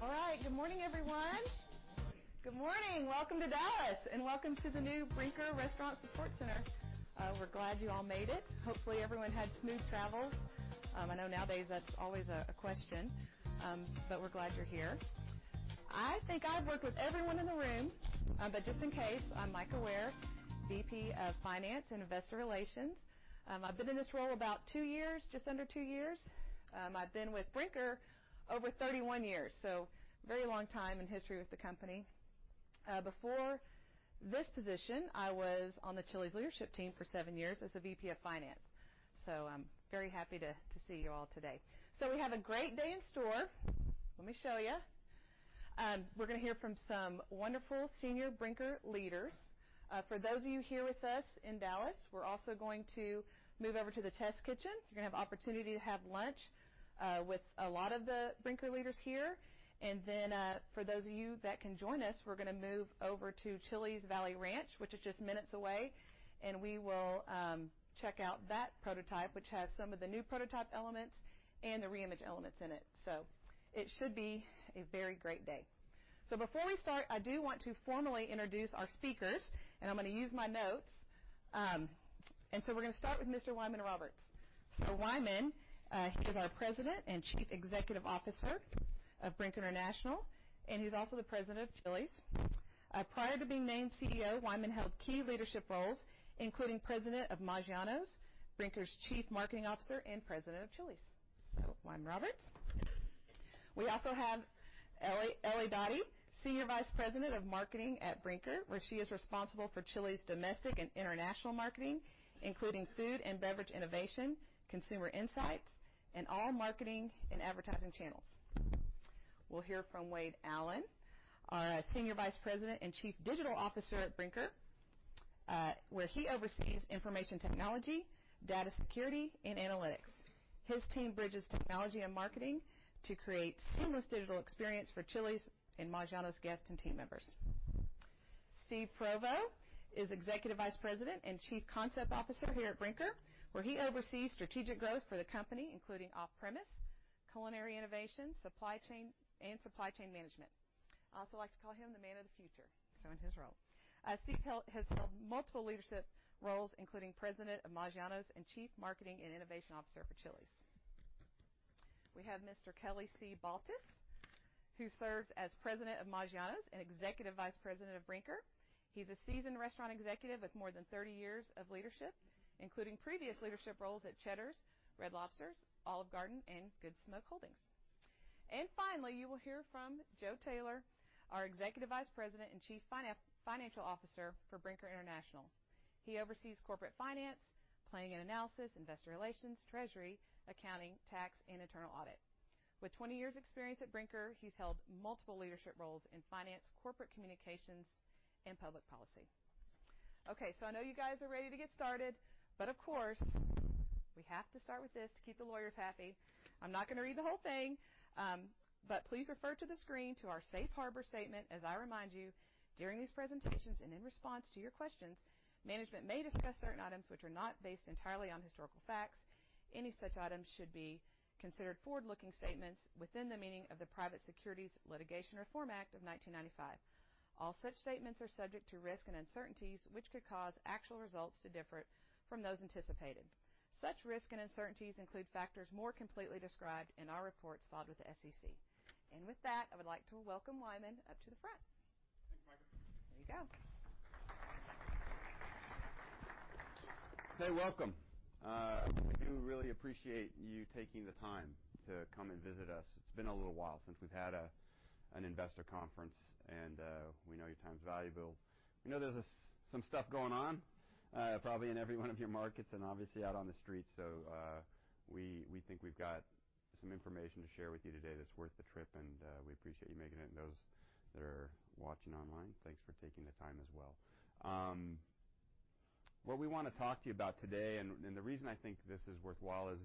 All right. Good morning, everyone. Good morning. Welcome to Dallas, and welcome to the new Brinker Restaurant Support Center. We're glad you all made it. Hopefully, everyone had smooth travels. I know nowadays that's always a question, but we're glad you're here. I think I've worked with everyone in the room, but just in case, I'm Mika Ware, VP of Finance and Investor Relations. I've been in this role about two years, just under two years. I've been with Brinker over 31 years, so very long time in history with the company. Before this position, I was on the Chili's leadership team for seven years as a VP of Finance. I'm very happy to see you all today. We have a great day in store. Let me show you. We're going to hear from some wonderful senior Brinker leaders. For those of you here with us in Dallas, we're also going to move over to the test kitchen. You're going to have opportunity to have lunch with a lot of the Brinker leaders here. For those of you that can join us, we're going to move over to Chili's Valley Ranch, which is just minutes away, and we will check out that prototype, which has some of the new prototype elements and the reimage elements in it. It should be a very great day. Before we start, I do want to formally introduce our speakers. I'm going to use my notes. We're going to start with Mr. Wyman Roberts. Wyman, he's our President and Chief Executive Officer of Brinker International, and he's also the President of Chili's. Prior to being named CEO, Wyman held key leadership roles, including President of Maggiano's, Brinker's Chief Marketing Officer, and President of Chili's. Wyman Roberts. We also have Ellie Doty, Senior Vice President of Marketing at Brinker, where she is responsible for Chili's domestic and international marketing, including food and beverage innovation, consumer insights, and all marketing and advertising channels. We'll hear from Wade Allen, our Senior Vice President and Chief Digital Officer at Brinker, where he oversees information technology, data security, and analytics. His team bridges technology and marketing to create seamless digital experience for Chili's and Maggiano's guests and team members. Steve Provost is Executive Vice President and Chief Concept Officer here at Brinker, where he oversees strategic growth for the company, including off-premise, culinary innovation, and supply chain management. I also like to call him the man of the future, in his role. Steve has held multiple leadership roles, including President of Maggiano's and Chief Marketing and Innovation Officer for Chili's. We have Mr. Kelly C. Baltes, who serves as President of Maggiano's and Executive Vice President of Brinker. He's a seasoned restaurant executive with more than 30 years of leadership, including previous leadership roles at Cheddar's, Red Lobster, Olive Garden, and Good Smoke Holdings. Finally, you will hear from Joe Taylor, our Executive Vice President and Chief Financial Officer for Brinker International. He oversees corporate finance, planning and analysis, investor relations, treasury, accounting, tax, and internal audit. With 20 years experience at Brinker, he's held multiple leadership roles in finance, corporate communications, and public policy. Okay, I know you guys are ready to get started, of course, we have to start with this to keep the lawyers happy. I'm not going to read the whole thing, but please refer to the screen to our safe harbor statement as I remind you, during these presentations and in response to your questions, management may discuss certain items which are not based entirely on historical facts. Any such items should be considered forward-looking statements within the meaning of the Private Securities Litigation Reform Act of 1995. All such statements are subject to risk and uncertainties, which could cause actual results to differ from those anticipated. Such risk and uncertainties include factors more completely described in our reports filed with the SEC. With that, I would like to welcome Wyman up to the front. Thanks, Mika. There you go. Hey, welcome. We do really appreciate you taking the time to come and visit us. It's been a little while since we've had an investor conference, and we know your time's valuable. We know there's some stuff going on, probably in every one of your markets and obviously out on the street. We think we've got some information to share with you today that's worth the trip, and we appreciate you making it, and those that are watching online, thanks for taking the time as well. What we want to talk to you about today, and the reason I think this is worthwhile is,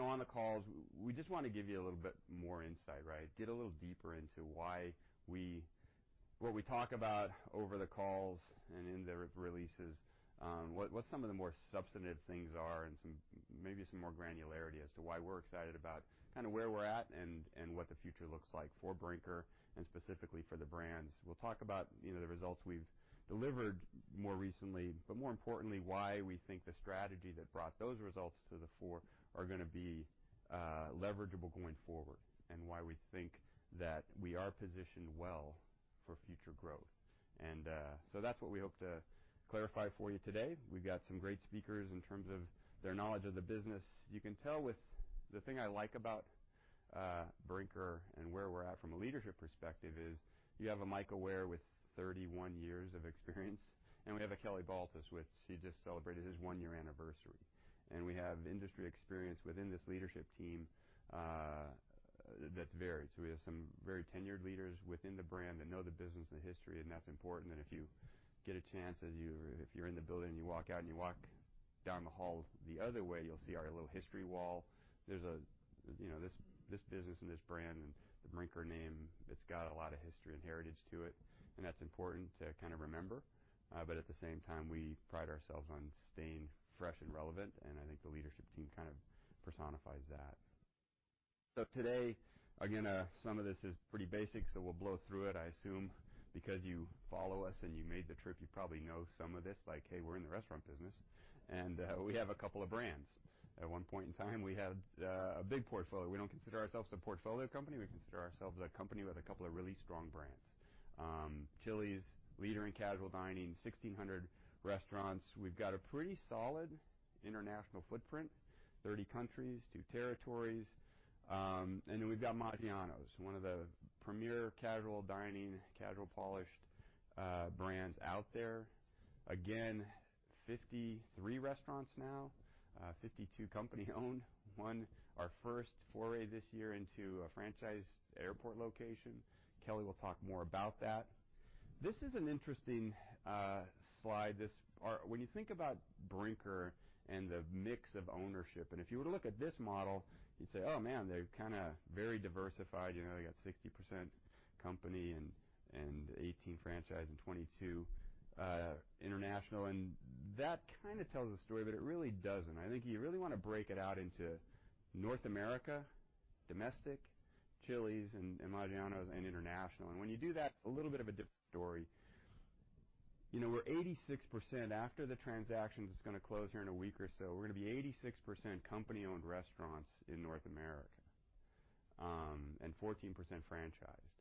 on the calls, we just want to give you a little bit more insight. Get a little deeper into what we talk about over the calls and in the releases. What some of the more substantive things are and maybe some more granularity as to why we're excited about where we're at and what the future looks like for Brinker and specifically for the brands. We'll talk about the results we've delivered more recently, but more importantly, why we think the strategy that brought those results to the fore are going to be leverageable going forward, and why we think that we are positioned well for future growth. And so that's what we hope to clarify for you today. We've got some great speakers in terms of their knowledge of the business. You can tell with the thing I like about Brinker and where we're at from a leadership perspective is you have a Mika Ware with 31 years of experience, and we have a Kelly Baltes, he just celebrated his one-year anniversary. We have industry experience within this leadership team that's varied. We have some very tenured leaders within the brand that know the business and the history, and that's important. If you get a chance, if you're in the building and you walk out and you walk down the hall the other way, you'll see our little history wall. This business and this brand and the Brinker name, it's got a lot of history and heritage to it, and that's important to remember. At the same time, we pride ourselves on staying fresh and relevant, and I think the leadership team personifies that. Today, again, some of this is pretty basic, so we'll blow through it. I assume because you follow us and you made the trip, you probably know some of this, like, hey, we're in the restaurant business and we have a couple of brands. At one point in time, we had a big portfolio. We don't consider ourselves a portfolio company. We consider ourselves a company with a couple of really strong brands. Chili's, leader in casual dining, 1,600 restaurants. We've got a pretty solid international footprint, 30 countries, two territories. We've got Maggiano's, one of the premier casual dining, casual polished brands out there. Again, 53 restaurants now, 52 company-owned, one our first foray this year into a franchise airport location. Kelly will talk more about that. This is an interesting slide. When you think about Brinker and the mix of ownership, if you were to look at this model, you'd say, "Oh, man, they're very diversified." They got 60% company and 18% franchise and 22% international. That kind of tells the story, but it really doesn't. I think you really want to break it out into North America, domestic, Chili's and Maggiano's, and international. When you do that, a little bit of a different story. We're 86%, after the transaction that's going to close here in a week or so, we're going to be 86% company-owned restaurants in North America, and 14% franchised.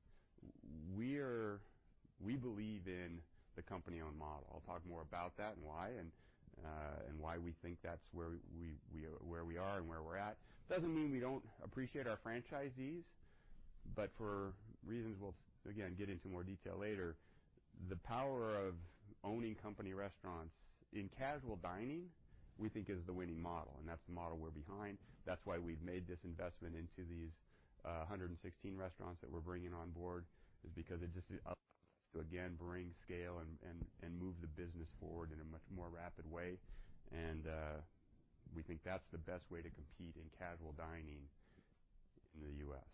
We believe in the company-owned model. I'll talk more about that and why, and why we think that's where we are and where we're at. It doesn't mean we don't appreciate our franchisees, but for reasons we'll, again, get into more detail later, the power of owning company restaurants in casual dining, we think is the winning model, and that's the model we're behind. That's why we've made this investment into these 116 restaurants that we're bringing on board, is because to again bring scale and move the business forward in a much more rapid way. We think that's the best way to compete in casual dining in the U.S.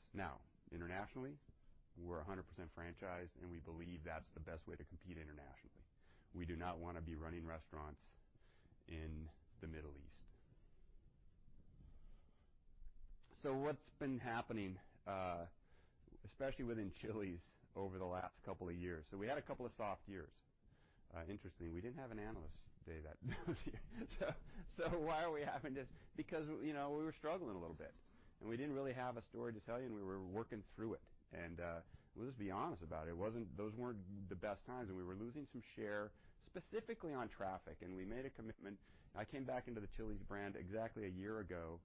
Internationally, we're 100% franchised, and we believe that's the best way to compete internationally. We do not want to be running restaurants in the Middle East. What's been happening, especially within Chili's over the last couple of years? We had a couple of soft years. Interestingly, we didn't have an Analyst Day that year. Why are we having this? We were struggling a little bit and we didn't really have a story to tell you, and we were working through it. We'll just be honest about it. Those weren't the best times, and we were losing some share, specifically on traffic. We made a commitment. I came back into the Chili's brand exactly a year ago.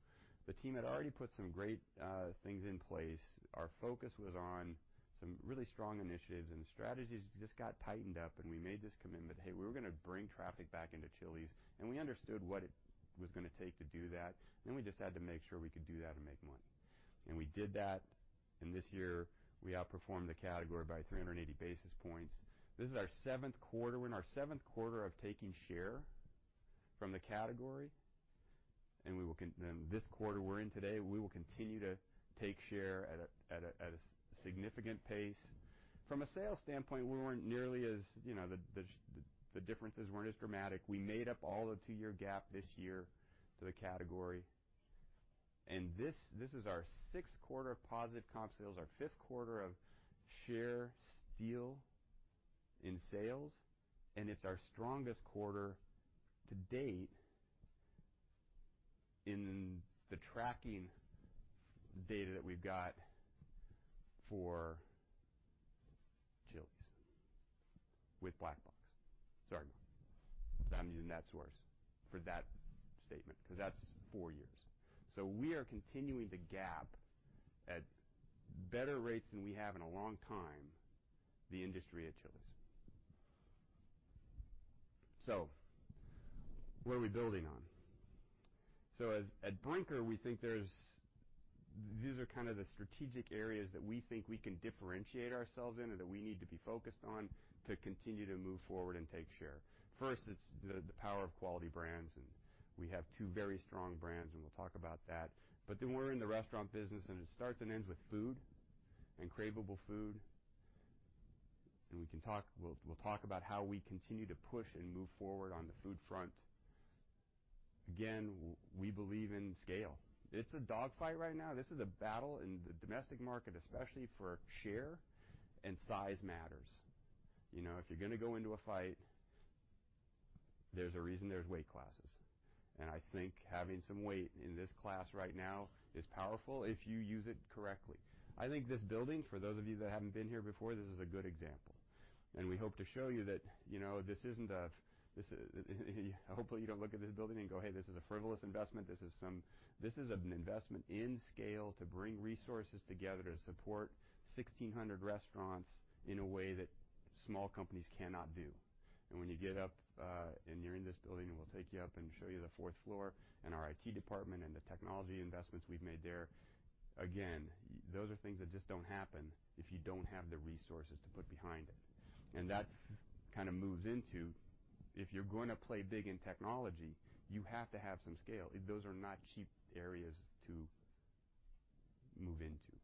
The team had already put some great things in place. Our focus was on some really strong initiatives, and strategies just got tightened up, and we made this commitment, hey, we were going to bring traffic back into Chili's, and we understood what it was going to take to do that, then we just had to make sure we could do that and make money. We did that, and this year, we outperformed the category by 380 basis points. This is our seventh quarter. We're in our seventh quarter of taking share from the category. This quarter we're in today, we will continue to take share at a significant pace. From a sales standpoint, the differences weren't as dramatic. We made up all the two-year gap this year to the category. This is our sixth quarter of positive comp sales, our fifth quarter of share steal in sales, and it's our strongest quarter to-date in the tracking data that we've got for Chili's with Black Box. Sorry. I'm using that source for that statement because that's four years. We are continuing to gap at better rates than we have in a long time, the industry at Chili's. What are we building on? At Brinker, these are kind of the strategic areas that we think we can differentiate ourselves in or that we need to be focused on to continue to move forward and take share. First, it's the power of quality brands, and we have two very strong brands, and we'll talk about that. We're in the restaurant business, and it starts and ends with food and craveable food. We'll talk about how we continue to push and move forward on the food front. Again, we believe in scale. It's a dog fight right now. This is a battle in the domestic market, especially for share and size matters. If you're going to go into a fight, there's a reason there's weight classes. I think having some weight in this class right now is powerful if you use it correctly. I think this building, for those of you that haven't been here before, this is a good example. We hope to show you that hopefully you don't look at this building and go, "Hey, this is a frivolous investment." This is an investment in scale to bring resources together to support 1,600 restaurants in a way that small companies cannot do. When you get up and you're in this building, and we'll take you up and show you the fourth floor and our IT department and the technology investments we've made there, again, those are things that just don't happen if you don't have the resources to put behind it. That kind of moves into, if you're going to play big in technology, you have to have some scale. Those are not cheap areas to move into.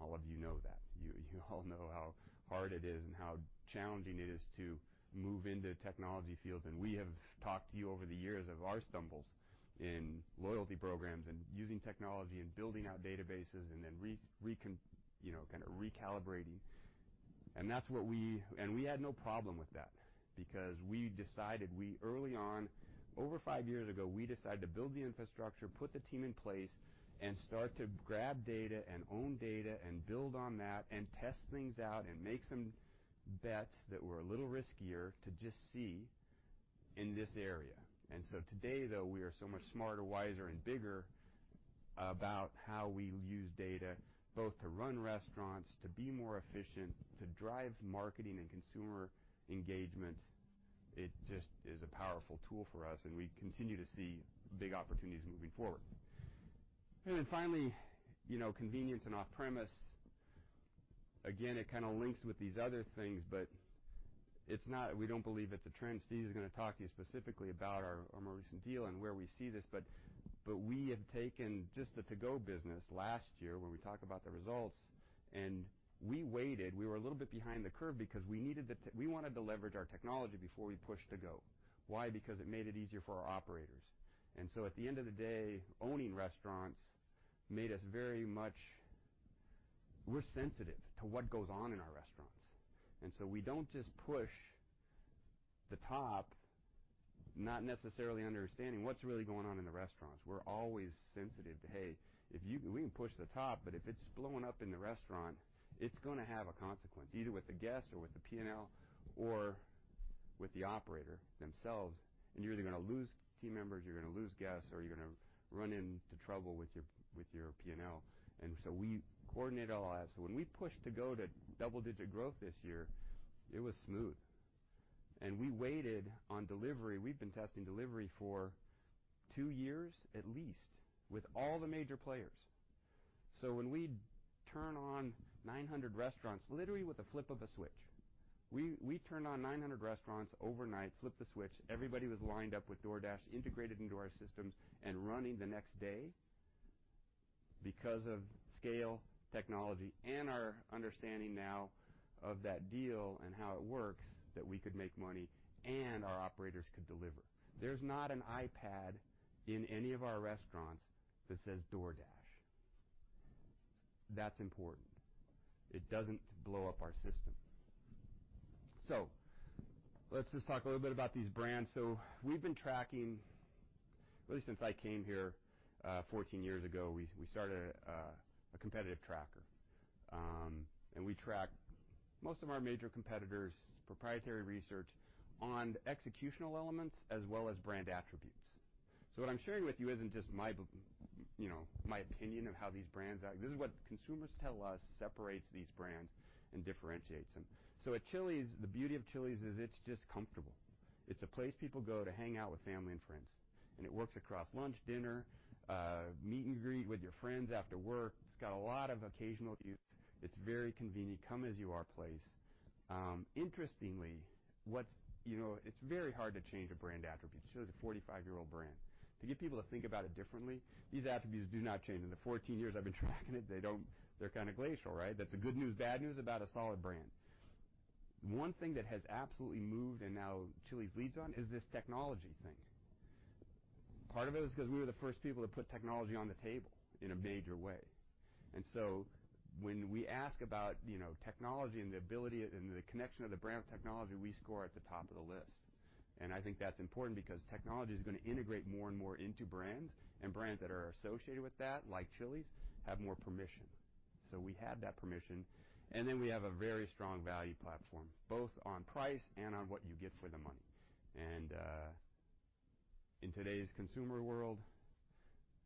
All of you know that. You all know how hard it is and how challenging it is to move into technology fields. We have talked to you over the years of our stumbles in loyalty programs and using technology and building out databases and then recalibrating. We had no problem with that because we decided, early on, over five years ago, we decided to build the infrastructure, put the team in place, and start to grab data and own data and build on that and test things out and make some bets that were a little riskier to just see in this area. Today, though, we are so much smarter, wiser, and bigger about how we use data both to run restaurants, to be more efficient, to drive marketing and consumer engagement. It just is a powerful tool for us, and we continue to see big opportunities moving forward. Finally, convenience and off-premise. It kind of links with these other things. We don't believe it's a trend. Steve is going to talk to you specifically about our more recent deal and where we see this. We have taken just the to-go business last year, when we talk about the results, and we waited. We were a little bit behind the curve because we wanted to leverage our technology before we pushed to-go. Why? It made it easier for our operators. At the end of the day, owning restaurants made us very much. We're sensitive to what goes on in our restaurants. We don't just push the top, not necessarily understanding what's really going on in the restaurants. We're always sensitive to, "Hey, we can push the top, but if it's blowing up in the restaurant, it's going to have a consequence, either with the guest or with the P&L or with the operator themselves, and you're either going to lose team members, you're going to lose guests, or you're going to run into trouble with your P&L." We coordinate all that. When we pushed to-go to double-digit growth this year, it was smooth. We waited on delivery. We've been testing delivery for two years, at least, with all the major players. When we turn on 900 restaurants, literally with a flip of a switch, we turn on 900 restaurants overnight, flip the switch, everybody was lined up with DoorDash integrated into our systems and running the next day because of scale, technology, and our understanding now of that deal and how it works, that we could make money and our operators could deliver. There's not an iPad in any of our restaurants that says DoorDash. That's important. It doesn't blow up our system. Let's just talk a little bit about these brands. We've been tracking, really since I came here 14 years ago, we started a competitive tracker. We track most of our major competitors, proprietary research on executional elements as well as brand attributes. What I'm sharing with you isn't just my opinion of how these brands act. This is what consumers tell us separates these brands and differentiates them. At Chili's, the beauty of Chili's is it's just comfortable. It's a place people go to hang out with family and friends, and it works across lunch, dinner, meet and greet with your friends after work. It's got a lot of occasional use. It's very convenient, come as you are place. Interestingly, it's very hard to change a brand attribute. Chili's is a 45-year-old brand. To get people to think about it differently, these attributes do not change. In the 14 years I've been tracking it, they're kind of glacial, right? That's the good news, bad news about a solid brand. One thing that has absolutely moved and now Chili's leads on is this technology thing. Part of it is because we were the first people to put technology on the table in a major way. When we ask about technology and the ability and the connection of the brand technology, we score at the top of the list. I think that's important because technology is going to integrate more and more into brands, and brands that are associated with that, like Chili's, have more permission. We had that permission, and then we have a very strong value platform, both on price and on what you get for the money. In today's consumer world,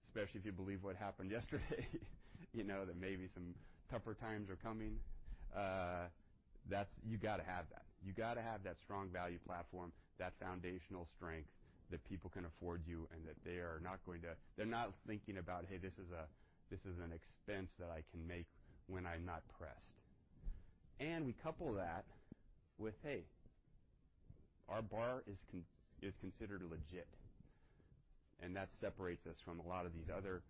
especially if you believe what happened yesterday, that maybe some tougher times are coming, you got to have that. You got to have that strong value platform, that foundational strength that people can afford you and that they're not thinking about, "Hey, this is an expense that I can make when I'm not pressed." We couple that with, "Hey, our bar is considered legit." That separates us from a lot of these other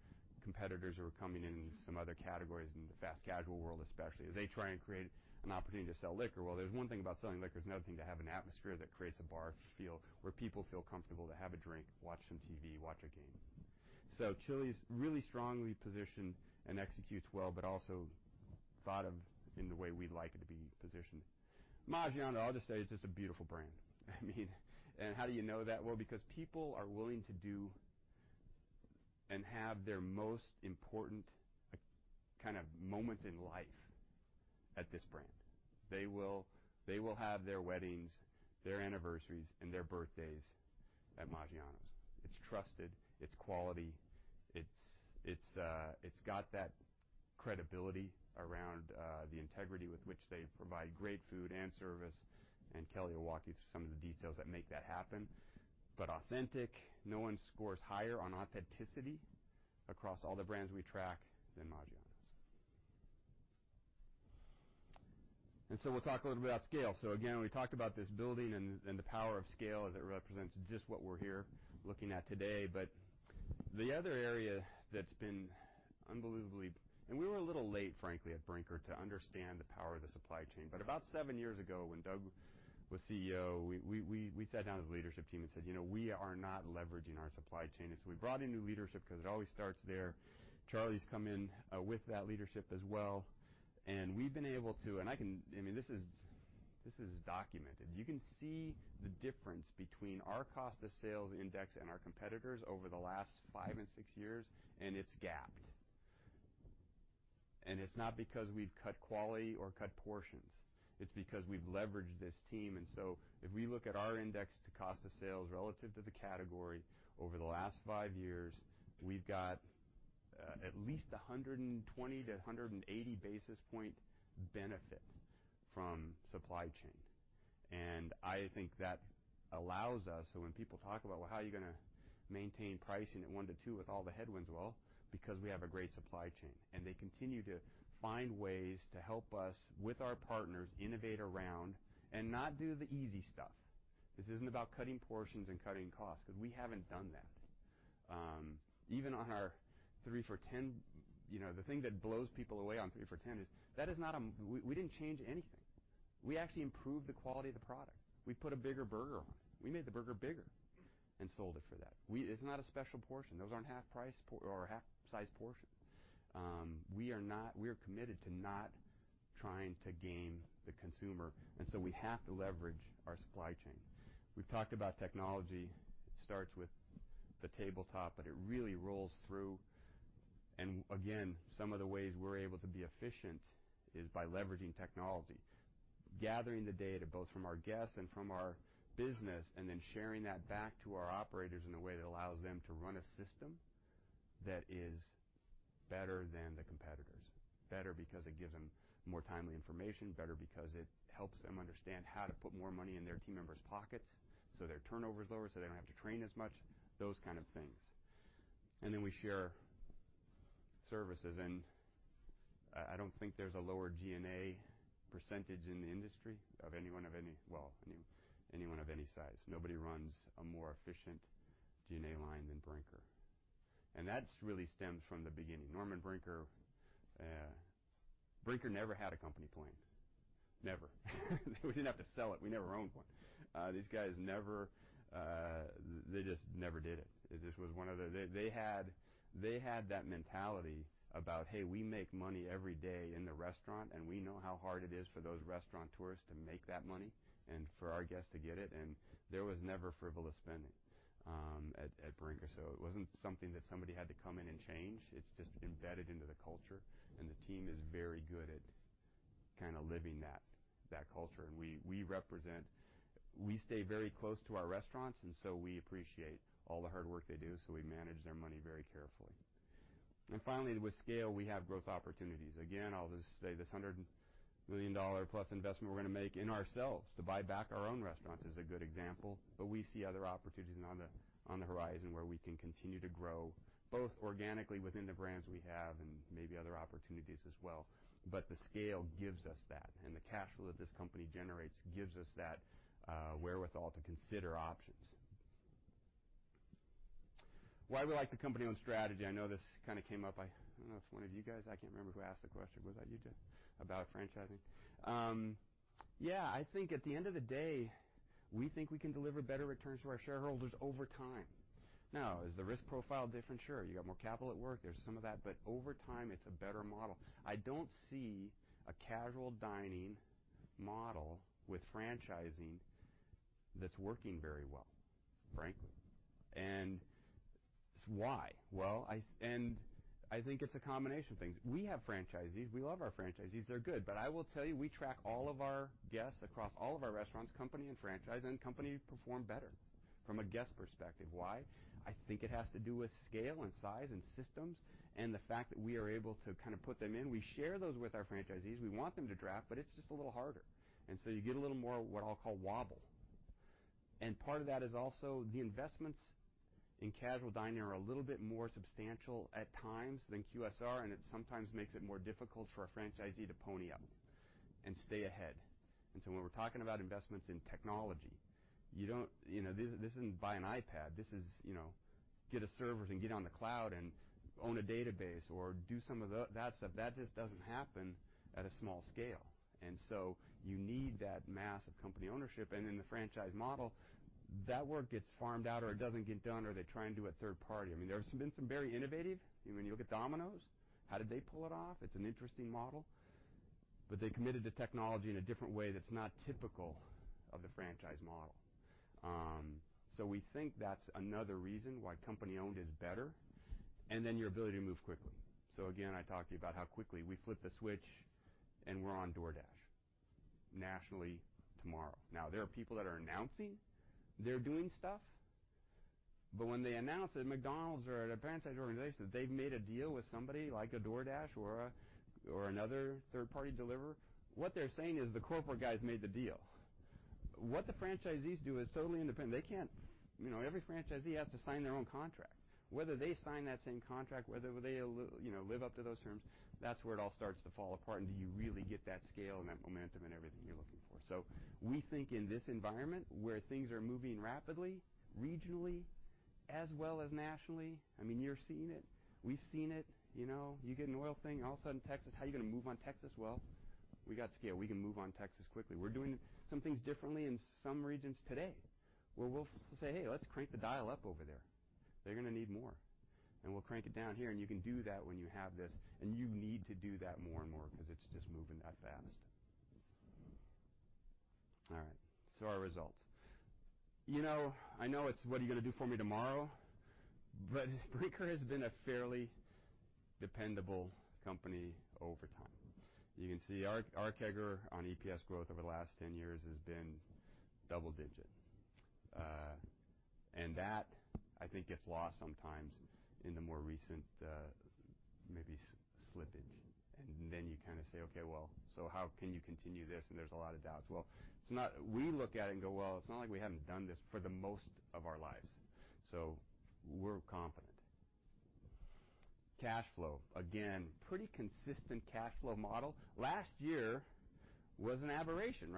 competitors who are coming in some other categories in the fast casual world, especially, as they try and create an opportunity to sell liquor. There's one thing about selling liquor, there's another thing to have an atmosphere that creates a bar feel where people feel comfortable to have a drink, watch some TV, watch a game. Chili's really strongly positioned and executes well, but also thought of in the way we'd like it to be positioned. Maggiano's, I'll just say it's just a beautiful brand. How do you know that? Because people are willing to do and have their most important kind of moments in life at this brand. They will have their weddings, their anniversaries, and their birthdays at Maggiano's. It's trusted, it's quality, it's got that credibility around the integrity with which they provide great food and service. Kelly will walk you through some of the details that make that happen. Authentic, no one scores higher on authenticity across all the brands we track than Maggiano's. We'll talk a little bit about scale. Again, we talked about this building and the power of scale as it represents just what we're here looking at today. The other area that's been unbelievably, we were a little late, frankly, at Brinker to understand the power of the supply chain. About seven years ago, when Doug was CEO, we sat down as a leadership team and said, "We are not leveraging our supply chain." We brought in new leadership because it always starts there. Charlie's come in with that leadership as well, and we've been able to, and this is documented. You can see the difference between our cost of sales index and our competitors over the last five and six years, and it's gapped. It's not because we've cut quality or cut portions. It's because we've leveraged this team. If we look at our index to cost of sales relative to the category over the last five years, we've got at least 120-180 basis point benefit from supply chain. I think that allows us, so when people talk about, "Well, how are you going to maintain pricing at 1% to 2% with all the headwinds?" Well, because we have a great supply chain. They continue to find ways to help us with our partners, innovate around, and not do the easy stuff. This isn't about cutting portions and cutting costs, because we haven't done that. Even on our 3 for $10, the thing that blows people away on 3 for $10 is we didn't change anything. We actually improved the quality of the product. We put a bigger burger on it. We made the burger bigger and sold it for that. It's not a special portion. Those aren't half-sized portions. We are committed to not trying to game the consumer, we have to leverage our supply chain. We've talked about technology. It starts with the tabletop, it really rolls through. Again, some of the ways we're able to be efficient is by leveraging technology, gathering the data both from our guests and from our business, then sharing that back to our operators in a way that allows them to run a system that is better than the competitors. Better because it gives them more timely information, better because it helps them understand how to put more money in their team members' pockets, their turnover is lower, they don't have to train as much, those kind of things. Then we share services, I don't think there's a lower G&A percentage in the industry of anyone of any size. Nobody runs a more efficient G&A line than Brinker. That really stems from the beginning. Brinker never had a company plane. Never. We didn't have to sell it. We never owned one. These guys just never did it. They had that mentality about, hey, we make money every day in the restaurant, and we know how hard it is for those restaurateurs to make that money and for our guests to get it, and there was never frivolous spending at Brinker. It wasn't something that somebody had to come in and change. It's just embedded into the culture, and the team is very good at living that culture. We stay very close to our restaurants, and so we appreciate all the hard work they do, so we manage their money very carefully. Finally, with scale, we have growth opportunities. Again, I'll just say this $100-million-plus investment we're going to make in ourselves to buy back our own restaurants is a good example. We see other opportunities on the horizon where we can continue to grow, both organically within the brands we have and maybe other opportunities as well. The scale gives us that, and the cash flow that this company generates gives us that wherewithal to consider options. Why we like the company-owned strategy. I know this kind of came up. I don't know if it's one of you guys. I can't remember who asked the question. Was that you, Joe? About franchising. Yeah, I think at the end of the day, we think we can deliver better returns to our shareholders over time. Is the risk profile different? Sure. You got more capital at work. There's some of that. Over time, it's a better model. I don't see a casual dining model with franchising that's working very well, frankly. Why? Well, I think it's a combination of things. We have franchisees. We love our franchisees. They're good. I will tell you, we track all of our guests across all of our restaurants, company and franchise, and company perform better from a guest perspective. Why? I think it has to do with scale and size and systems, and the fact that we are able to put them in. We share those with our franchisees. We want them to draft, but it's just a little harder. You get a little more what I'll call wobble. Part of that is also the investments in casual dining are a little bit more substantial at times than QSR, and it sometimes makes it more difficult for a franchisee to pony up and stay ahead. When we're talking about investments in technology, this isn't buy an iPad, this is get a server and get on the cloud and own a database or do some of that stuff. That just doesn't happen at a small scale. You need that mass of company ownership. In the franchise model, that work gets farmed out or it doesn't get done, or they try and do a third party. There's been some very innovative, when you look at Domino's, how did they pull it off? It's an interesting model. They committed to technology in a different way that's not typical of the franchise model. We think that's another reason why company-owned is better, and then your ability to move quickly. Again, I talked to you about how quickly we flip the switch and we're on DoorDash nationally tomorrow. There are people that are announcing they're doing stuff. When they announce at McDonald's or at a franchise organization that they've made a deal with somebody like a DoorDash or another third-party deliverer, what they're saying is the corporate guys made the deal. What the franchisees do is totally independent. Every franchisee has to sign their own contract. Whether they sign that same contract, whether they live up to those terms, that's where it all starts to fall apart, and do you really get that scale and that momentum and everything you're looking for. We think in this environment where things are moving rapidly, regionally, as well as nationally, you're seeing it. We've seen it. You get an oil thing, all of a sudden, Texas. How are you going to move on Texas? Well, we got scale. We can move on Texas quickly. We're doing some things differently in some regions today where we'll say, "Hey, let's crank the dial up over there. They're going to need more." We'll crank it down here, and you can do that when you have this, and you need to do that more and more because it's just moving that fast. All right. Our results. I know it's what are you going to do for me tomorrow, Brinker has been a fairly dependable company over time. You can see our CAGR on EPS growth over the last 10 years has been double-digit. That, I think, gets lost sometimes in the more recent, maybe slippage. Then you say, "Okay, well so how can you continue this?" There's a lot of doubts. Well, we look at it and go, "Well, it's not like we haven't done this for the most of our lives." We're confident. Cash flow, again, pretty consistent cash flow model. Last year was an aberration.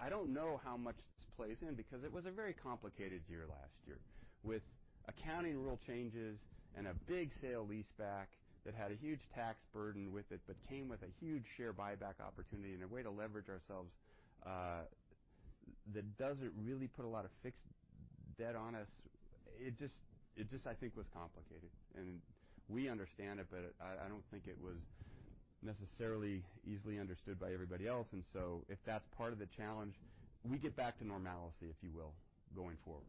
I don't know how much this plays in, because it was a very complicated year last year, with accounting rule changes and a big sale-leaseback that had a huge tax burden with it, but came with a huge share buyback opportunity and a way to leverage ourselves, that doesn't really put a lot of fixed debt on us. It just, I think was complicated. We understand it, but I don't think it was necessarily easily understood by everybody else. If that's part of the challenge, we get back to normalcy, if you will, going forward.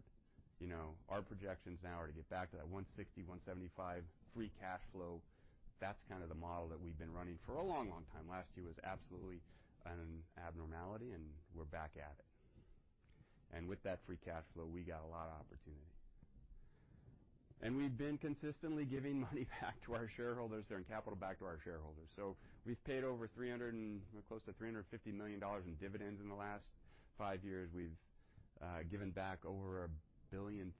Our projections now are to get back to that $160 million, $175 million free cash flow. That's the model that we've been running for a long time. Last year was absolutely an abnormality, and we're back at it. With that free cash flow, we got a lot of opportunity. We've been consistently giving money back to our shareholders and capital back to our shareholders. We've paid close to $350 million in dividends in the last five years. We've given back over $1.3 billion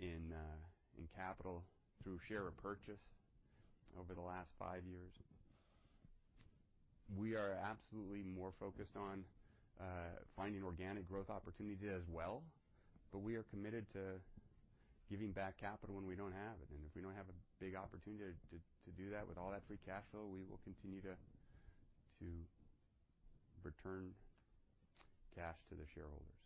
in capital through share repurchase over the last five years. We are absolutely more focused on finding organic growth opportunities as well, but we are committed to giving back capital when we don't have it. If we don't have a big opportunity to do that with all that free cash flow, we will continue to return cash to the shareholders.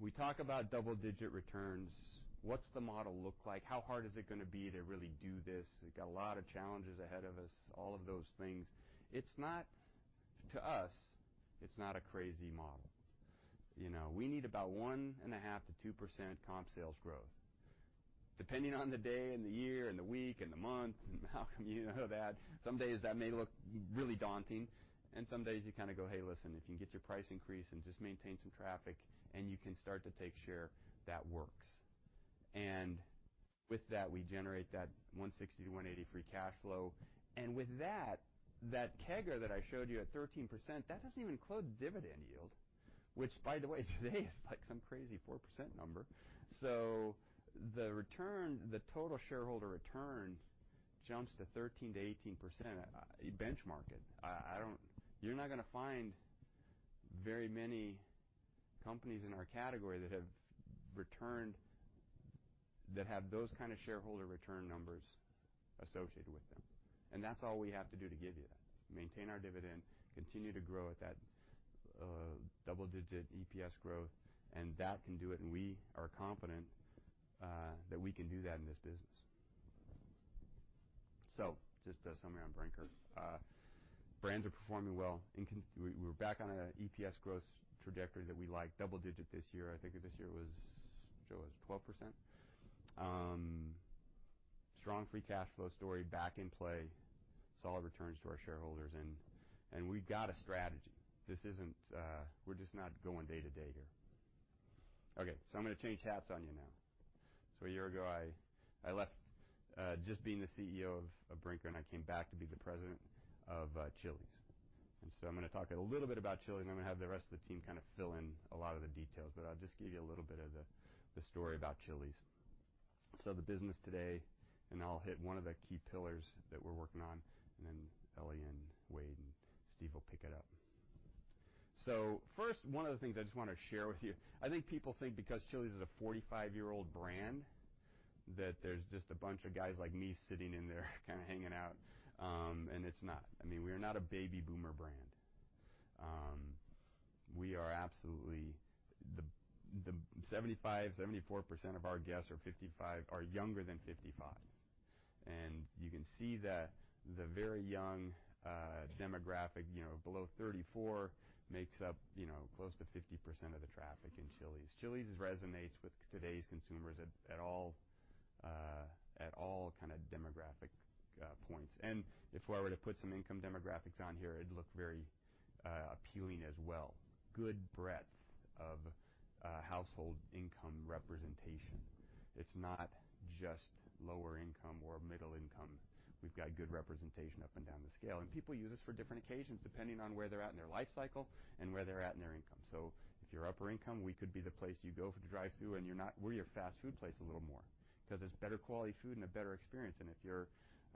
We talk about double-digit returns. What's the model look like? How hard is it going to be to really do this? We've got a lot of challenges ahead of us, all of those things. To us, it's not a crazy model. We need about 1.5%-2% comp sales growth. Depending on the day and the year and the week and the month, and how come you know that, some days that may look really daunting, and some days you go, "Hey, listen, if you can get your price increase and just maintain some traffic and you can start to take share, that works." With that, we generate that $160 million-$180 million free cash flow. With that CAGR that I showed you at 13%, that doesn't even include dividend yield, which by the way, today is like some crazy 4% number. The total shareholder return jumps to 13%-18%. Benchmark it. You're not going to find very many companies in our category that have those kind of shareholder return numbers associated with them. That's all we have to do to give you that, maintain our dividend, continue to grow at that double-digit EPS growth, and that can do it, and we are confident that we can do that in this business. Just a summary on Brinker. Brands are performing well. We're back on a EPS growth trajectory that we like, double-digit this year. I think this year was, Joe, it was 12%. Strong free cash flow story, back in play. Solid returns to our shareholders. We've got a strategy. We're just not going day to day here. Okay. I'm going to change hats on you now. A year ago, I left just being the CEO of Brinker, and I came back to be the president of Chili's. I'm going to talk a little bit about Chili's, and then I'm going to have the rest of the team fill in a lot of the details. I'll just give you a little bit of the story about Chili's. The business today, and I'll hit one of the key pillars that we're working on, and then Ellie and Wade and Steve will pick it up. First, one of the things I just want to share with you, I think people think because Chili's is a 45-year-old brand, that there's just a bunch of guys like me sitting in there hanging out, and it's not. We are not a baby boomer brand. 75%, 74% of our guests are younger than 55. You can see that the very young demographic below 34 makes up close to 50% of the traffic in Chili's. Chili's resonates with today's consumers at all kind of demographic points. If I were to put some income demographics on here, it'd look very appealing as well. Good breadth of household income representation. It's not just lower income or middle income. We've got good representation up and down the scale, and people use us for different occasions, depending on where they're at in their life cycle and where they're at in their income. If you're upper income, we could be the place you go for the drive-thru and we're your fast food place a little more, because there's better quality food and a better experience. If you're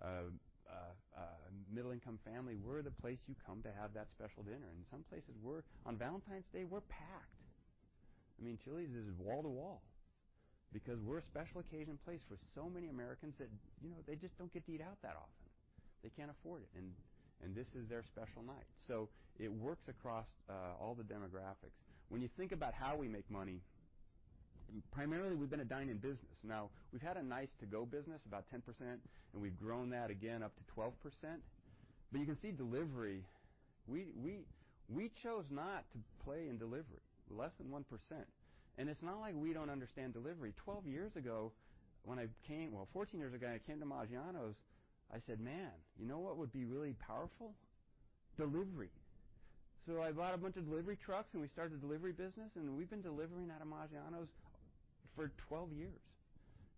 a middle-income family, we're the place you come to have that special dinner. Some places, on Valentine's Day, we're packed. Chili's is wall to wall because we're a special occasion place for so many Americans that they just don't get to eat out that often. They can't afford it, and this is their special night. It works across all the demographics. When you think about how we make money, primarily, we've been a dine-in business. We've had a nice to-go business, about 10%, and we've grown that again up to 12%. You can see delivery, we chose not to play in delivery. Less than 1%. It's not like we don't understand delivery. 12 years ago, well, 14 years ago, I came to Maggiano's. I said, "Man, you know what would be really powerful? Delivery. I bought a bunch of delivery trucks, and we started a delivery business, and we've been delivering out of Maggiano's for 12 years.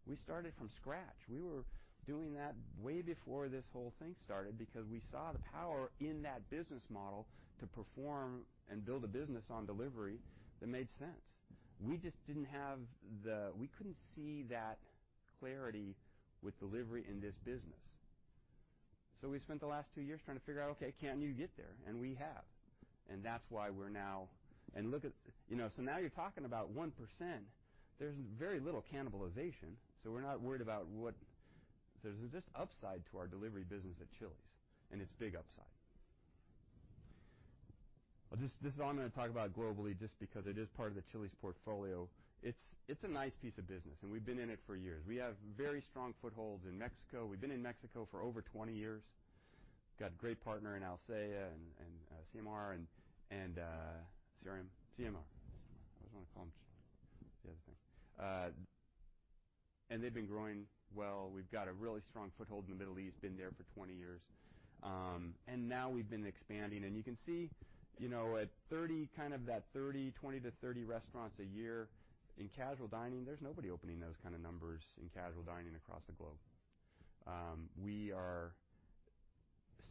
We started from scratch. We were doing that way before this whole thing started because we saw the power in that business model to perform and build a business on delivery that made sense. We couldn't see that clarity with delivery in this business. We spent the last two years trying to figure out, okay, can you get there? We have. Now you're talking about 1%. There's very little cannibalization. We're not worried about, there's just upside to our delivery business at Chili's, and it's big upside. This is all I'm going to talk about globally just because it is part of the Chili's portfolio. It's a nice piece of business. We've been in it for years. We have very strong footholds in Mexico. We've been in Mexico for over 20 years, got a great partner in Alsea and CMR. I always want to call them the other thing. They've been growing well. We've got a really strong foothold in the Middle East, been there for 20 years. Now we've been expanding, and you can see at 30, kind of that 30, 20-30 restaurants a year in casual dining, there's nobody opening those kind of numbers in casual dining across the globe. We are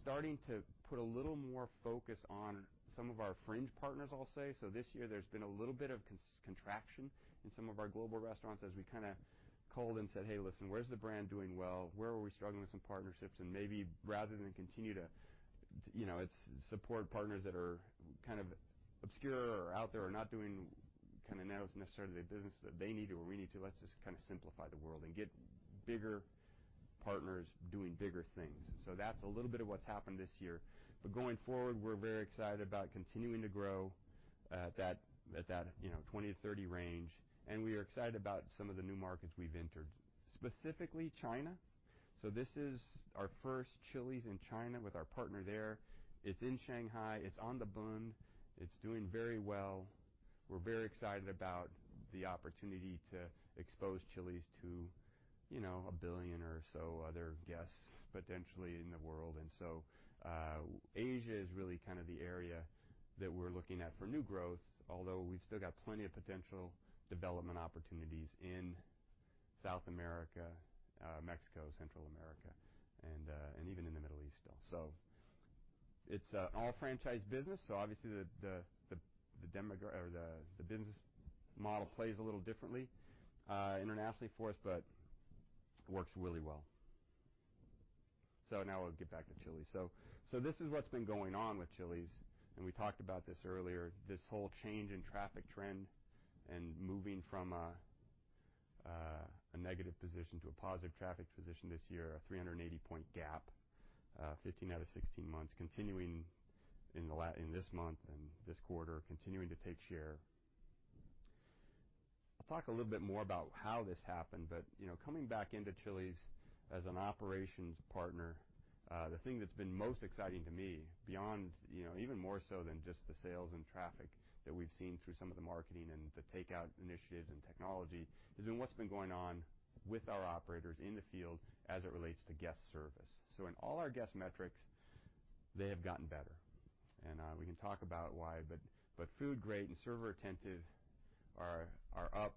starting to put a little more focus on some of our fringe partners, I'll say. This year, there's been a little bit of contraction in some of our global restaurants as we kind of culled and said, "Hey, listen, where's the brand doing well? Where are we struggling with some partnerships?" Maybe rather than continue to support partners that are kind of obscure or out there or not doing necessarily the business that they need or we need to, let's just kind of simplify the world and get bigger partners doing bigger things. That's a little bit of what's happened this year. Going forward, we're very excited about continuing to grow at that 20-30 range, and we are excited about some of the new markets we've entered, specifically China. This is our first Chili's in China with our partner there. It's in Shanghai. It's on The Bund. It's doing very well. We're very excited about the opportunity to expose Chili's to a billion or so other guests potentially in the world. Asia is really kind of the area that we're looking at for new growth, although we've still got plenty of potential development opportunities in South America, Mexico, Central America, and even in the Middle East still. It's an all-franchise business, so obviously the business model plays a little differently internationally for us, but it works really well. Now we'll get back to Chili's. This is what's been going on with Chili's, and we talked about this earlier, this whole change in traffic trend and moving from a negative position to a positive traffic position this year, a 380-point gap, 15 out of 16 months, continuing in this month and this quarter, continuing to take share. I'll talk a little bit more about how this happened, coming back into Chili's as an operations partner, the thing that's been most exciting to me beyond, even more so than just the sales and traffic that we've seen through some of the marketing and the takeout initiatives and technology, has been what's been going on with our operators in the field as it relates to guest service. In all our guest metrics, they have gotten better. We can talk about why, food great and server attentive are up.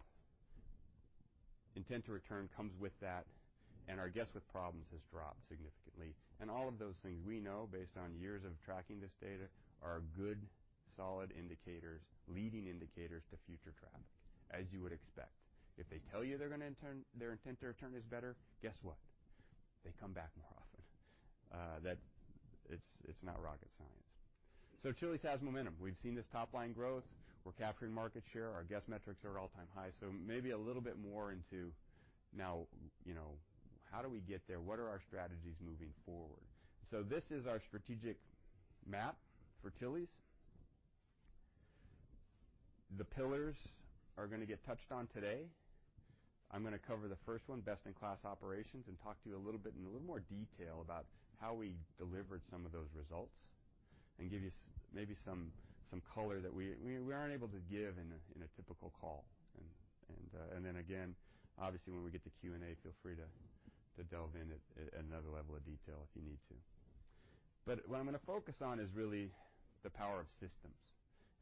Intent to return comes with that, our guest with problems has dropped significantly. All of those things we know based on years of tracking this data are good, solid indicators, leading indicators to future traffic, as you would expect. If they tell you their intent to return is better, guess what? They come back more often. It's not rocket science. Chili's has momentum. We've seen this top-line growth. We're capturing market share. Our guest metrics are all-time high. Maybe a little bit more into now how do we get there? What are our strategies moving forward? This is our strategic map for Chili's. The pillars are going to get touched on today. I'm going to cover the first one, best-in-class operations, and talk to you a little in a little more detail about how we delivered some of those results and give you maybe some color that we aren't able to give in a typical call. Then again, obviously when we get to Q&A, feel free to delve in at another level of detail if you need to. What I'm going to focus on is really the power of systems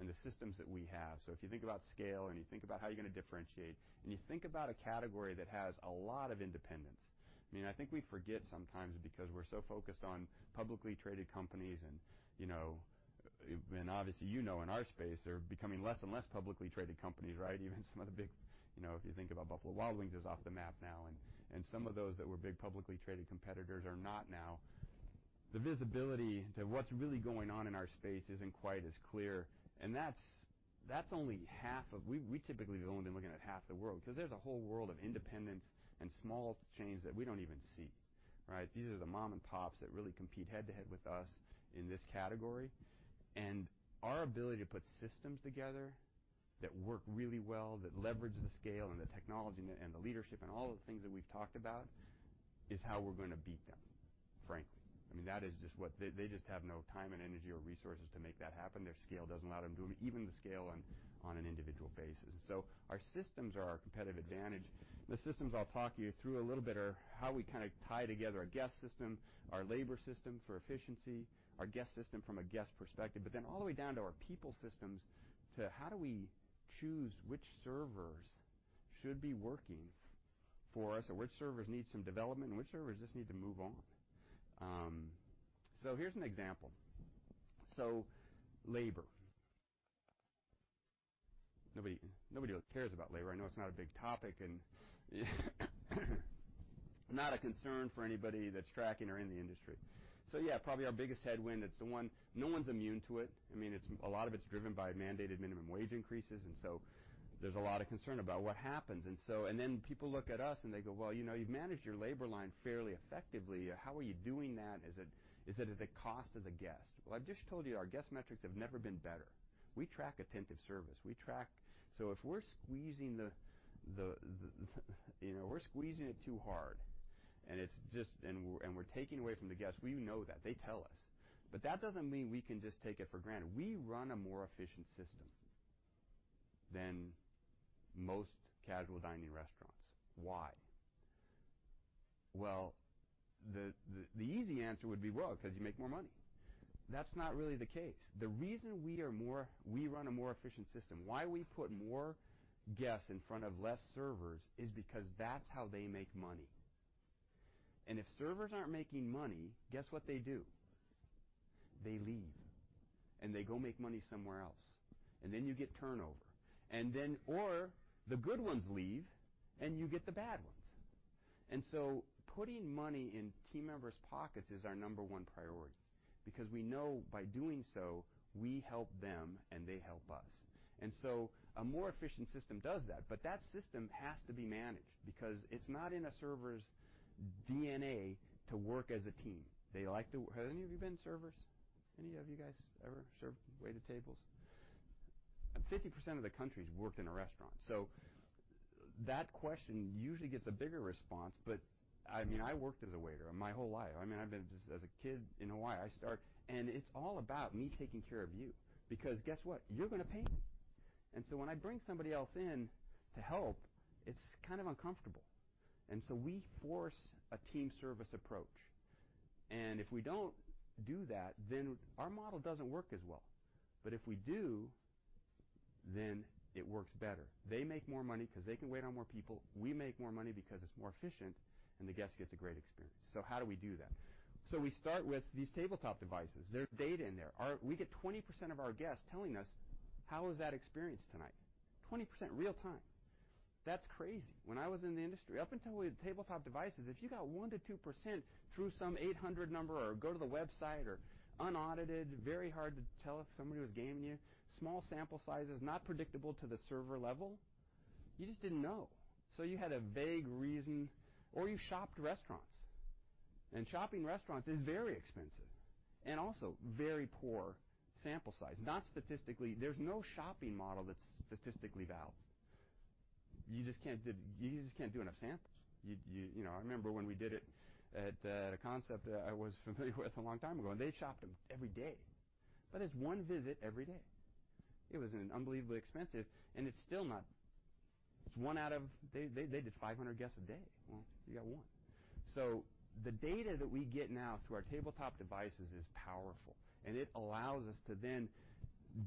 and the systems that we have. If you think about scale and you think about how you're going to differentiate, and you think about a category that has a lot of independents. I think we forget sometimes because we're so focused on publicly traded companies and obviously you know in our space, they're becoming less and less publicly traded companies, right? Even some of the big If you think about Buffalo Wild Wings is off the map now, and some of those that were big publicly traded competitors are not now. The visibility to what's really going on in our space isn't quite as clear, and that's only half, we typically have only been looking at half the world because there's a whole world of independents and small chains that we don't even see, right? These are the mom and pops that really compete head-to-head with us in this category, and our ability to put systems together that work really well, that leverage the scale, and the technology, and the leadership, and all of the things that we've talked about is how we're going to beat them, frankly. They just have no time and energy or resources to make that happen. Their scale doesn't allow them to do them, even the scale on an individual basis. Our systems are our competitive advantage. The systems I'll talk you through a little bit are how we tie together our guest system, our labor system for efficiency, our guest system from a guest perspective, but then all the way down to our people systems to how do we choose which servers should be working for us, or which servers need some development, and which servers just need to move on. Here's an example. Labor. Nobody cares about labor. I know it's not a big topic and not a concern for anybody that's tracking or in the industry. Yeah, probably our biggest headwind, no one's immune to it. A lot of it's driven by mandated minimum wage increases. There's a lot of concern about what happens. Then people look at us and they go, "Well, you've managed your labor line fairly effectively. How are you doing that? Is it at the cost of the guest? I've just told you, our guest metrics have never been better. We track attentive service. If we're squeezing it too hard, and we're taking away from the guest, we know that. They tell us. That doesn't mean we can just take it for granted. We run a more efficient system than most casual dining restaurants. Why? The easy answer would be, well, because you make more money. That's not really the case. The reason we run a more efficient system, why we put more guests in front of less servers, is because that's how they make money. If servers aren't making money, guess what they do? They leave, and they go make money somewhere else. You get turnover. Or the good ones leave, and you get the bad ones. Putting money in team members' pockets is our number one priority because we know by doing so, we help them and they help us. A more efficient system does that, but that system has to be managed because it's not in a server's DNA to work as a team. They like to, have any of you been servers? Any of you guys ever served, waited tables? 50% of the country's worked in a restaurant, so that question usually gets a bigger response, but I worked as a waiter my whole life. As a kid in Hawaii, I start, and it's all about me taking care of you because guess what? You're going to pay me. When I bring somebody else in to help, it's kind of uncomfortable. We force a team service approach. If we don't do that, then our model doesn't work as well. If we do, then it works better. They make more money because they can wait on more people, we make more money because it's more efficient, and the guest gets a great experience. How do we do that? We start with these tabletop devices. There's data in there. We get 20% of our guests telling us, "How was that experience tonight?" 20% real time. That's crazy. When I was in the industry, up until we had tabletop devices, if you got 1% to 2% through some 800 number or go to the website or unaudited, very hard to tell if somebody was gaming you, small sample sizes, not predictable to the server level, you just didn't know. You had a vague reason, or you shopped restaurants. Shopping restaurants is very expensive and also very poor sample size. There's no shopping model that's statistically valid. You just can't do enough samples. I remember when we did it at a concept that I was familiar with a long time ago, and they shopped them every day. It's one visit every day. It was unbelievably expensive, and it's still not. They did 500 guests a day. You got one. The data that we get now through our tabletop devices is powerful, and it allows us to then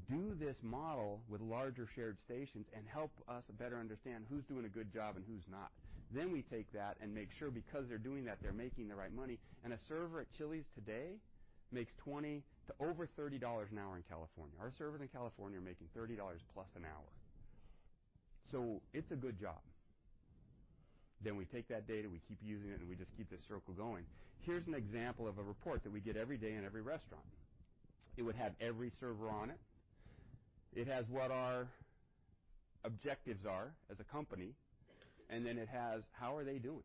do this model with larger shared stations and help us better understand who's doing a good job and who's not. We take that and make sure because they're doing that, they're making the right money. A server at Chili's today makes $20 to over $30 an hour in California. Our servers in California are making $30+ an hour. It's a good job. We take that data, we keep using it, and we just keep this circle going. Here's an example of a report that we get every day in every restaurant. It would have every server on it. It has what our objectives are as a company, and then it has how are they doing.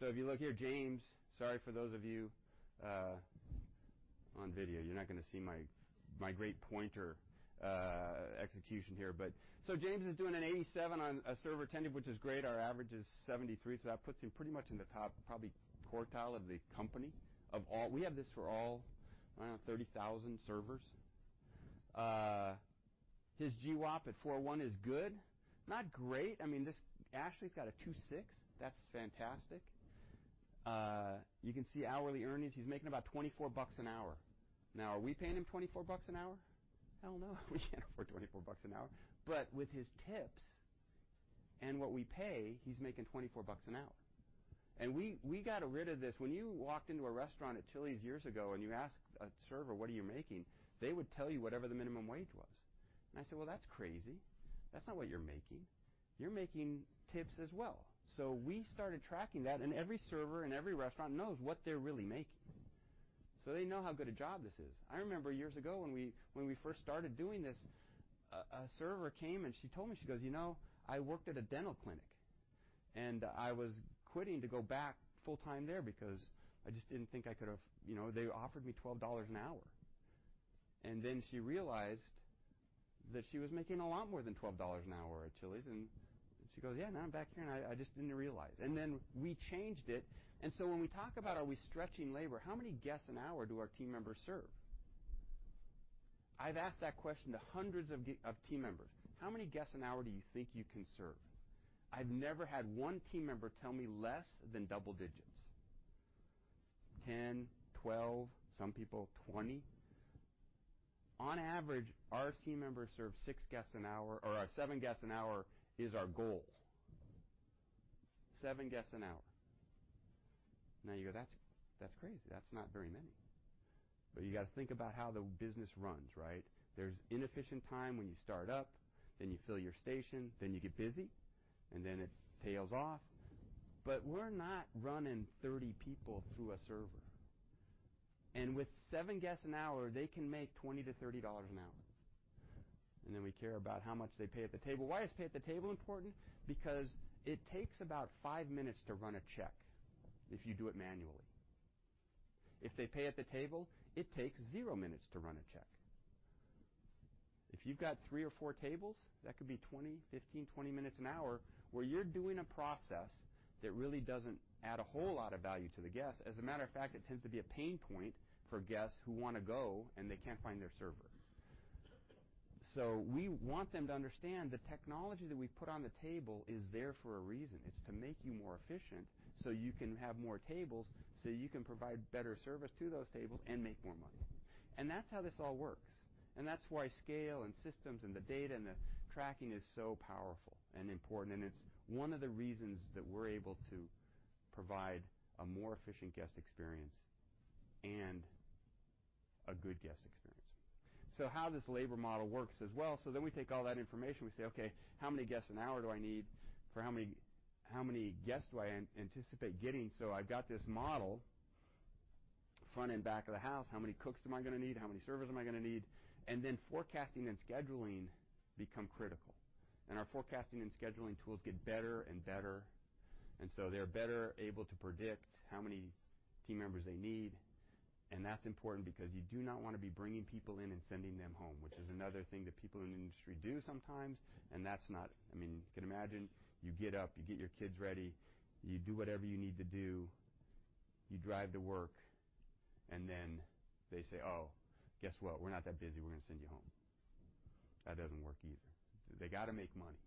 If you look here, James, sorry for those of you on video, you're not going to see my great pointer execution here. James is doing an 87 on a server attended, which is great. Our average is 73, so that puts him pretty much in the top probably quartile of the company. We have this for all around 30,000 servers. His GWAP at 4.1 is good, not great. Ashley's got a 2.6, that's fantastic. You can see hourly earnings. He's making about $24 an hour. Are we paying him $24 an hour? Hell no. We can't afford $24 an hour. With his tips and what we pay, he's making $24 an hour. We got rid of this. When you walked into a restaurant at Chili's years ago, and you asked a server, "What are you making?" They would tell you whatever the minimum wage was. I said, "Well, that's crazy. That's not what you're making. You're making tips as well." We started tracking that, and every server in every restaurant knows what they're really making, so they know how good a job this is. I remember years ago when we first started doing this, a server came and she told me, she goes, "I worked at a dental clinic, and I was quitting to go back full time there because they offered me $12 an hour." She realized that she was making a lot more than $12 an hour at Chili's, and she goes, "Yeah, now I'm back here and I just didn't realize." We changed it. When we talk about are we stretching labor, how many guests an hour do our team members serve? I've asked that question to hundreds of team members. How many guests an hour do you think you can serve? I've never had one team member tell me less than double digits, 10, 12, some people 20. On average, our team members serve six guests an hour, or seven guests an hour is our goal. Seven guests an hour. You go, "That's crazy. That's not very many." You got to think about how the business runs, right? There's inefficient time when you start up, then you fill your station, then you get busy, and then it tails off. We're not running 30 people through a server. With seven guests an hour, they can make $20-$30 an hour. We care about how much they pay at the table. Why is pay at the table important? It takes about five minutes to run a check if you do it manually. If they pay at the table, it takes zero minutes to run a check. If you've got three or four tables, that could be 15, 20 minutes an hour where you're doing a process that really doesn't add a whole lot of value to the guest. As a matter of fact, it tends to be a pain point for guests who want to go and they can't find their server. We want them to understand the technology that we put on the table is there for a reason. It's to make you more efficient so you can have more tables, so you can provide better service to those tables and make more money. That's how this all works. That's why scale and systems and the data and the tracking is so powerful and important, and it's one of the reasons that we're able to provide a more efficient guest experience and a good guest experience. How this labor model works as well, we take all that information, we say, "Okay, how many guests an hour do I need for how many guests do I anticipate getting?" I've got this model, front and back of the house, how many cooks am I going to need? How many servers am I going to need? Then forecasting and scheduling become critical. Our forecasting and scheduling tools get better and better, they're better able to predict how many team members they need. That's important because you do not want to be bringing people in and sending them home, which is another thing that people in the industry do sometimes. You can imagine, you get up, you get your kids ready, you do whatever you need to do, you drive to work, and then they say, "Oh, guess what? We're not that busy. We're going to send you home." That doesn't work either. They got to make money.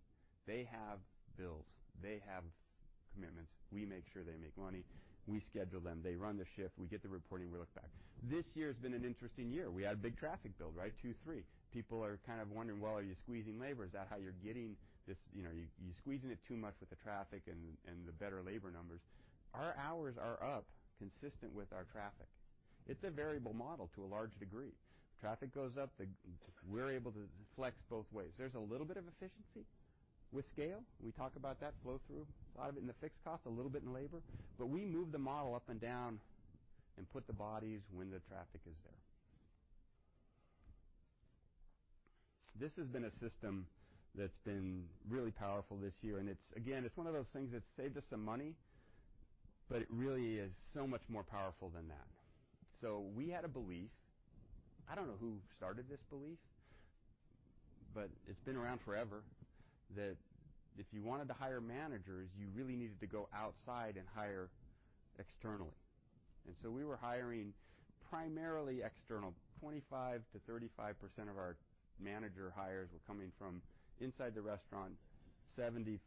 They have bills. They have commitments. We make sure they make money. We schedule them. They run the shift. We get the reporting. We look back. This year has been an interesting year. We had a big traffic build, right? 2.3%. People are kind of wondering, well, are you squeezing labor? Is that how you're getting this? Are you squeezing it too much with the traffic and the better labor numbers? Our hours are up consistent with our traffic. It's a variable model to a large degree. Traffic goes up, we're able to flex both ways. There's a little bit of efficiency with scale. We talk about that flow through a lot of it in the fixed cost, a little bit in labor. We move the model up and down and put the bodies when the traffic is there. This has been a system that's been really powerful this year, and again, it's one of those things that saves us some money, but it really is so much more powerful than that. We had a belief, I don't know who started this belief, but it's been around forever, that if you wanted to hire managers, you really needed to go outside and hire externally. We were hiring primarily external. 25%-35% of our manager hires were coming from inside the restaurant, 65%-75%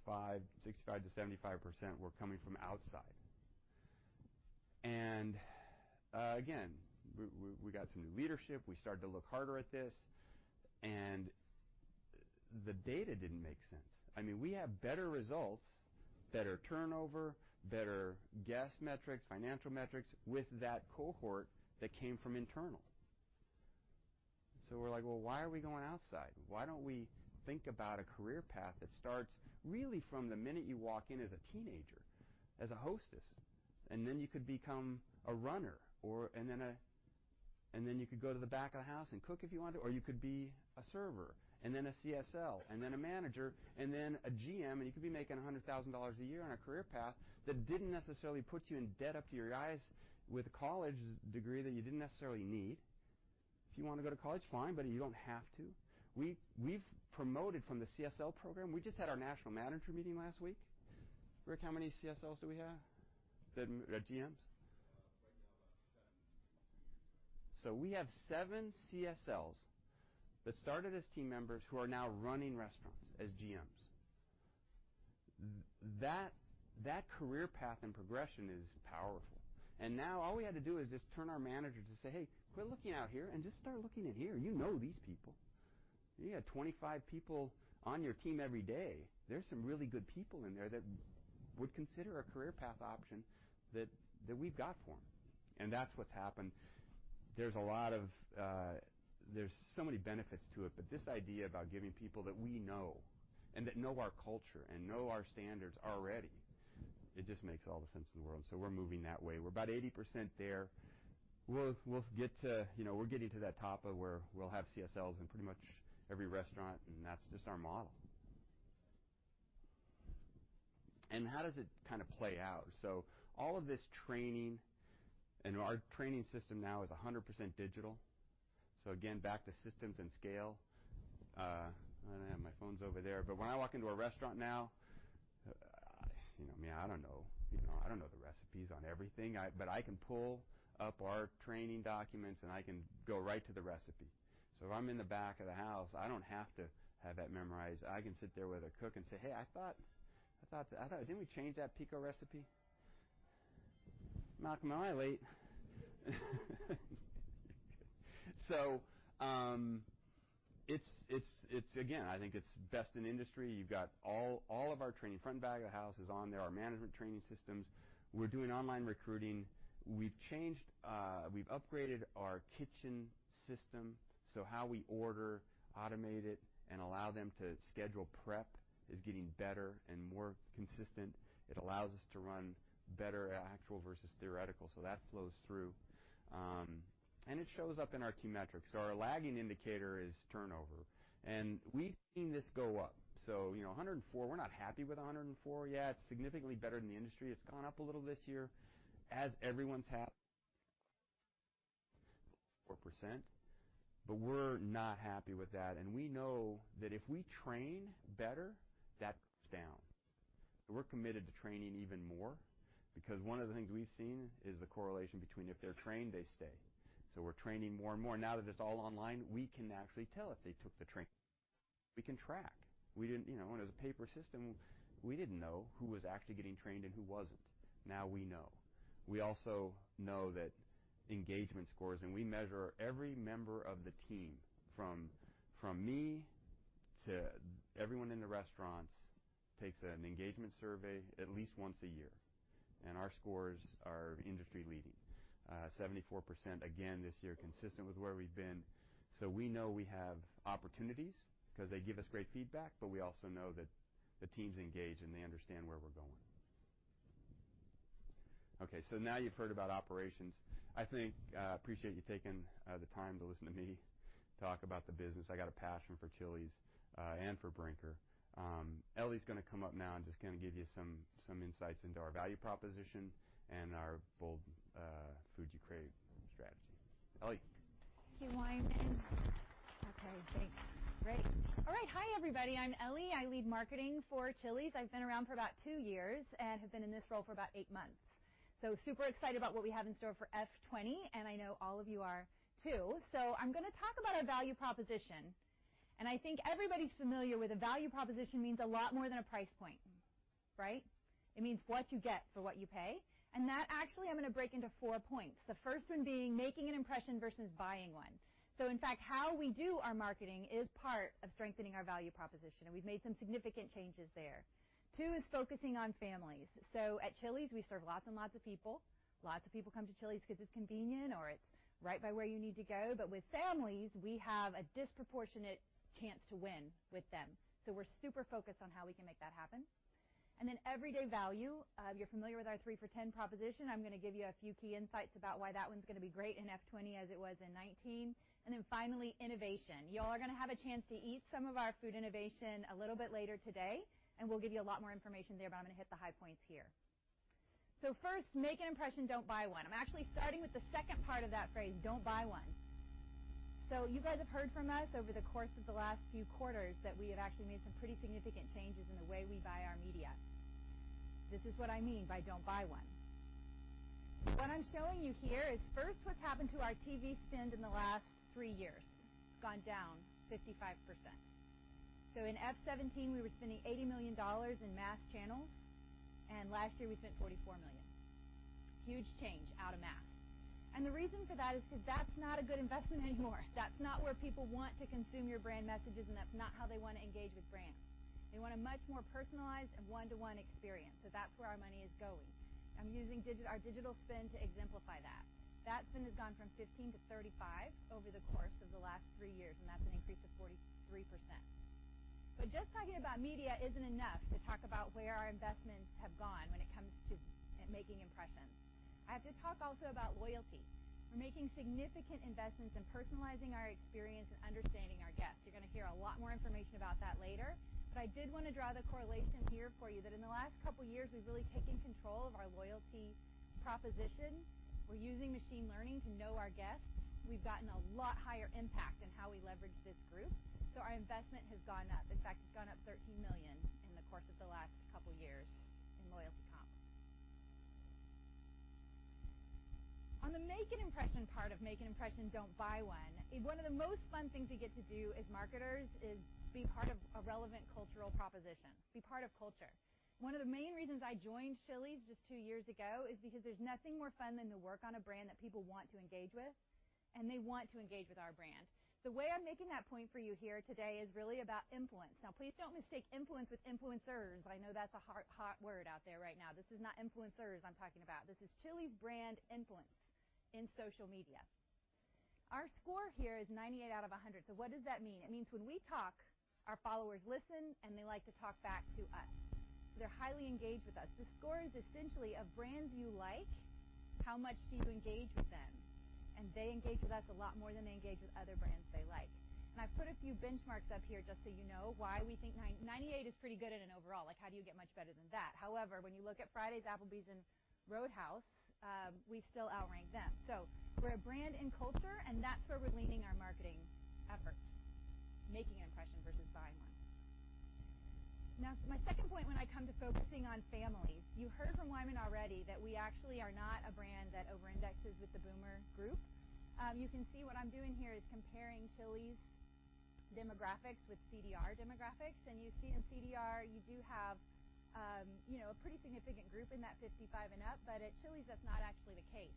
were coming from outside. Again, we got some new leadership. We started to look harder at this. The data didn't make sense. We have better results, better turnover, better guest metrics, financial metrics with that cohort that came from internal. We're like, "Well, why are we going outside? Why don't we think about a career path that starts really from the minute you walk in as a teenager, as a hostess, and then you could become a runner, and then you could go to the back of the house and cook if you wanted, or you could be a server, and then a CSL, and then a manager, and then a GM, and you could be making $100,000 a year on a career path that didn't necessarily put you in debt up to your eyes with a college degree that you didn't necessarily need. If you want to go to college, fine, but you don't have to." We've promoted from the CSL program. We just had our national manager meeting last week. Rick, how many CSLs do we have that are GMs? We have seven CSLs that started as team members who are now running restaurants as GMs. That career path and progression is powerful. Now all we had to do is just turn our managers and say, "Hey, quit looking out here and just start looking in here. You know these people." You got 25 people on your team every day. There's some really good people in there that would consider a career path option that we've got for them, and that's what's happened. There's so many benefits to it, this idea about giving people that we know, and that know our culture and know our standards already, it just makes all the sense in the world. We're moving that way. We're about 80% there. We're getting to that top of where we'll have CSLs in pretty much every restaurant, and that's just our model. How does it play out? All of this training, and our training system now is 100% digital. Again, back to systems and scale. I don't have my phones over there, but when I walk into a restaurant now, I don't know the recipes on everything, but I can pull up our training documents and I can go right to the recipe. If I'm in the back of the house, I don't have to have that memorized. I can sit there with a cook and say, "Hey, I thought, didn't we change that pico recipe?" Knocking them out late. Again, I think it's best in industry. You've got all of our training, front and back of the house is on there, our management training systems. We're doing online recruiting. We've upgraded our kitchen system. How we order, automate it, and allow them to schedule prep is getting better and more consistent. It allows us to run better actual versus theoretical. That flows through. It shows up in our key metrics. Our lagging indicator is turnover, and we've seen this go up. 104, we're not happy with 104 yet. It's significantly better than the industry. It's gone up a little this year, as everyone's 4%. We're not happy with that. We know that if we train better, that goes down. We're committed to training even more because one of the things we've seen is the correlation between if they're trained, they stay. We're training more and more. Now that it's all online, we can actually tell if they took the training. We can track. When it was a paper system, we didn't know who was actually getting trained and who wasn't. Now we know. We also know that engagement scores, and we measure every member of the team, from me to everyone in the restaurants, takes an engagement survey at least once a year. Our scores are industry-leading. 74% again this year, consistent with where we've been. We know we have opportunities because they give us great feedback, but we also know that the team's engaged, and they understand where we're going. Now you've heard about operations. I appreciate you taking the time to listen to me talk about the business. I got a passion for Chili's, and for Brinker. Ellie's going to come up now and just give you some insights into our value proposition and our Bold Food You Crave strategy. Ellie. Thank you, Wyman. Okay, thanks. Great. All right. Hi, everybody. I'm Ellie. I lead marketing for Chili's. I've been around for about two years and have been in this role for about eight months. Super excited about what we have in store for FY 2020, and I know all of you are too. I'm going to talk about our value proposition, and I think everybody's familiar with the value proposition means a lot more than a price point. Right? It means what you get for what you pay. That actually I'm going to break into four points. The first one being making an impression versus buying one. In fact, how we do our marketing is part of strengthening our value proposition, and we've made some significant changes there. Two is focusing on families. At Chili's, we serve lots and lots of people. Lots of people come to Chili's because it's convenient or it's right by where you need to go. With families, we have a disproportionate chance to win with them. We're super focused on how we can make that happen. Everyday value. You're familiar with our 3 for $10 proposition. I'm going to give you a few key insights about why that one's going to be great in FY 2020 as it was in 2019. Finally, innovation. Y'all are going to have a chance to eat some of our food innovation a little bit later today, and we'll give you a lot more information there, but I'm going to hit the high points here. First, make an impression, don't buy one. I'm actually starting with the second part of that phrase, don't buy one. You guys have heard from us over the course of the last few quarters that we have actually made some pretty significant changes in the way we buy our media. This is what I mean by don't buy one. What I'm showing you here is first what's happened to our TV spend in the last three years. It's gone down 55%. In FY 2017, we were spending $80 million in mass channels, and last year we spent $44 million. Huge change out of mass. The reason for that is because that's not a good investment anymore. That's not where people want to consume your brand messages, and that's not how they want to engage with brands. They want a much more personalized and one-to-one experience, so that's where our money is going. I'm using our digital spend to exemplify that. That spend has gone from 15 to 35 over the course of the last three years, and that's an increase of 43%. Just talking about media isn't enough to talk about where our investments have gone when it comes to making impressions. I have to talk also about loyalty. We're making significant investments in personalizing our experience and understanding our guests. You're going to hear a lot more information about that later, but I did want to draw the correlation here for you that in the last couple of years, we've really taken control of our loyalty proposition. We're using machine learning to know our guests, we've gotten a lot higher impact in how we leverage this group. Our investment has gone up. In fact, it's gone up $13 million in the course of the last couple of years in loyalty comps. On the make an impression part of make an impression, don't buy one of the most fun things we get to do as marketers is be part of a relevant cultural proposition, be part of culture. One of the main reasons I joined Chili's just two years ago is because there's nothing more fun than to work on a brand that people want to engage with, and they want to engage with our brand. The way I'm making that point for you here today is really about influence. Please don't mistake influence with influencers. I know that's a hot word out there right now. This is not influencers I'm talking about. This is Chili's brand influence in social media. Our score here is 98 out of 100. What does that mean? It means when we talk, our followers listen, and they like to talk back to us. They're highly engaged with us. The score is essentially of brands you like, how much do you engage with them? They engage with us a lot more than they engage with other brands they like. I've put a few benchmarks up here just so you know why we think 98 is pretty good at an overall. Like, how do you get much better than that? However, when you look at Friday's, Applebee's, and Roadhouse, we still outrank them. We're a brand in culture, and that's where we're leaning our marketing efforts, making an impression versus buying one. Now, my second point when I come to focusing on families, you heard from Wyman already that we actually are not a brand that over-indexes with the boomer group. You can see what I'm doing here is comparing Chili's demographics with CDR demographics. You see in CDR, you do have a pretty significant group in that 55 and up, but at Chili's, that's not actually the case.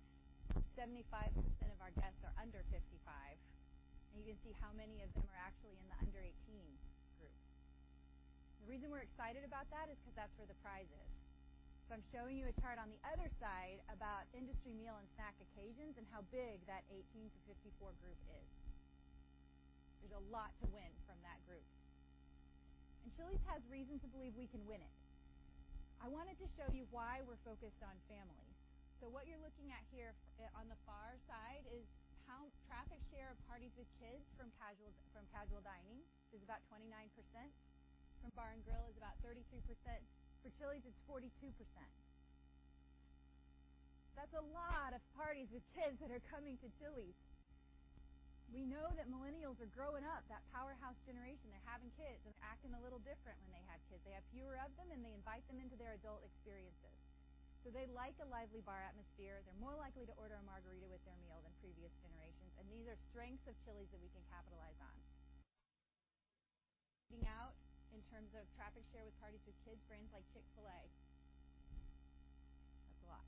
75% of our guests are under 55, you can see how many of them are actually in the under 18 group. The reason we're excited about that is because that's where the prize is. I'm showing you a chart on the other side about industry meal and snack occasions and how big that 18 to 54 group is. There's a lot to win from that group. Chili's has reason to believe we can win it. I wanted to show you why we're focused on family. What you're looking at here on the far side is how traffic share of parties with kids from casual dining is about 29%, from bar and grill is about 33%. For Chili's, it's 42%. That's a lot of parties with kids that are coming to Chili's. We know that millennials are growing up, that powerhouse generation. They're having kids and acting a little different when they have kids. They have fewer of them, and they invite them into their adult experiences. They like a lively bar atmosphere. They're more likely to order a margarita with their meal than previous generations. These are strengths of Chili's that we can capitalize on. Eating out in terms of traffic share with parties with kids, brands like Chick-fil-A. That's a lot.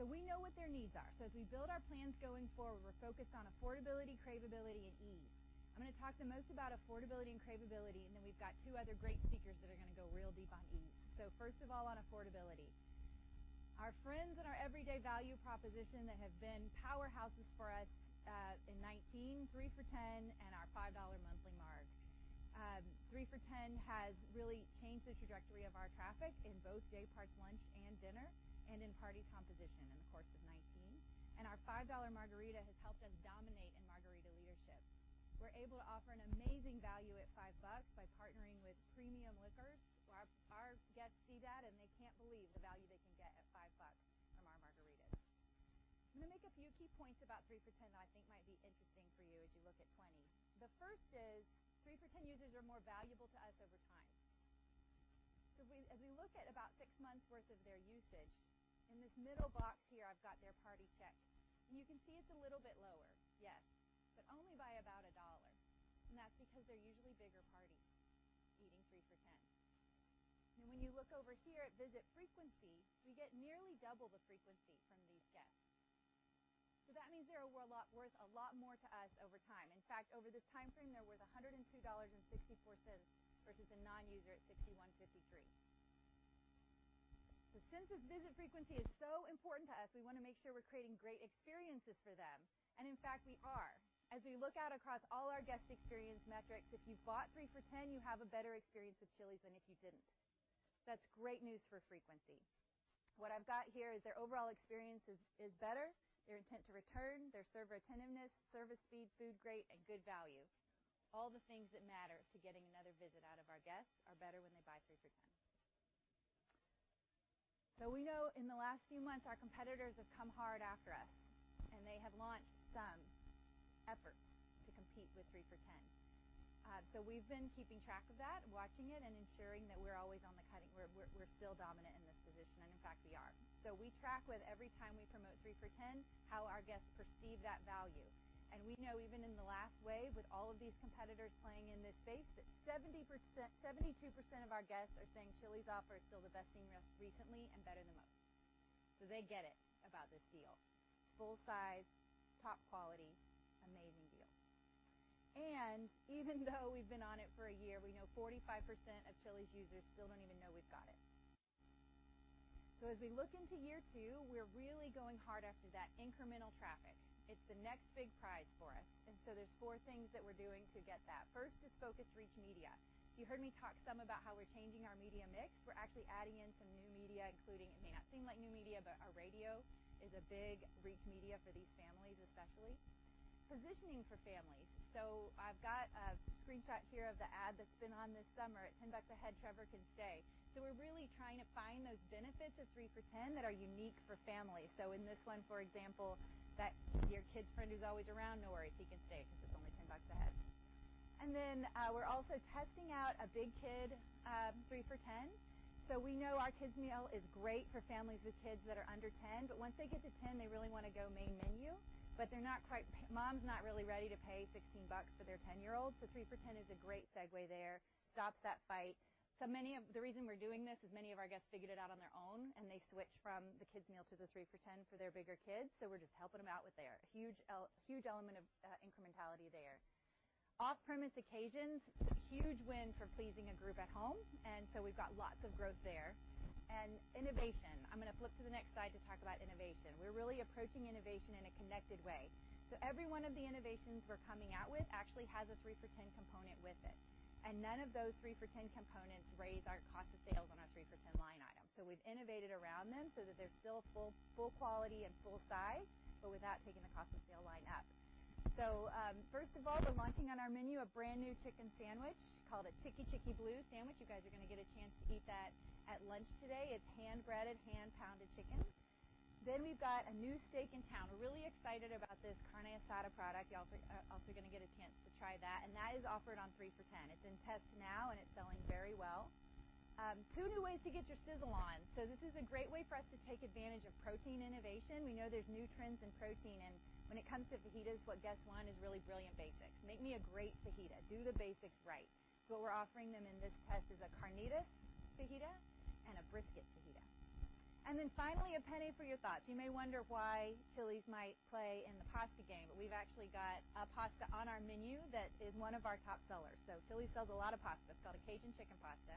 We know what their needs are. As we build our plans going forward, we're focused on affordability, cravability, and ease. I'm going to talk the most about affordability and cravability, and then we've got two other great speakers that are going to go real deep on ease. First of all, on affordability. Our friends in our everyday value proposition that have been powerhouses for us, in 2019, 3 for $10 and our $5 monthly Marg. 3 for $10 has really changed the trajectory of our traffic in both day parts, lunch and dinner, and in party composition in the course of 2019. Our $5 Margarita has helped us dominate in Margarita leadership. We're able to offer an amazing value at $5 by partnering with premium liquors. Our guests see that, and they can't believe the value they can get at $5 from our Margaritas. I'm going to make a few key points about 3 for $10 that I think might be interesting for you as you look at 2020. The first is 3 for $10 users are more valuable to us over time. As we look at about six months worth of their usage, in this middle box here, I've got their party check. You can see it's a little bit lower, yes, but only by about $1. That's because they're usually bigger parties eating 3 for $10. When you look over here at visit frequency, we get nearly double the frequency from these guests. That means they're worth a lot more to us over time. In fact, over this time frame, they're worth $102.64 versus a non-user at $61.53. Since this visit frequency is so important to us, we want to make sure we're creating great experiences for them. In fact, we are. As we look out across all our guest experience metrics, if you've bought 3 for $10, you have a better experience with Chili's than if you didn't. That's great news for frequency. What I've got here is their overall experience is better, their intent to return, their server attentiveness, service speed, food great, and good value. All the things that matter to getting another visit out of our guests are better when they buy 3 for $10. We know in the last few months, our competitors have come hard after us, and they have launched some efforts to compete with 3 for $10. We've been keeping track of that, watching it, and ensuring that we're always on the cutting-- We're still dominant in this position. In fact, we are. We track with every time we promote 3 for $10, how our guests perceive that value. We know even in the last wave, with all of these competitors playing in this space, that 72% of our guests are saying Chili's offer is still the best seen recently and better than most. They get it about this deal. It's full size, top quality, amazing deal. Even though we've been on it for a year, we know 45% of Chili's users still don't even know we've got it. As we look into year two, we're really going hard after that incremental traffic. It's the next big prize for us, there's four things that we're doing to get that. First is focused reach media. You heard me talk some about how we're changing our media mix. We're actually adding in some new media, including, it may not seem like new media, our radio is a big reach media for these families especially. Positioning for families. I've got a screenshot here of the ad that's been on this summer, "At $10 a head, Trevor can stay." We're really trying to find those benefits of 3 for $10 that are unique for families. In this one, for example, that your kid's friend who's always around, no worries, he can stay because it's only $10 a head. Then we're also testing out a big kid 3 for $10. We know our kids meal is great for families with kids that are under 10, but once they get to 10, they really want to go main menu, but mom's not really ready to pay $16 for their 10-year-old. 3 for $10 is a great segue there, stops that fight. The reason we're doing this is many of our guests figured it out on their own, and they switched from the kids meal to the 3 for $10 for their bigger kids, so we're just helping them out with their huge element of incrementality there. Off-premise occasions, it's a huge win for pleasing a group at home, and so we've got lots of growth there. Innovation. I'm going to flip to the next slide to talk about innovation. We're really approaching innovation in a connected way. Every one of the innovations we're coming out with actually has a 3 for $10 component with it, and none of those 3 for $10 components raise our cost of sales on our 3 for $10 line item. We've innovated around them so that they're still full quality and full size, but without taking the cost of sale line up. First of all, we're launching on our menu a brand-new chicken sandwich called a Chicky Chicky Bleu sandwich. You guys are going to get a chance to eat that at lunch today. It's hand-breaded, hand-pounded chicken. We've got a new steak in town. We're really excited about this carne asada product. You all are also going to get a chance to try that, and that is offered on 3 for $10. It's in test now, and it's selling very well. Two new ways to get your sizzle on. This is a great way for us to take advantage of protein innovation. We know there's new trends in protein, and when it comes to fajitas, what guests want is really brilliant basics. Make me a great fajita, do the basics right. What we're offering them in this test is a Carnitas Fajita and a Brisket Fajita. Finally, a penny for your thoughts. You may wonder why Chili's might play in the pasta game, we've actually got a pasta on our menu that is one of our top sellers. Chili's sells a lot of pasta. It's called a Cajun Chicken Pasta.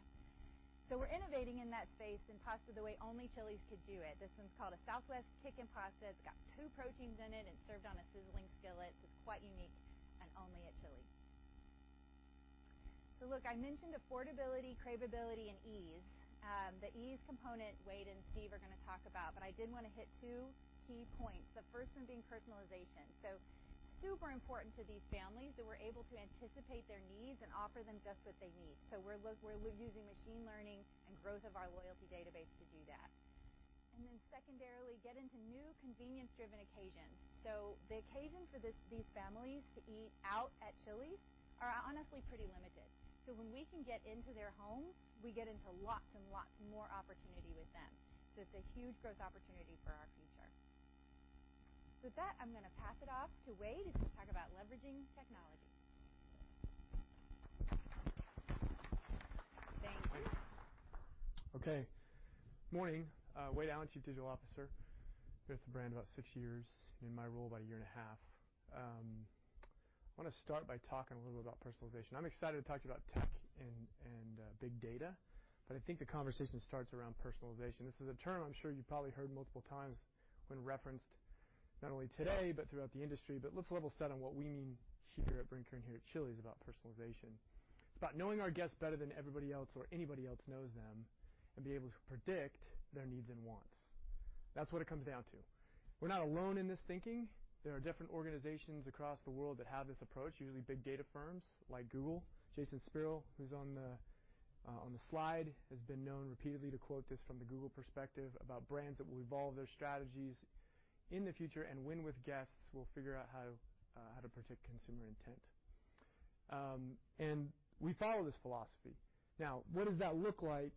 We're innovating in that space in pasta the way only Chili's could do it. This one's called a Southwest chicken pasta. It's got two proteins in it and served on a sizzling skillet. It's quite unique and only at Chili's. Look, I mentioned affordability, cravability, and ease. The ease component, Wade and Steve are going to talk about, I did want to hit two key points. The first one being personalization. Super important to these families that we're able to anticipate their needs and offer them just what they need. We're using machine learning and growth of our loyalty database to do that. Secondarily, get into new convenience-driven occasions. The occasion for these families to eat out at Chili's are honestly pretty limited. When we can get into their homes, we get into lots and lots more opportunity with them. It's a huge growth opportunity for our future. With that, I'm going to pass it off to Wade to talk about leveraging technology. Thank you. Okay. Morning. Wade Allen, Chief Digital Officer. Here with the brand about six years. In my role about a year and a half. I want to start by talking a little bit about personalization. I'm excited to talk to you about tech and big data, but I think the conversation starts around personalization. This is a term I'm sure you probably heard multiple times when referenced, not only today but throughout the industry, but let's level set on what we mean here at Brinker and here at Chili's about personalization. It's about knowing our guests better than everybody else or anybody else knows them and being able to predict their needs and wants. That's what it comes down to. We're not alone in this thinking. There are different organizations across the world that have this approach, usually big data firms like Google. Jason Spero, who's on the slide, has been known repeatedly to quote this from the Google perspective about brands that will evolve their strategies in the future, and win with guests who will figure out how to predict consumer intent. We follow this philosophy. Now, what does that look like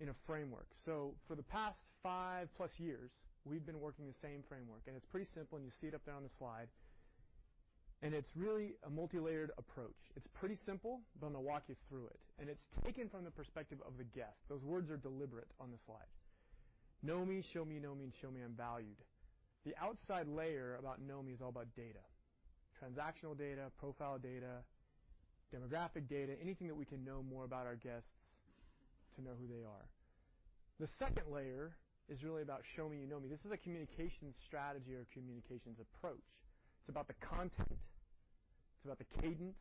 in a framework? For the past 5+ years, we've been working the same framework, and it's pretty simple, and you see it up there on the slide, and it's really a multilayered approach. It's pretty simple, but I'm going to walk you through it. It's taken from the perspective of the guest. Those words are deliberate on the slide. Know me, show me you know me, and show me I'm valued. The outside layer about know me is all about data, transactional data, profile data, demographic data, anything that we can know more about our guests to know who they are. The second layer is really about showing you know me. This is a communication strategy or communications approach. It's about the content, it's about the cadence,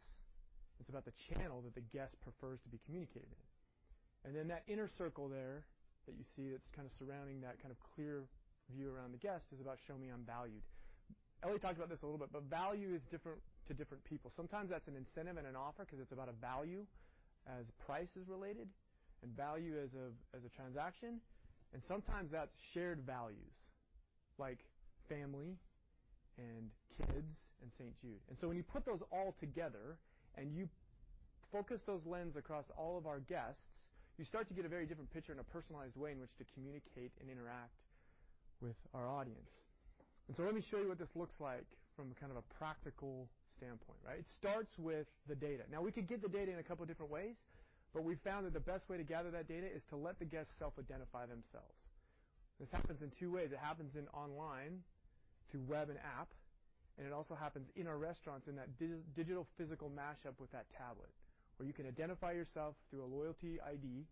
it's about the channel that the guest prefers to be communicated in. That inner circle there that you see that's kind of surrounding that clear view around the guest is about show me I'm valued. Ellie talked about this a little bit, but value is different to different people. Sometimes that's an incentive and an offer because it's about a value as price is related and value as a transaction, and sometimes that's shared values like family and kids and St. Jude. When you put those all together and you focus those lens across all of our guests, you start to get a very different picture and a personalized way in which to communicate and interact with our audience. Let me show you what this looks like from a practical standpoint, right? It starts with the data. Now, we could get the data in a couple different ways, but we found that the best way to gather that data is to let the guests self-identify themselves. This happens in two ways. It happens in online through web and app, and it also happens in our restaurants in that digital physical mashup with that tablet, where you can identify yourself through a loyalty ID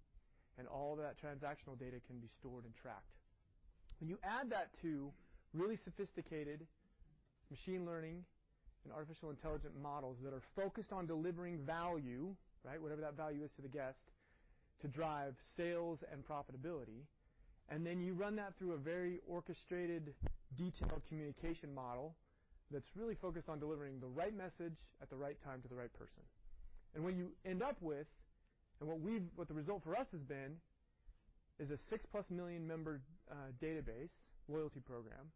and all that transactional data can be stored and tracked. When you add that to really sophisticated machine learning and artificial intelligence models that are focused on delivering value, right, whatever that value is to the guest, to drive sales and profitability, and then you run that through a very orchestrated, detailed communication model that's really focused on delivering the right message at the right time to the right person. What you end up with, and what the result for us has been, is a 6+ million member database loyalty program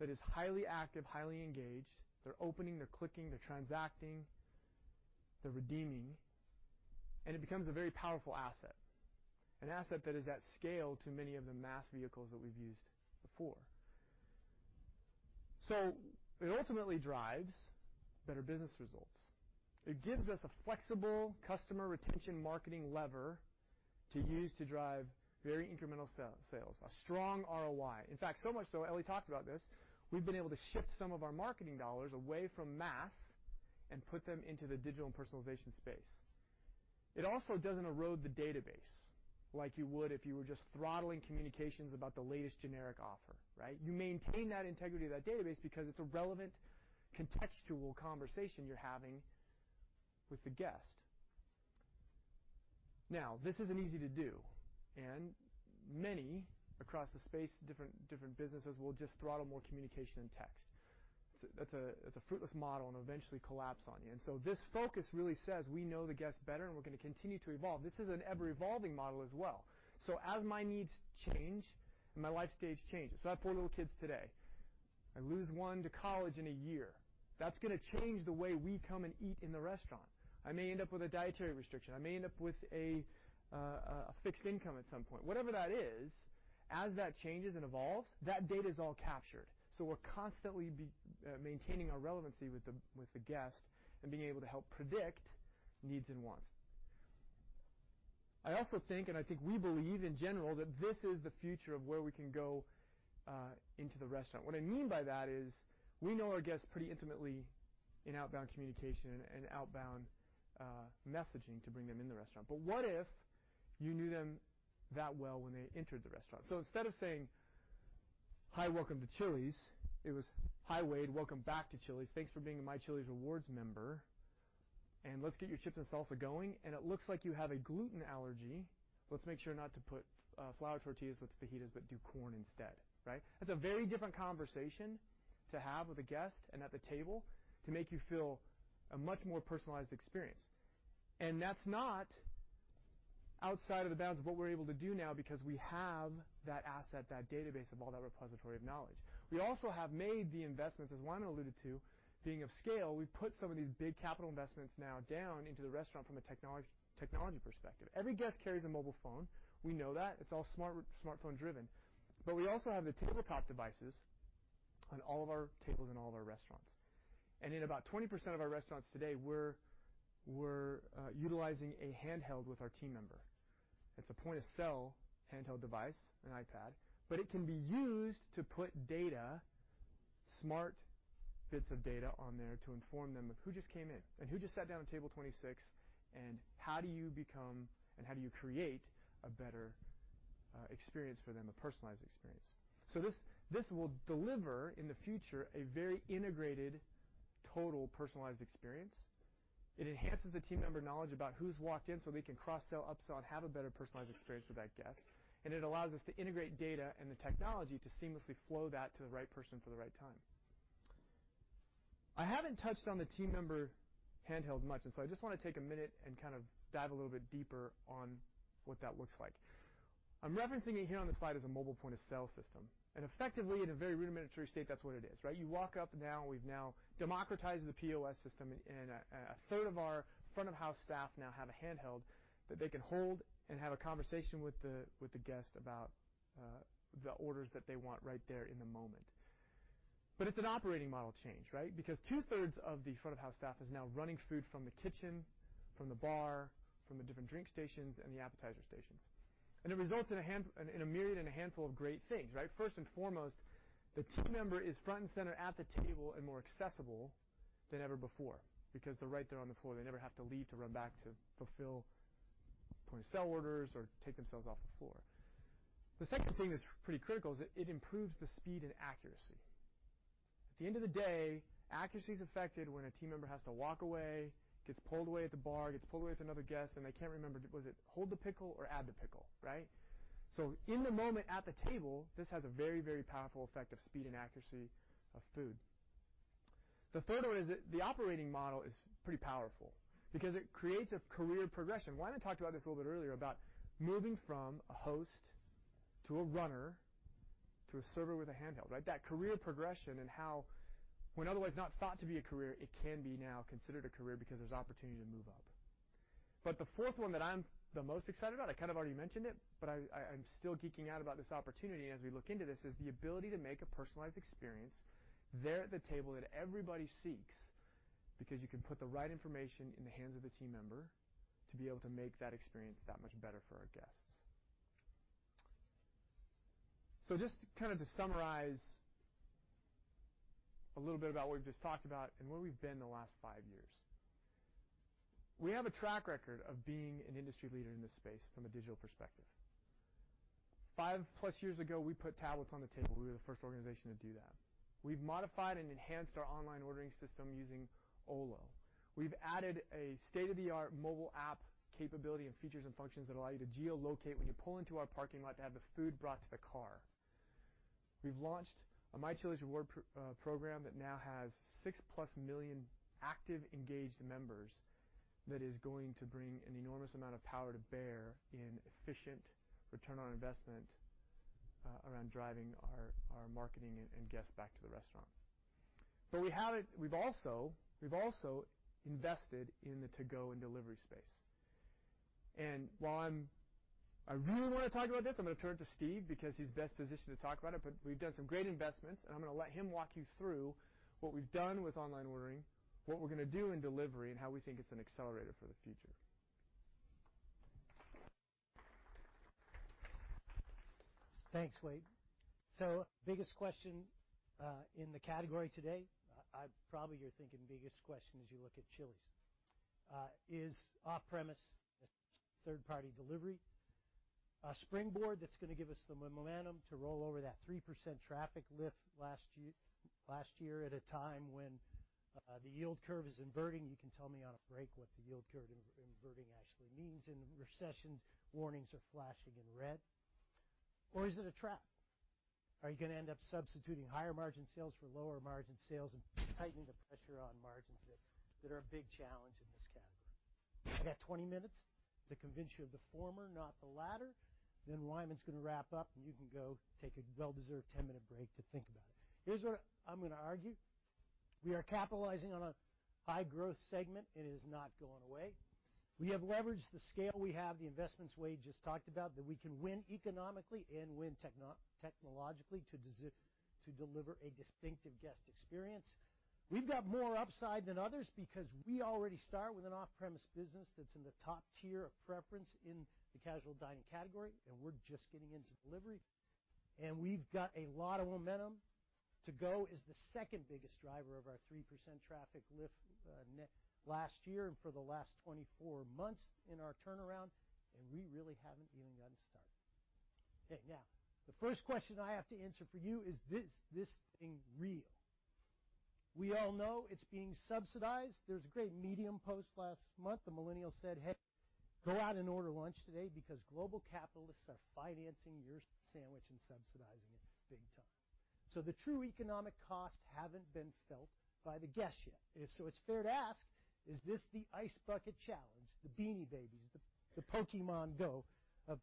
that is highly active, highly engaged. They're opening, they're clicking, they're transacting, they're redeeming, and it becomes a very powerful asset. An asset that is at scale to many of the mass vehicles that we've used before. It ultimately drives better business results. It gives us a flexible customer retention marketing lever to use to drive very incremental sales. A strong ROI. In fact, so much so, Ellie talked about this, we've been able to shift some of our marketing dollars away from mass and put them into the digital and personalization space. It also doesn't erode the database like you would if you were just throttling communications about the latest generic offer. Right? You maintain that integrity of that database because it's a relevant, contextual conversation you're having with the guest. This isn't easy to do, and many across the space, different businesses will just throttle more communication and text. That's a fruitless model and will eventually collapse on you. This focus really says, we know the guests better and we're going to continue to evolve. This is an ever-evolving model as well. As my needs change and my life stage changes, so I have four little kids today. I lose one to college in a year. That's going to change the way we come and eat in the restaurant. I may end up with a dietary restriction. I may end up with a fixed income at some point. Whatever that is, as that changes and evolves, that data is all captured. We're constantly maintaining our relevancy with the guest and being able to help predict needs and wants. I also think, and I think we believe in general, that this is the future of where we can go into the restaurant. What I mean by that is, we know our guests pretty intimately in outbound communication and outbound messaging to bring them in the restaurant. What if you knew them that well when they entered the restaurant? Instead of saying, "Hi, welcome to Chili's," it was, "Hi, Wade, welcome back to Chili's. Thanks for being a My Chili's Rewards member, and let's get your chips and salsa going, and it looks like you have a gluten allergy. Let's make sure not to put flour tortillas with fajitas, but do corn instead. Right? That's a very different conversation to have with a guest and at the table to make you feel a much more personalized experience. That's not outside of the bounds of what we're able to do now because we have that asset, that database of all that repository of knowledge. We also have made the investments, as Wyman alluded to, being of scale. We've put some of these big capital investments now down into the restaurant from a technology perspective. Every guest carries a mobile phone. We know that. It's all smartphone-driven. We also have the tabletop devices on all of our tables in all of our restaurants. In about 20% of our restaurants today, we're utilizing a handheld with our team member. It's a point-of-sale handheld device, an iPad, it can be used to put data, smart bits of data on there to inform them of who just came in and who just sat down at table 26, and how do you create a better experience for them, a personalized experience. This will deliver, in the future, a very integrated, total personalized experience. It enhances the team member knowledge about who's walked in so they can cross-sell, upsell, and have a better personalized experience with that guest. It allows us to integrate data and the technology to seamlessly flow that to the right person for the right time. I haven't touched on the team member handheld much. I just want to take a minute and kind of dive a little bit deeper on what that looks like. I'm referencing it here on the slide as a mobile point-of-sale system. Effectively, at a very rudimentary state, that's what it is. Right. You walk up now, we've now democratized the POS system, and a third of our front-of-house staff now have a handheld that they can hold and have a conversation with the guest about the orders that they want right there in the moment. It's an operating model change, right. Because two-thirds of the front-of-house staff is now running food from the kitchen, from the bar, from the different drink stations, and the appetizer stations. It results in a myriad and a handful of great things. Right. First and foremost, the team member is front and center at the table and more accessible than ever before because they're right there on the floor. They never have to leave to run back to fulfill point-of-sale orders or take themselves off the floor. The second thing that's pretty critical is it improves the speed and accuracy. At the end of the day, accuracy is affected when a team member has to walk away, gets pulled away at the bar, gets pulled away with another guest, and they can't remember, was it hold the pickle or add the pickle? Right? In the moment at the table, this has a very, very powerful effect of speed and accuracy of food. The third one is that the operating model is pretty powerful because it creates a career progression. Wyman and I talked about this a little bit earlier, about moving from a host to a runner to a server with a handheld. Right? That career progression and how when otherwise not thought to be a career, it can be now considered a career because there's opportunity to move up. The fourth one that I'm the most excited about, I kind of already mentioned it, but I'm still geeking out about this opportunity as we look into this, is the ability to make a personalized experience there at the table that everybody seeks because you can put the right information in the hands of the team member to be able to make that experience that much better for our guests. Just to summarize a little bit about what we've just talked about and where we've been the last five years. We have a track record of being an industry leader in this space from a digital perspective. Five plus years ago, we put tablets on the table. We were the first organization to do that. We've modified and enhanced our online ordering system using Olo. We've added a state-of-the-art mobile app capability and features and functions that allow you to geo-locate when you pull into our parking lot to have the food brought to the car. We've launched a My Chili's Rewards program that now has 6+ million active, engaged members that is going to bring an enormous amount of power to bear in efficient return on investment around driving our marketing and guests back to the restaurant. We've also invested in the to-go and delivery space. While I really want to talk about this, I'm going to turn to Steve because he's best positioned to talk about it. We've done some great investments, and I'm going to let him walk you through what we've done with online ordering, what we're going to do in delivery, and how we think it's an accelerator for the future. Thanks, Wade. Biggest question in the category today, probably you're thinking biggest question as you look at Chili's, is off-premise third-party delivery a springboard that's going to give us the momentum to roll over that 3% traffic lift last year at a time when the yield curve is inverting, you can tell me on a break what the yield curve inverting actually means, and recession warnings are flashing in red. Or is it a trap? Are you going to end up substituting higher-margin sales for lower-margin sales and tightening the pressure on margins that are a big challenge in this category? I got 20 minutes to convince you of the former, not the latter. Wyman's going to wrap up, and you can go take a well-deserved 10-minute break to think about it. Here's what I'm going to argue. We are capitalizing on a high-growth segment. It is not going away. We have leveraged the scale we have, the investments Wade just talked about, that we can win economically and win technologically to deliver a distinctive guest experience. We've got more upside than others because we already start with an off-premise business that's in the top tier of preference in the casual dining category, and we're just getting into delivery. We've got a lot of momentum. To-go is the second biggest driver of our 3% traffic lift last year and for the last 24 months in our turnaround, and we really haven't even gotten started. Okay, now, the first question I have to answer for you, is this thing real? We all know it's being subsidized. There was a great Medium post last month. A millennial said, "Hey, go out and order lunch today because global capitalists are financing your sandwich and subsidizing it big time." The true economic costs haven't been felt by the guests yet. It's fair to ask, is this the Ice Bucket Challenge, the Beanie Babies, the Pokémon Go of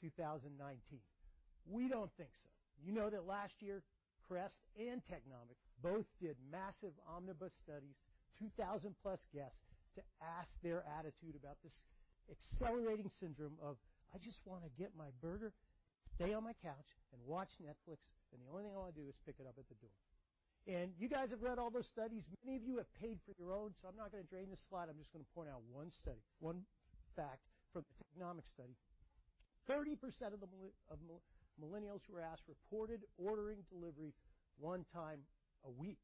2019? We don't think so. You know that last year, CREST and Technomic both did massive omnibus studies, 2,000+ guests, to ask their attitude about this accelerating syndrome of I just want to get my burger, stay on my couch, and watch Netflix, and the only thing I want to do is pick it up at the door. You guys have read all those studies. Many of you have paid for your own, so I'm not going to drain this slide. I'm just going to point out one study, one fact from the Technomic study. 30% of the millennials who were asked reported ordering delivery one time a week.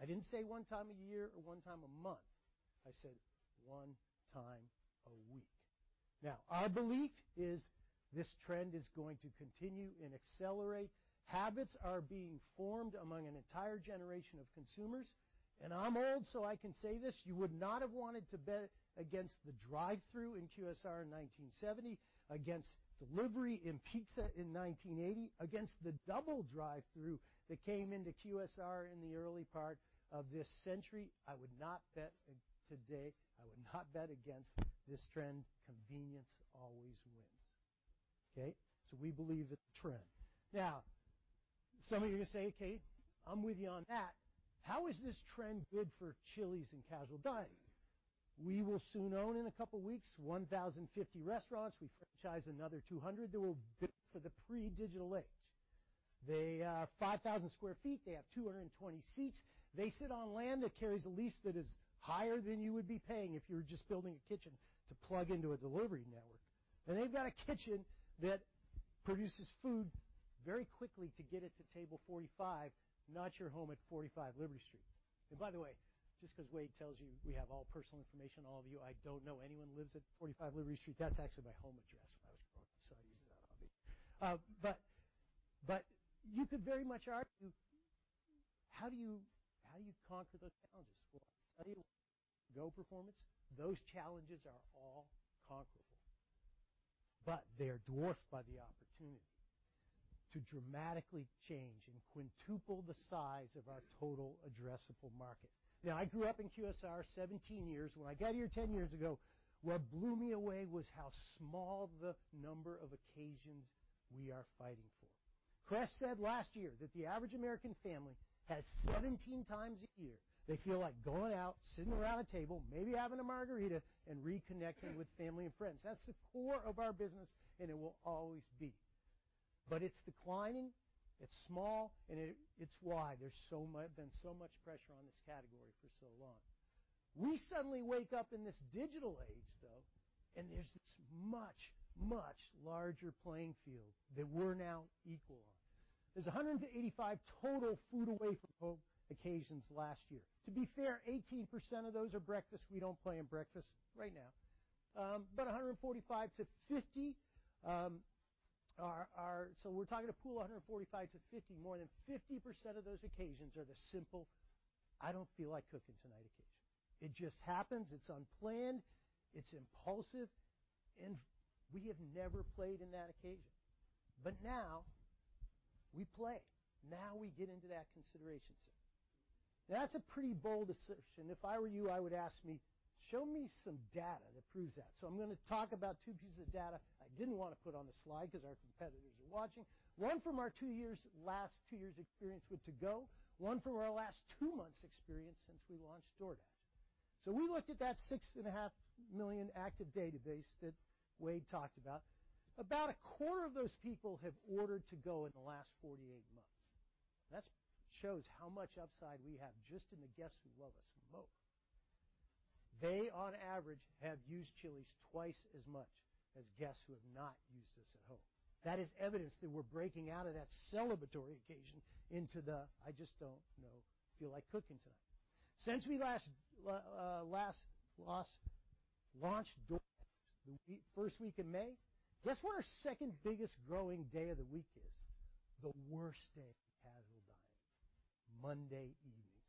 I didn't say one time a year or one time a month. I said one time a week. Our belief is this trend is going to continue and accelerate. Habits are being formed among an entire generation of consumers. I'm old, so I can say this, you would not have wanted to bet against the drive-thru in QSR in 1970, against delivery in pizza in 1980, against the double drive-thru that came into QSR in the early part of this century. I would not bet today. I would not bet against this trend. Convenience always wins. Okay. We believe it's a trend. Some of you say, "Okay, I'm with you on that. How is this trend good for Chili's and casual dining?" We will soon own in a couple of weeks 1,050 restaurants. We franchise another 200 that were built for the pre-digital age. They are 5,000 sq ft. They have 220 seats. They sit on land that carries a lease that is higher than you would be paying if you were just building a kitchen to plug into a delivery network, and they've got a kitchen that produces food very quickly to get it to table 45, not your home at 45 Liberty Street. By the way, just because Wade tells you we have all personal information, all of you, I don't know anyone who lives at 45 Liberty Street. That's actually my home address when I was growing up, so I use it often. You could very much argue, how do you conquer those challenges performance? Those challenges are all conquerable. They're dwarfed by the opportunity to dramatically change and quintuple the size of our total addressable market. I grew up in QSR 17 years. When I got here 10 years ago, what blew me away was how small the number of occasions we are fighting for. CREST said last year that the average American family has 17 times a year they feel like going out, sitting around a table, maybe having a margarita, and reconnecting with family and friends. That's the core of our business, and it will always be. It's declining, it's small, and it's why there's been so much pressure on this category for so long. We suddenly wake up in this digital age, though, and there's this much, much larger playing field that we're now equal on. There's 185 total food away from home occasions last year. To be fair, 18% of those are breakfast. We don't play in breakfast right now. 145 to 50, so we're talking a pool of 145 to 50. More than 50% of those occasions are the simple, "I don't feel like cooking tonight" occasion. It just happens. It's unplanned, it's impulsive. We have never played in that occasion. Now we play. Now we get into that consideration set. That's a pretty bold assertion. If I were you, I would ask me, "Show me some data that proves that." I'm going to talk about two pieces of data I didn't want to put on the slide because our competitors are watching. One from our last two years' experience with to-go, one from our last two months' experience since we launched DoorDash. We looked at that 6.5 million active database that Wade talked about. About 1/4 of those people have ordered to-go in the last 48 months. That shows how much upside we have just in the guests who love us from home. They, on average, have used Chili's twice as much as guests who have not used us at home. That is evidence that we're breaking out of that celebratory occasion into the, "I just don't feel like cooking tonight." Since we last launched DoorDash, the first week in May, guess what our second-biggest growing day of the week is? The worst day of casual dining, Monday evenings.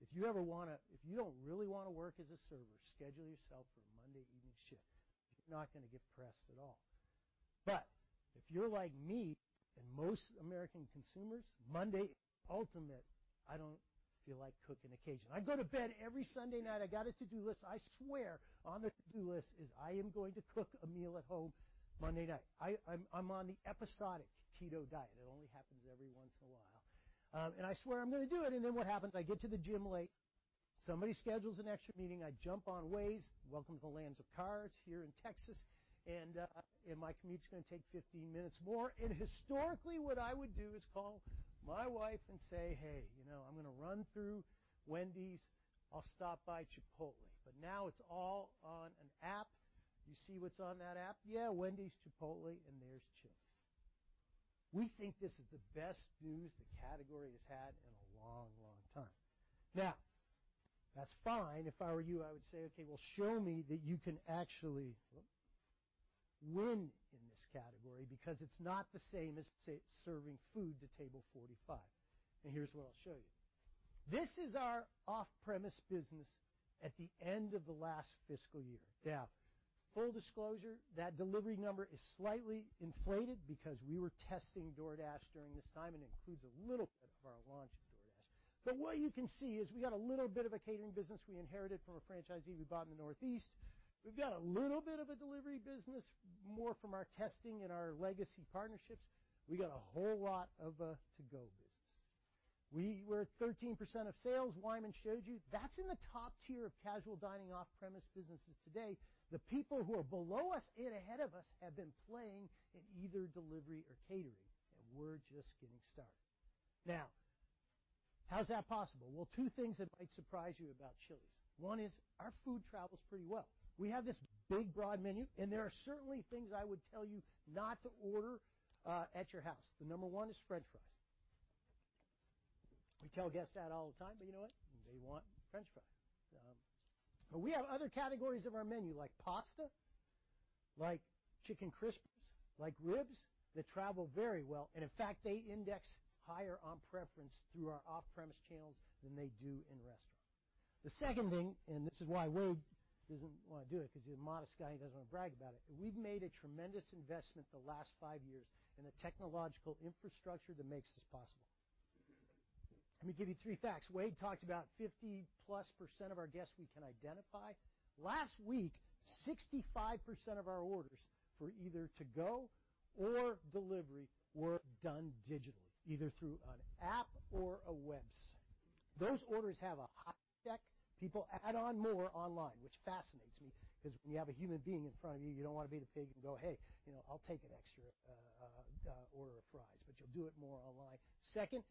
If you don't really want to work as a server, schedule yourself for a Monday evening shift. You're not going to get pressed at all. If you're like me and most American consumers, Monday is the ultimate, "I don't feel like cooking" occasion. I go to bed every Sunday night, I got a to-do list. I swear on the to-do list is, "I am going to cook a meal at home Monday night." I'm on the episodic Keto diet. It only happens every once in a while. I swear I'm going to do it, and then what happens? I get to the gym late. Somebody schedules an extra meeting. I jump on Waze, welcome to the lands of cars here in Texas, and my commute's going to take 15 minutes more, and historically, what I would do is call my wife and say, "Hey, I'm going to run through Wendy's. I'll stop by Chipotle." Now it's all on an app. You see what's on that app? Yeah, Wendy's, Chipotle, and there's Chili's. We think this is the best news the category has had in a long, long time. That's fine. If I were you, I would say, "Okay, well, show me that you can actually win in this category," because it's not the same as, say, serving food to table 45. Here's what I'll show you. This is our off-premise business at the end of the last fiscal year. Full disclosure, that delivery number is slightly inflated because we were testing DoorDash during this time, and includes a little bit of our launch of DoorDash. What you can see is we got a little bit of a catering business we inherited from a franchisee we bought in the Northeast. We've got a little bit of a delivery business, more from our testing and our legacy partnerships. We got a whole lot of to-go business. We were at 13% of sales. Wyman showed you. That's in the top tier of casual dining off-premise businesses today. The people who are below us and ahead of us have been playing in either delivery or catering, we're just getting started. How is that possible? Well, two things that might surprise you about Chili's. One is our food travels pretty well. We have this big, broad menu, and there are certainly things I would tell you not to order at your house. The number one is french fries. We tell guests that all the time, you know what? They want french fries. We have other categories of our menu, like pasta, like Chicken Crispers, like ribs, that travel very well, and in fact, they index higher on preference through our off-premise channels than they do in-restaurant. The second thing, this is why Wade doesn't want to do it, because he's a modest guy, he doesn't want to brag about it. We've made a tremendous investment the last five years in the technological infrastructure that makes this possible. Let me give you three facts. Wade talked about 50%+ of our guests we can identify. Last week, 65% of our orders for either to-go or delivery were done digitally, either through an app or a website. Those orders have a high tech. People add on more online, which fascinates me, because when you have a human being in front of you don't want to be the pig and go, "Hey, I'll take an extra order of fries," but you'll do it more online. Second,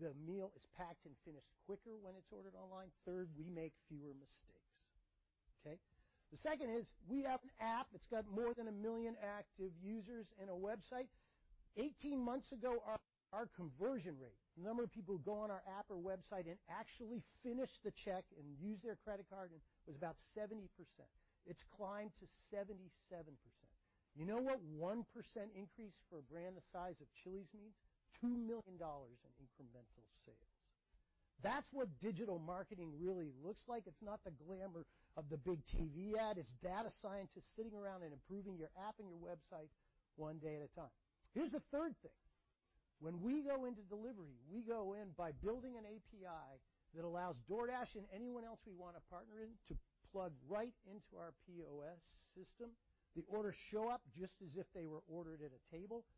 the meal is packed and finished quicker when it's ordered online. Third, we make fewer mistakes. Okay? The second is we have an app. It's got more than 1 million active users and a website. 18 months ago, our conversion rate, the number of people who go on our app or website and actually finish the check and use their credit card, was about 70%. It's climbed to 77%. You know what 1% increase for a brand the size of Chili's means? $2 million in incremental sales. That's what digital marketing really looks like. It's not the glamour of the big TV ad. It's data scientists sitting around and improving your app and your website one day at a time. Here's the third thing. When we go into delivery, we go in by building an API that allows DoorDash and anyone else we want to partner in to plug right into our POS system. The orders show up just as if they were ordered at a table,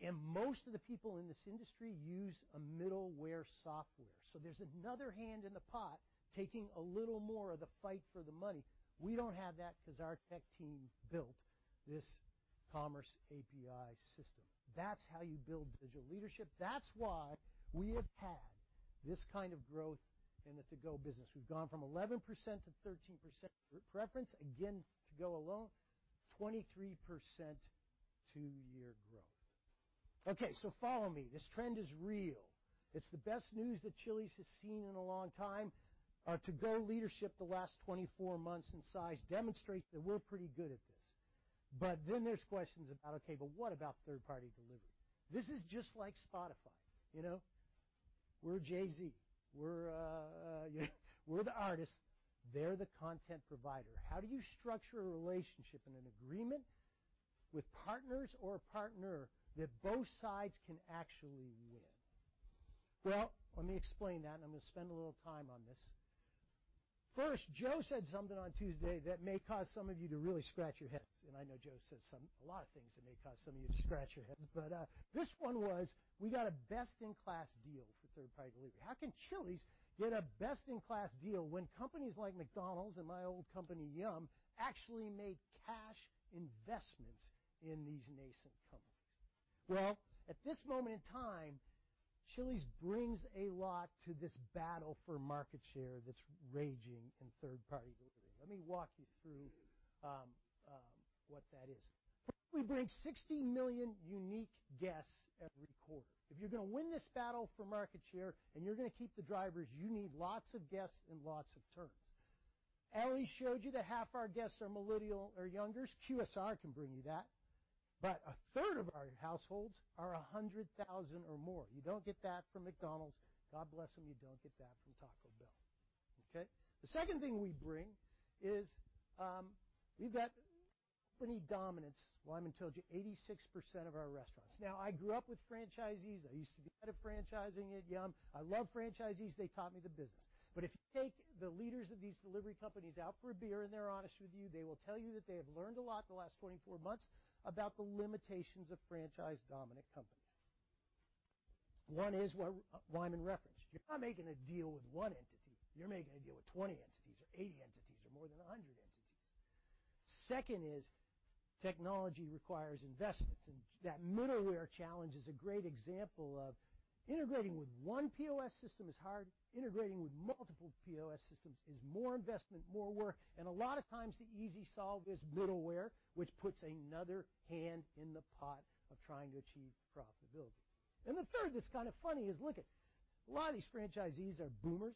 and most of the people in this industry use a middleware software. There's another hand in the pot taking a little more of the fight for the money. We don't have that because our tech team built this commerce API system. That's how you build digital leadership. That's why we have had this kind of growth in the to-go business. We've gone from 11% to 13% preference, again, to-go alone, 23% two-year growth. Okay, follow me. This trend is real. It's the best news that Chili's has seen in a long time. Our to-go leadership the last 24 months in size demonstrates that we're pretty good at this. Then there's questions about, okay, but what about third-party delivery? This is just like Spotify. We're Jay-Z. We're the artist, they're the content provider. How do you structure a relationship and an agreement with partners or a partner that both sides can actually win? Let me explain that, and I'm going to spend a little time on this. First, Joe said something on Tuesday that may cause some of you to really scratch your heads, and I know Joe says a lot of things that may cause some of you to scratch your heads. This one was, we got a best-in-class deal for third-party delivery. How can Chili's get a best-in-class deal when companies like McDonald's and my old company, Yum!, actually make cash investments in these nascent companies? At this moment in time, Chili's brings a lot to this battle for market share that's raging in third-party delivery. Let me walk you through what that is. First, we bring 60 million unique guests every quarter. If you're going to win this battle for market share, and you're going to keep the drivers, you need lots of guests and lots of turns. Ellie showed you that half our guests are millennial or youngers. QSR can bring you that. A third of our households are 100,000 or more. You don't get that from McDonald's. God bless them, you don't get that from Taco Bell. Okay. The second thing we bring is, we've got company dominance. Wyman told you, 86% of our restaurants. I grew up with franchisees. I used to be head of franchising at Yum!. I love franchisees. They taught me the business. If you take the leaders of these delivery companies out for a beer, and they're honest with you, they will tell you that they have learned a lot in the last 24 months about the limitations of franchise-dominant companies. One is what Wyman referenced. You're not making a deal with one entity. You're making a deal with 20 entities or 80 entities or more than 100 entities. Second is technology requires investments, that middleware challenge is a great example of integrating with one POS system is hard. Integrating with multiple POS systems is more investment, more work, and a lot of times, the easy solve is middleware, which puts another hand in the pot of trying to achieve profitability. The third that's kind of funny is look it, a lot of these franchisees are boomers.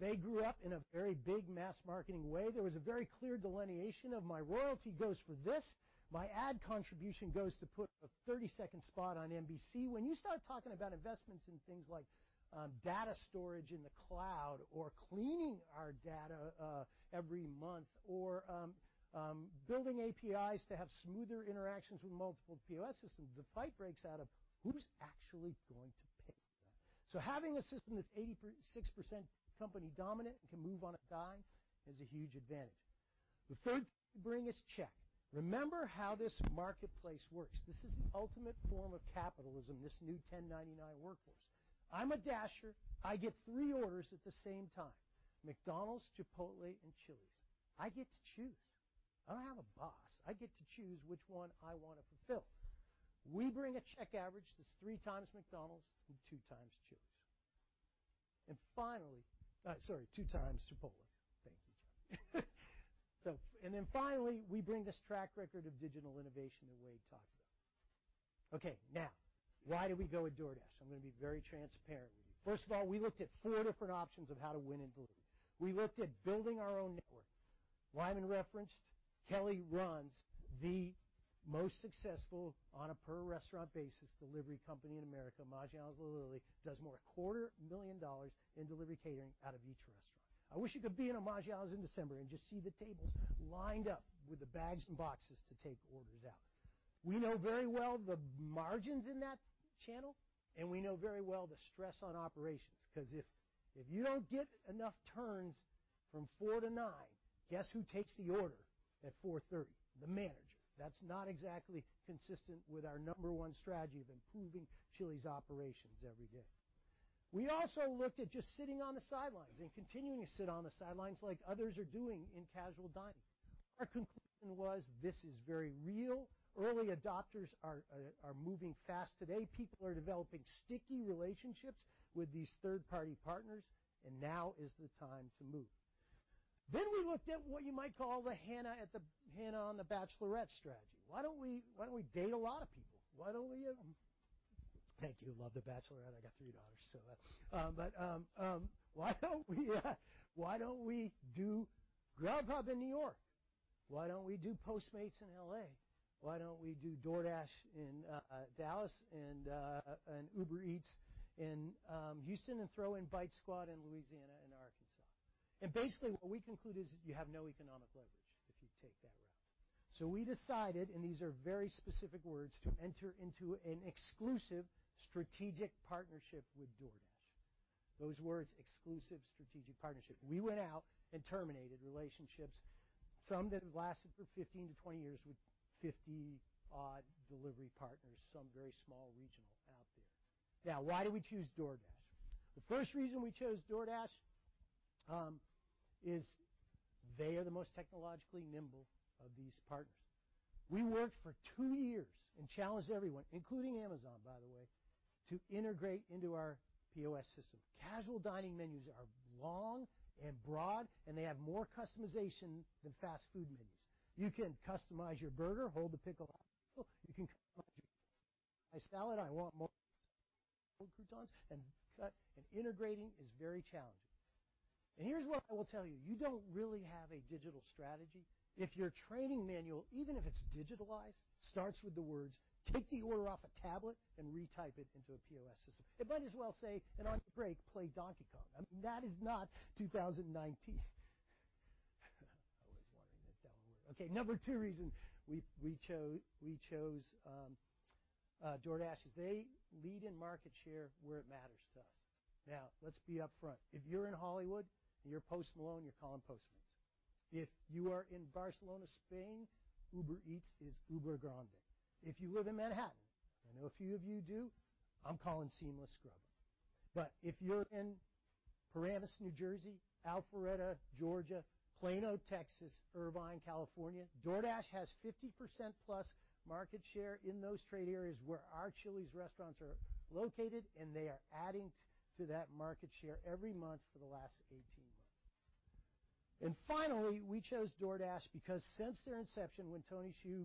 They grew up in a very big mass-marketing way. There was a very clear delineation of my royalty goes for this, my ad contribution goes to put a 30-second spot on NBC. You start talking about investments in things like data storage in the cloud or cleaning our data every month or building APIs to have smoother interactions with multiple POS systems, the fight breaks out of who's actually going to pay for that. Having a system that's 86% company dominant and can move on a dime is a huge advantage. The third thing we bring is check. Remember how this marketplace works. This is the ultimate form of capitalism, this new 1099 workforce. I'm a Dasher. I get three orders at the same time, McDonald's, Chipotle, and Chili's. I get to choose. I don't have a boss. I get to choose which one I want to fulfill. We bring a check average that's three times McDonald's and two times Chili's. Sorry, two times Chipotle. Thank you. Finally, we bring this track record of digital innovation that Wade talked about. Why did we go with DoorDash? I'm going to be very transparent with you. First of all, we looked at four different options of how to win in delivery. We looked at building our own network. Wyman referenced, Kelly runs the most successful on a per-restaurant basis delivery company in America, Maggiano's Little Italy, does more than a quarter-million dollars in delivery catering out of each restaurant. I wish you could be in a Maggiano's in December and just see the tables lined up with the bags and boxes to take orders out. We know very well the margins in that channel, and we know very well the stress on operations because if you don't get enough turns from 4:00 P.M. to 9:00 P.M., guess who takes the order at 4:30 P.M.? The manager. That's not exactly consistent with our number one strategy of improving Chili's operations every day. We also looked at just sitting on the sidelines and continuing to sit on the sidelines like others are doing in casual dining. Our conclusion was this is very real. Early adopters are moving fast today. People are developing sticky relationships with these third-party partners, and now is the time to move. We looked at what you might call the Hannah on The Bachelorette strategy. Why don't we date a lot of people? Why don't we Thank you. Love The Bachelorette. I got three daughters. Why don't we do Grubhub in New York? Why don't we do Postmates in L.A.? Why don't we do DoorDash in Dallas and Uber Eats in Houston and throw in Bite Squad in Louisiana and Arkansas? Basically what we conclude is that you have no economic leverage if you take that route. We decided, and these are very specific words, to enter into an exclusive strategic partnership with DoorDash. Those words, exclusive strategic partnership. We went out and terminated relationships, some that have lasted for 15-20 years, with 50-odd delivery partners, some very small regional out there. Why did we choose DoorDash? The first reason we chose DoorDash is they are the most technologically nimble of these partners. We worked for two years and challenged everyone, including Amazon, by the way, to integrate into our POS system. Casual dining menus are long and broad, and they have more customization than fast food menus. You can customize your burger, hold the pickle, my salad, I want croutons and cut, and integrating is very challenging. Here's what I will tell you. You don't really have a digital strategy if your training manual, even if it's digitalized, starts with the words, "Take the order off a tablet and retype it into a POS system." It might as well say, "On your break, play Donkey Kong." I mean, that is not 2019. I was wondering if that would work. Okay, number two reason we chose DoorDash is they lead in market share where it matters to us. Now, let's be upfront. If you're in Hollywood and you're Post Malone, you're calling Postmates. If you are in Barcelona, Spain, Uber Eats is Uber grande. If you live in Manhattan, I know a few of you do, I'm calling Seamless, Grub. If you're in Paramus, New Jersey, Alpharetta, Georgia, Plano, Texas, Irvine, California, DoorDash has 50%+ market share in those trade areas where our Chili's restaurants are located, and they are adding to that market share every month for the last 18 months. Finally, we chose DoorDash because since their inception, when Tony Xu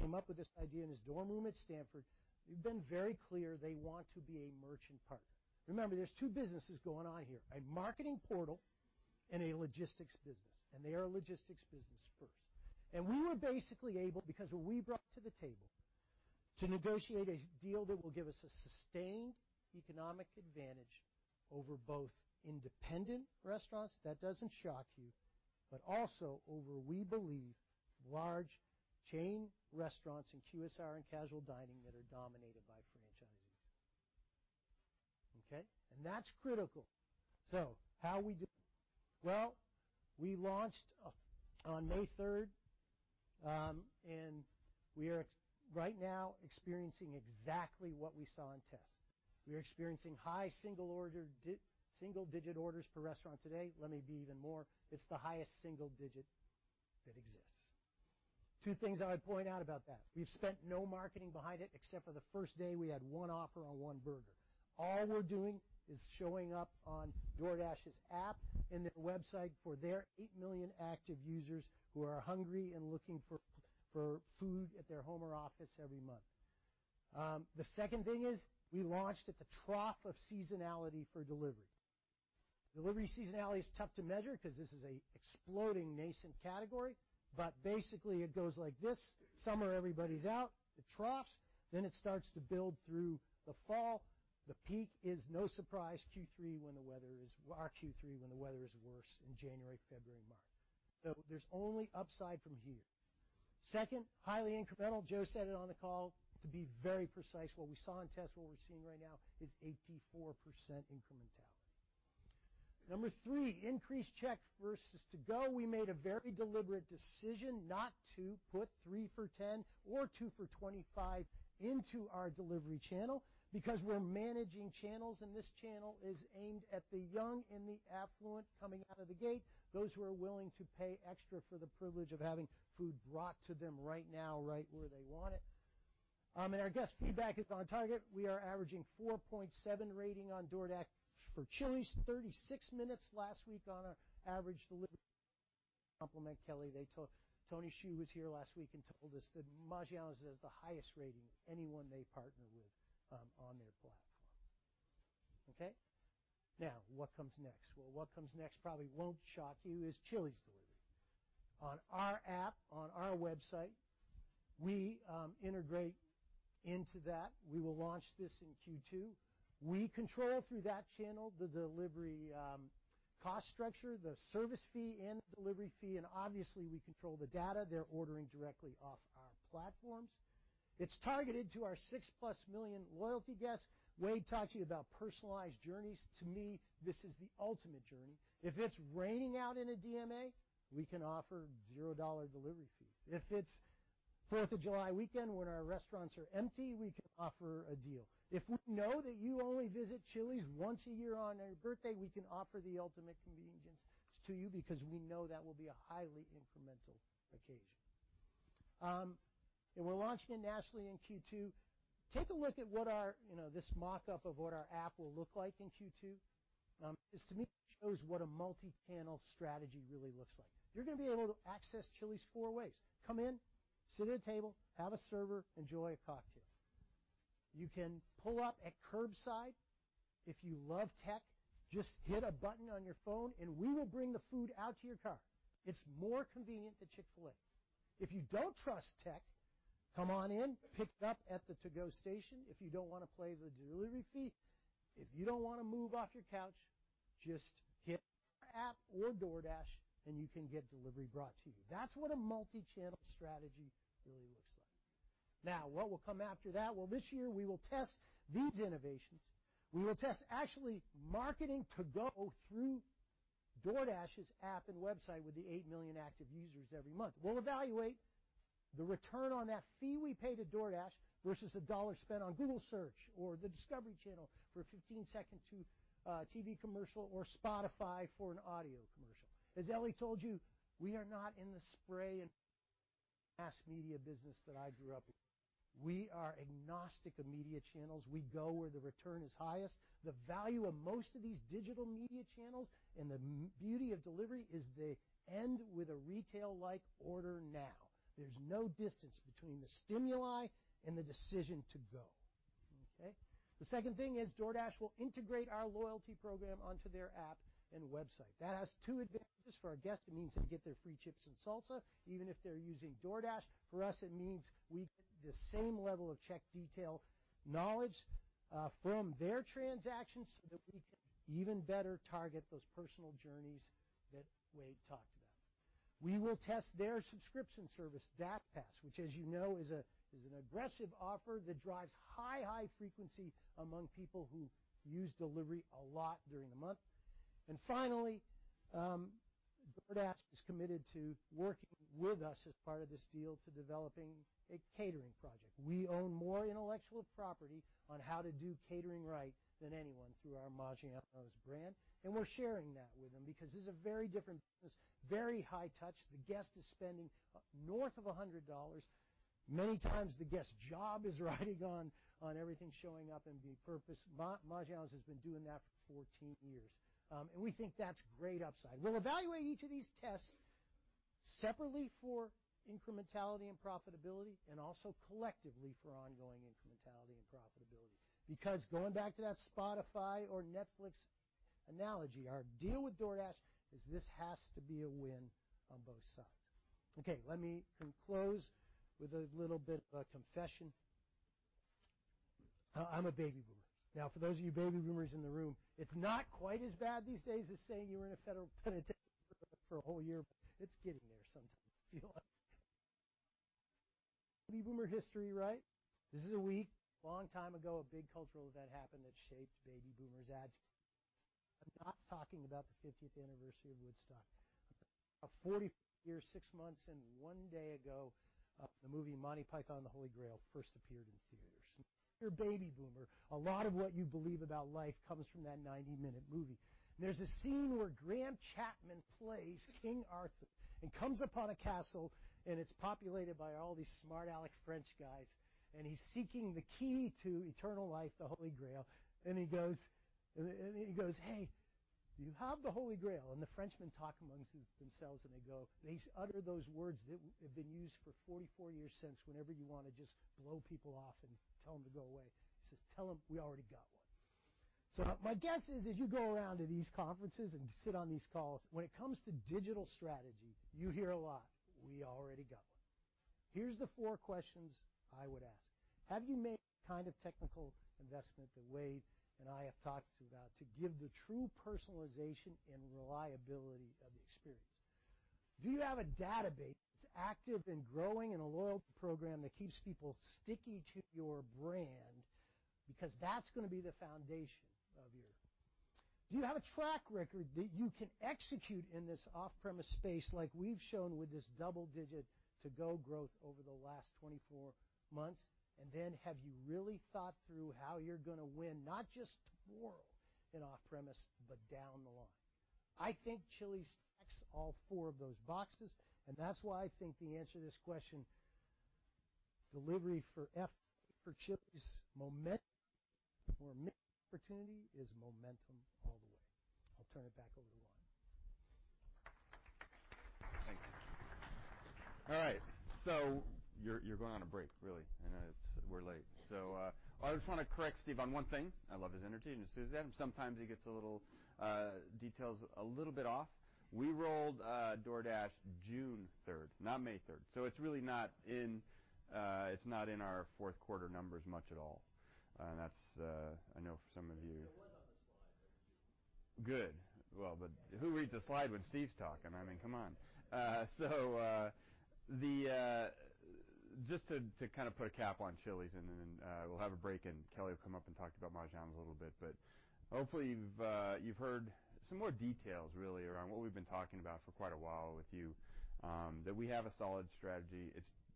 came up with this idea in his dorm room at Stanford, they've been very clear they want to be a merchant partner. Remember, there's two businesses going on here, a marketing portal and a logistics business, and they are a logistics business first. We were basically able, because of what we brought to the table, to negotiate a deal that will give us a sustained economic advantage over both independent restaurants, that doesn't shock you, but also over, we believe, large chain restaurants in QSR and casual dining that are dominated by franchises. Okay? That's critical. How we do. We launched on June 3rd, we are right now experiencing exactly what we saw in tests. We are experiencing high single-digit orders per restaurant today. Let me be even more, it's the highest single digit that exists. Two things I would point out about that. We've spent no marketing behind it except for the first day we had one offer on one burger. All we're doing is showing up on DoorDash's app and their website for their 8 million active users who are hungry and looking for food at their home or office every month. The second thing is we launched at the trough of seasonality for delivery. Delivery seasonality is tough to measure because this is a exploding nascent category, basically it goes like this. Summer, everybody's out, it troughs, it starts to build through the fall. The peak is no surprise, Q3 when the weather is worse in January, February, March. There's only upside from here. Second, highly incremental. Joe said it on the call. To be very precise, what we saw in tests, what we're seeing right now is 84% incrementality. Number three, increased check versus to-go. We made a very deliberate decision not to put 3 for $10 or 2 for $25 into our delivery channel because we're managing channels, and this channel is aimed at the young and the affluent coming out of the gate, those who are willing to pay extra for the privilege of having food brought to them right now, right where they want it. Our guest feedback is on target. We are averaging 4.7 rating on DoorDash for Chili's, 36 minutes last week on our average delivery compliment Kelly, Tony Xu was here last week and told us that Maggiano's has the highest rating of anyone they partner with on their platform. Okay? What comes next? What comes next probably won't shock you is Chili's delivery. On our app, on our website, we integrate into that. We will launch this in Q2. We control through that channel the delivery cost structure, the service fee and the delivery fee. Obviously, we control the data. They're ordering directly off our platforms. It's targeted to our 6+ million loyalty guests. Wade talked to you about personalized journeys. To me, this is the ultimate journey. If it's raining out in a DMA, we can offer $0 delivery fees. If it's 4th of July weekend when our restaurants are empty, we can offer a deal. If we know that you only visit Chili's once a year on your birthday, we can offer the ultimate convenience to you because we know that will be a highly incremental occasion. We're launching it nationally in Q2. Take a look at this mock-up of what our app will look like in Q2. This to me shows what a multi-channel strategy really looks like. You're going to be able to access Chili's four ways. Come in, sit at a table, have a server, enjoy a cocktail. You can pull up at curbside. If you love tech, just hit a button on your phone, and we will bring the food out to your car. It's more convenient than Chick-fil-A. If you don't trust tech, come on in, pick it up at the to-go station if you don't want to pay the delivery fee. If you don't want to move off your couch, just hit our app or DoorDash, and you can get delivery brought to you. That's what a multi-channel strategy really looks like. What will come after that? This year, we will test these innovations. We will test actually marketing to-go through DoorDash's app and website with the 8 million active users every month. We'll evaluate the return on that fee we paid to DoorDash versus $1 spent on Google Search or the Discovery Channel for a 15-second TV commercial or Spotify for an audio commercial. As Ellie told you, we are not in the spray and mass media business that I grew up in. We are agnostic of media channels. We go where the return is highest. The value of most of these digital media channels and the beauty of delivery is they end with a retail-like order now. There's no distance between the stimuli and the decision to go. Okay? The second thing is DoorDash will integrate our loyalty program onto their app and website. That has two advantages for our guests. It means they get their free chips and salsa, even if they're using DoorDash. For us, it means we get the same level of check detail knowledge from their transactions so that we can even better target those personal journeys that Wade talked about. We will test their subscription service, DashPass, which as you know, is an aggressive offer that drives high frequency among people who use delivery a lot during the month. Finally, DoorDash is committed to working with us as part of this deal to developing a catering project. We own more intellectual property on how to do catering right than anyone through our Maggiano's brand, and we're sharing that with them because this is a very different business, very high touch. The guest is spending north of $100. Many times the guest's job is riding on everything showing up and being perfect. Maggiano's has been doing that for 14 years, and we think that's great upside. We'll evaluate each of these tests separately for incrementality and profitability and also collectively for ongoing incrementality and profitability. Going back to that Spotify or Netflix analogy, our deal with DoorDash is this has to be a win on both sides. Let me close with a little bit of a confession. I'm a Baby Boomer. Now, for those of you Baby Boomers in the room, it's not quite as bad these days as saying you were in a federal penitentiary for a whole year, but it's getting there sometimes, I feel like. Baby Boomer history, right? This is a week, a long time ago, a big cultural event happened that shaped Baby Boomers. I'm not talking about the 50th anniversary of Woodstock. 44 years, six months, and one day ago, the movie "Monty Python and the Holy Grail" first appeared in theaters. If you're a Baby Boomer, a lot of what you believe about life comes from that 90-minute movie. There's a scene where Graham Chapman plays King Arthur and comes upon a castle, and it's populated by all these smart-aleck French guys, and he's seeking the key to eternal life, the Holy Grail. He goes, "Hey, do you have the Holy Grail?" The Frenchmen talk amongst themselves, they utter those words that have been used for 44 years since, whenever you want to just blow people off and tell them to go away. He says, "Tell him we already got one." My guess is, as you go around to these conferences and sit on these calls, when it comes to digital strategy, you hear a lot, "We already got one." Here's the four questions I would ask. Have you made the kind of technical investment that Wade and I have talked to you about to give the true personalization and reliability of the experience? Do you have a database that's active and growing and a loyalty program that keeps people sticky to your brand? That's going to be the foundation of your, do you have a track record that you can execute in this off-premise space like we've shown with this double-digit to-go growth over the last 24 months? Have you really thought through how you're going to win, not just tomorrow in off-premise, but down the line? I think Chili's checks all four of those boxes, and that's why I think the answer to this question, delivery for Chili's momentum or opportunity, is momentum all the way. I'll turn it back over to Wyman. Thanks. All right. You're going on a break, really. I know we're late. I just want to correct Steve on one thing. I love his energy and his enthusiasm. Sometimes he gets the little details a little bit off. We rolled DoorDash June 3rd, not May 3rd. It's really not in our fourth quarter numbers much at all. That's, I know for some of you- It was on the slide. Good. Who reads a slide when Steve's talking? I mean, come on. Just to kind of put a cap on Chili's, and then we'll have a break, and Kelly will come up and talk about Maggiano's a little bit. Hopefully, you've heard some more details really around what we've been talking about for quite a while with you, that we have a solid strategy.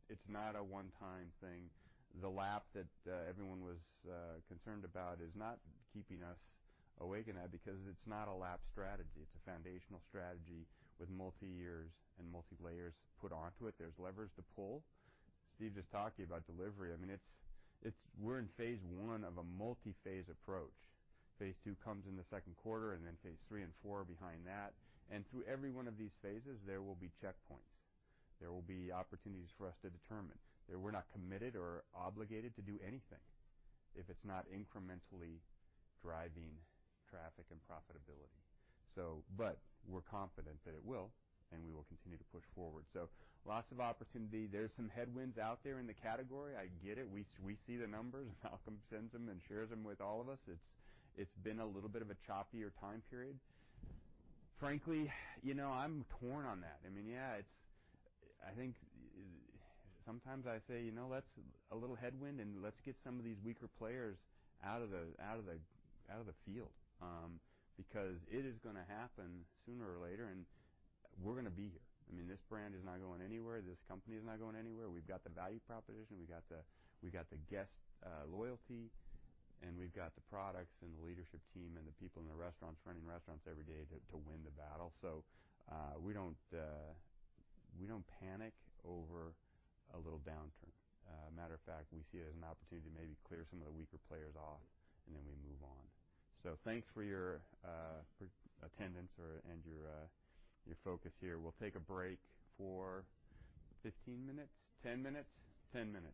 It's not a one-time thing. The lap that everyone was concerned about is not keeping us awake at night because it's not a lap strategy. It's a foundational strategy with multi-years and multiple layers put onto it. There's levers to pull. Steve just talked to you about delivery. I mean, we're in phase I of a multi-phase approach. Phase II comes in the second quarter, and then phase III and IV are behind that. Through every one of these phases, there will be checkpoints. There will be opportunities for us to determine that we're not committed or obligated to do anything if it's not incrementally driving traffic and profitability. We're confident that it will, and we will continue to push forward. Lots of opportunity. There's some headwinds out there in the category. I get it. We see the numbers. Malcolm sends them and shares them with all of us. It's been a little bit of a choppier time period. Frankly, I'm torn on that. I mean, yeah, I think sometimes I say, "That's a little headwind, and let's get some of these weaker players out of the field," because it is going to happen sooner or later. We're going to be here. This brand is not going anywhere. This company is not going anywhere. We've got the value proposition, we got the guest loyalty, and we've got the products and the leadership team, and the people in the restaurants running restaurants every day to win the battle. We don't panic over a little downturn. Matter of fact, we see it as an opportunity to maybe clear some of the weaker players off, and then we move on. Thanks for your attendance and your focus here. We'll take a break for 15 minutes? 10 minutes? 10 minutes.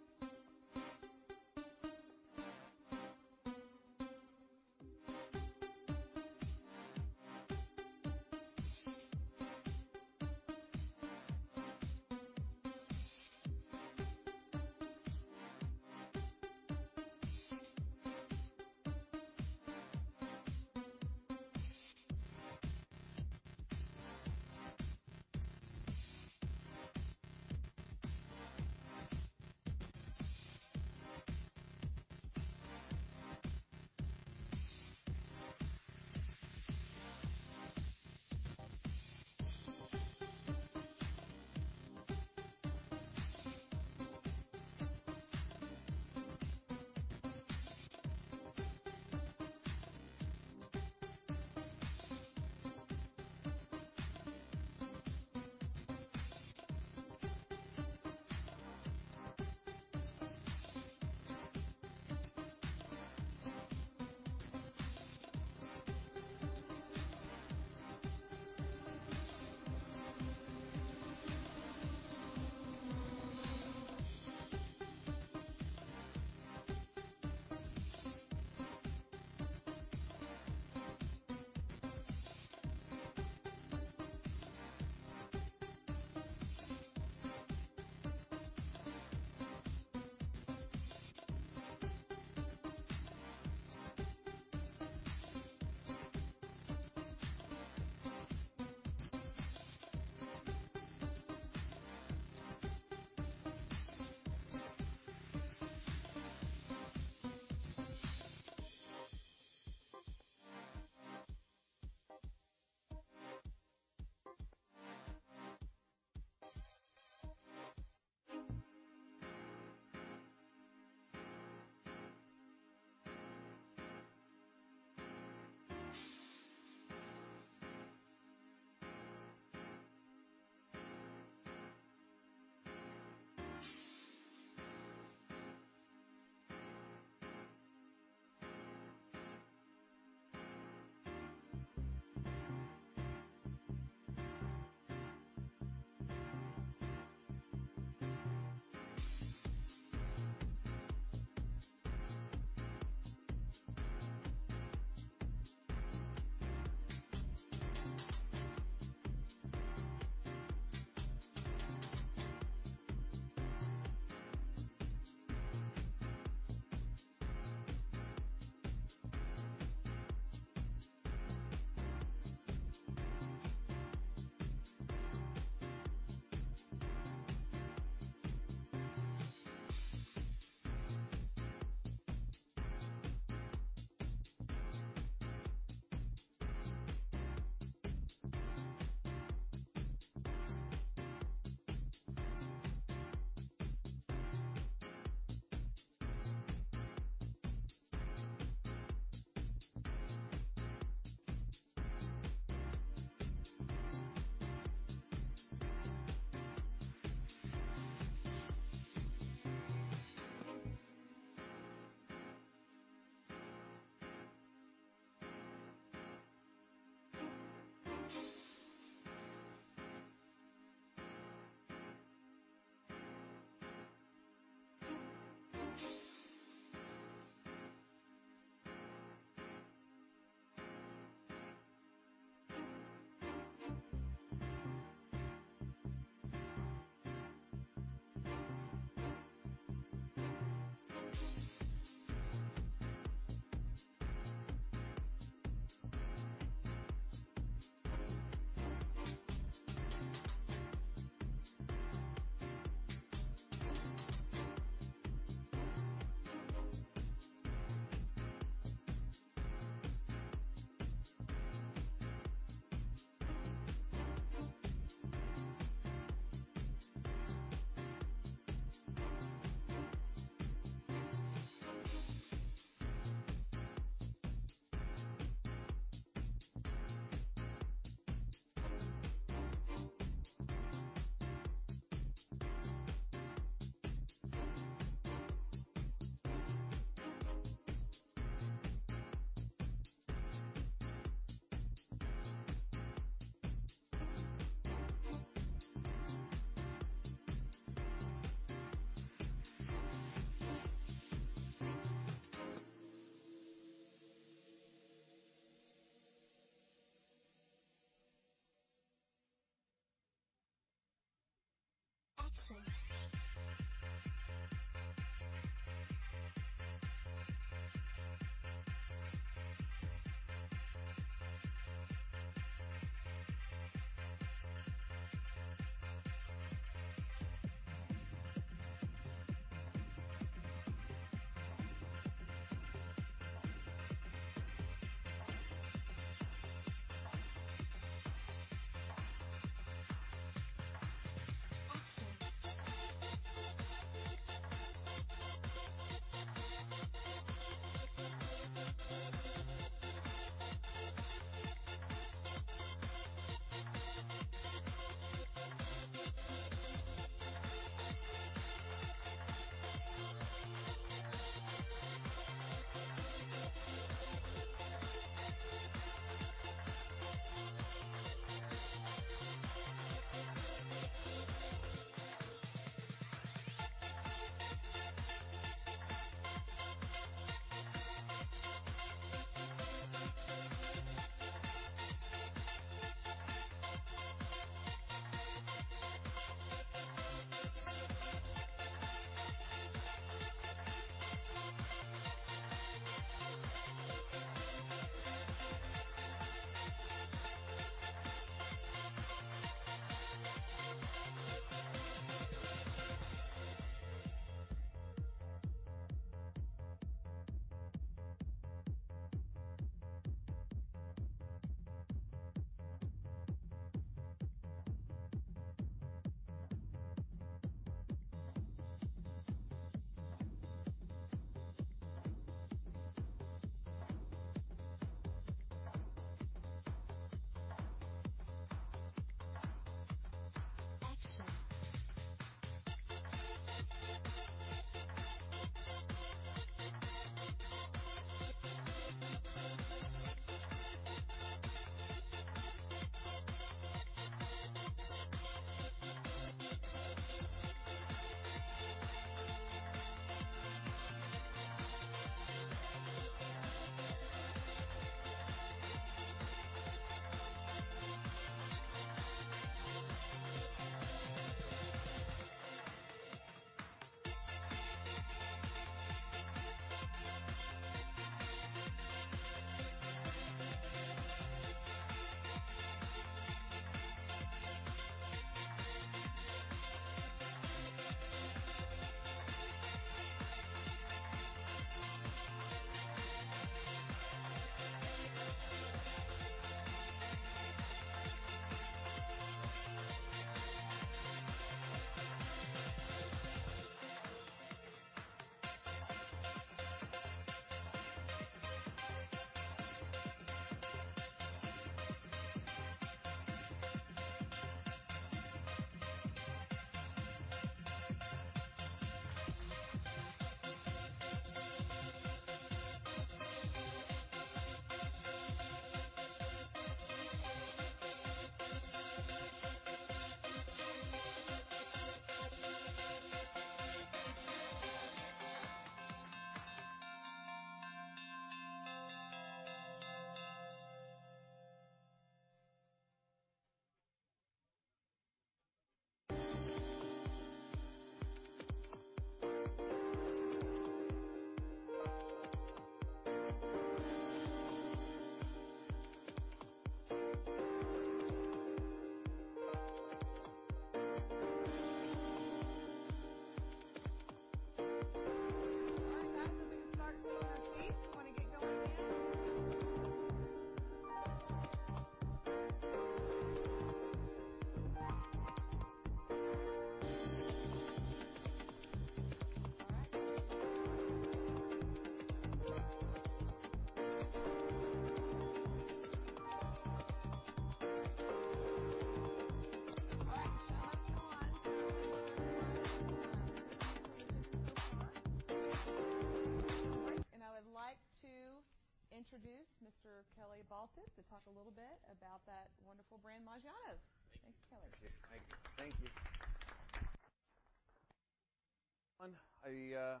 All right, guys. If we can start to fill our seats. Want to get going in just a minute. I would like to introduce Mr. Kelly Baltes to talk a little bit about that wonderful brand, Maggiano's. Thank you. Thanks, Kelly. Thank you.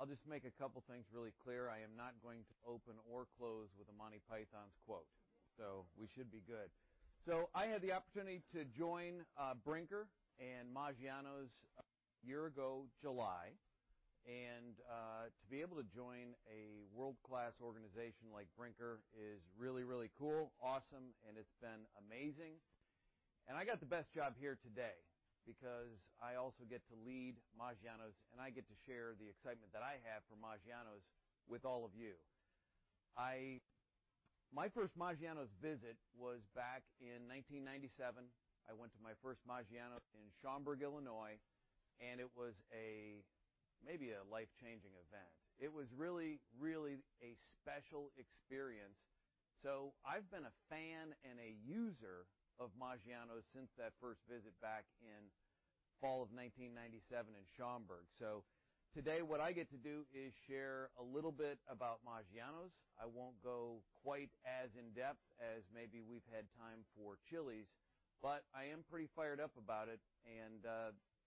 I'll just make a couple things really clear. I am not going to open or close with a Monty Python's quote, so we should be good. I had the opportunity to join Brinker and Maggiano's a year ago July, and to be able to join a world-class organization like Brinker is really, really cool, awesome, and it's been amazing. I got the best job here today because I also get to lead Maggiano's, and I get to share the excitement that I have for Maggiano's with all of you. My first Maggiano's visit was back in 1997. I went to my first Maggiano's in Schaumburg, Illinois, and it was maybe a life-changing event. It was really, really a special experience. I've been a fan and a user of Maggiano's since that first visit back in fall of 1997 in Schaumburg. Today, what I get to do is share a little bit about Maggiano's. I won't go quite as in-depth as maybe we've had time for Chili's, but I am pretty fired up about it.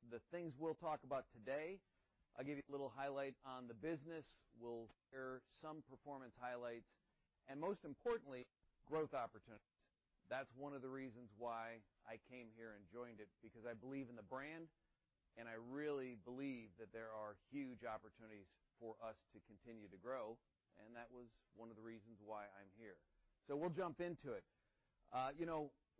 The things we'll talk about today, I'll give you a little highlight on the business, we'll share some performance highlights, and most importantly, growth opportunities. That's one of the reasons why I came here and joined it, because I believe in the brand, and I really believe that there are huge opportunities for us to continue to grow. That was one of the reasons why I'm here. We'll jump into it.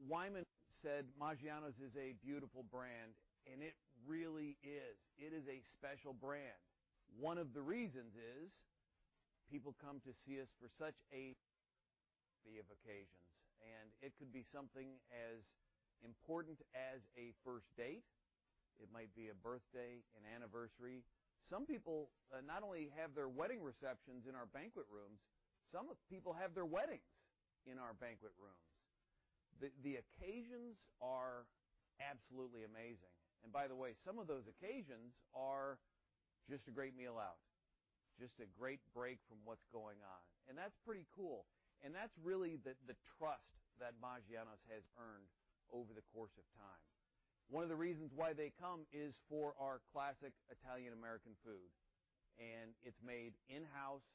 Wyman said Maggiano's is a beautiful brand, and it really is. It is a special brand. One of the reasons is people come to see us for such a variety of occasions, and it could be something as important as a first date. It might be a birthday, an anniversary. Some people not only have their wedding receptions in our banquet rooms, some people have their weddings in our banquet rooms. The occasions are absolutely amazing. By the way, some of those occasions are just a great meal out, just a great break from what's going on. That's pretty cool. That's really the trust that Maggiano's has earned over the course of time. One of the reasons why they come is for our classic Italian-American food, and it's made in-house.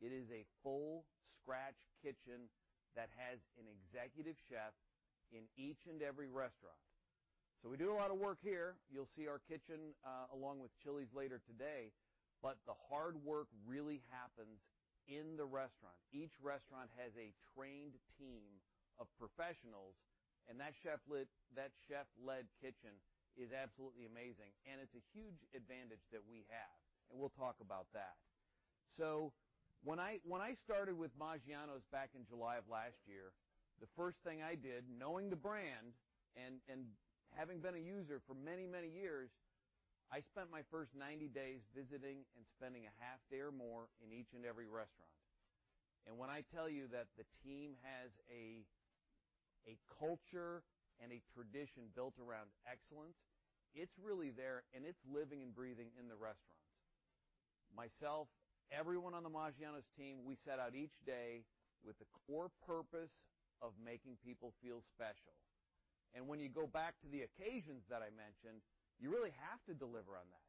It is a full scratch kitchen that has an executive chef in each and every restaurant. We do a lot of work here. You'll see our kitchen along with Chili's later today. The hard work really happens in the restaurant. Each restaurant has a trained team of professionals, and that chef-led kitchen is absolutely amazing, and it's a huge advantage that we have. We'll talk about that. When I started with Maggiano's back in July of last year, the first thing I did, knowing the brand and having been a user for many, many years, I spent my first 90 days visiting and spending a half day or more in each and every restaurant. When I tell you that the team has a culture and a tradition built around excellence, it's really there, and it's living and breathing in the restaurants. Myself, everyone on the Maggiano's team, we set out each day with the core purpose of making people feel special. When you go back to the occasions that I mentioned, you really have to deliver on that.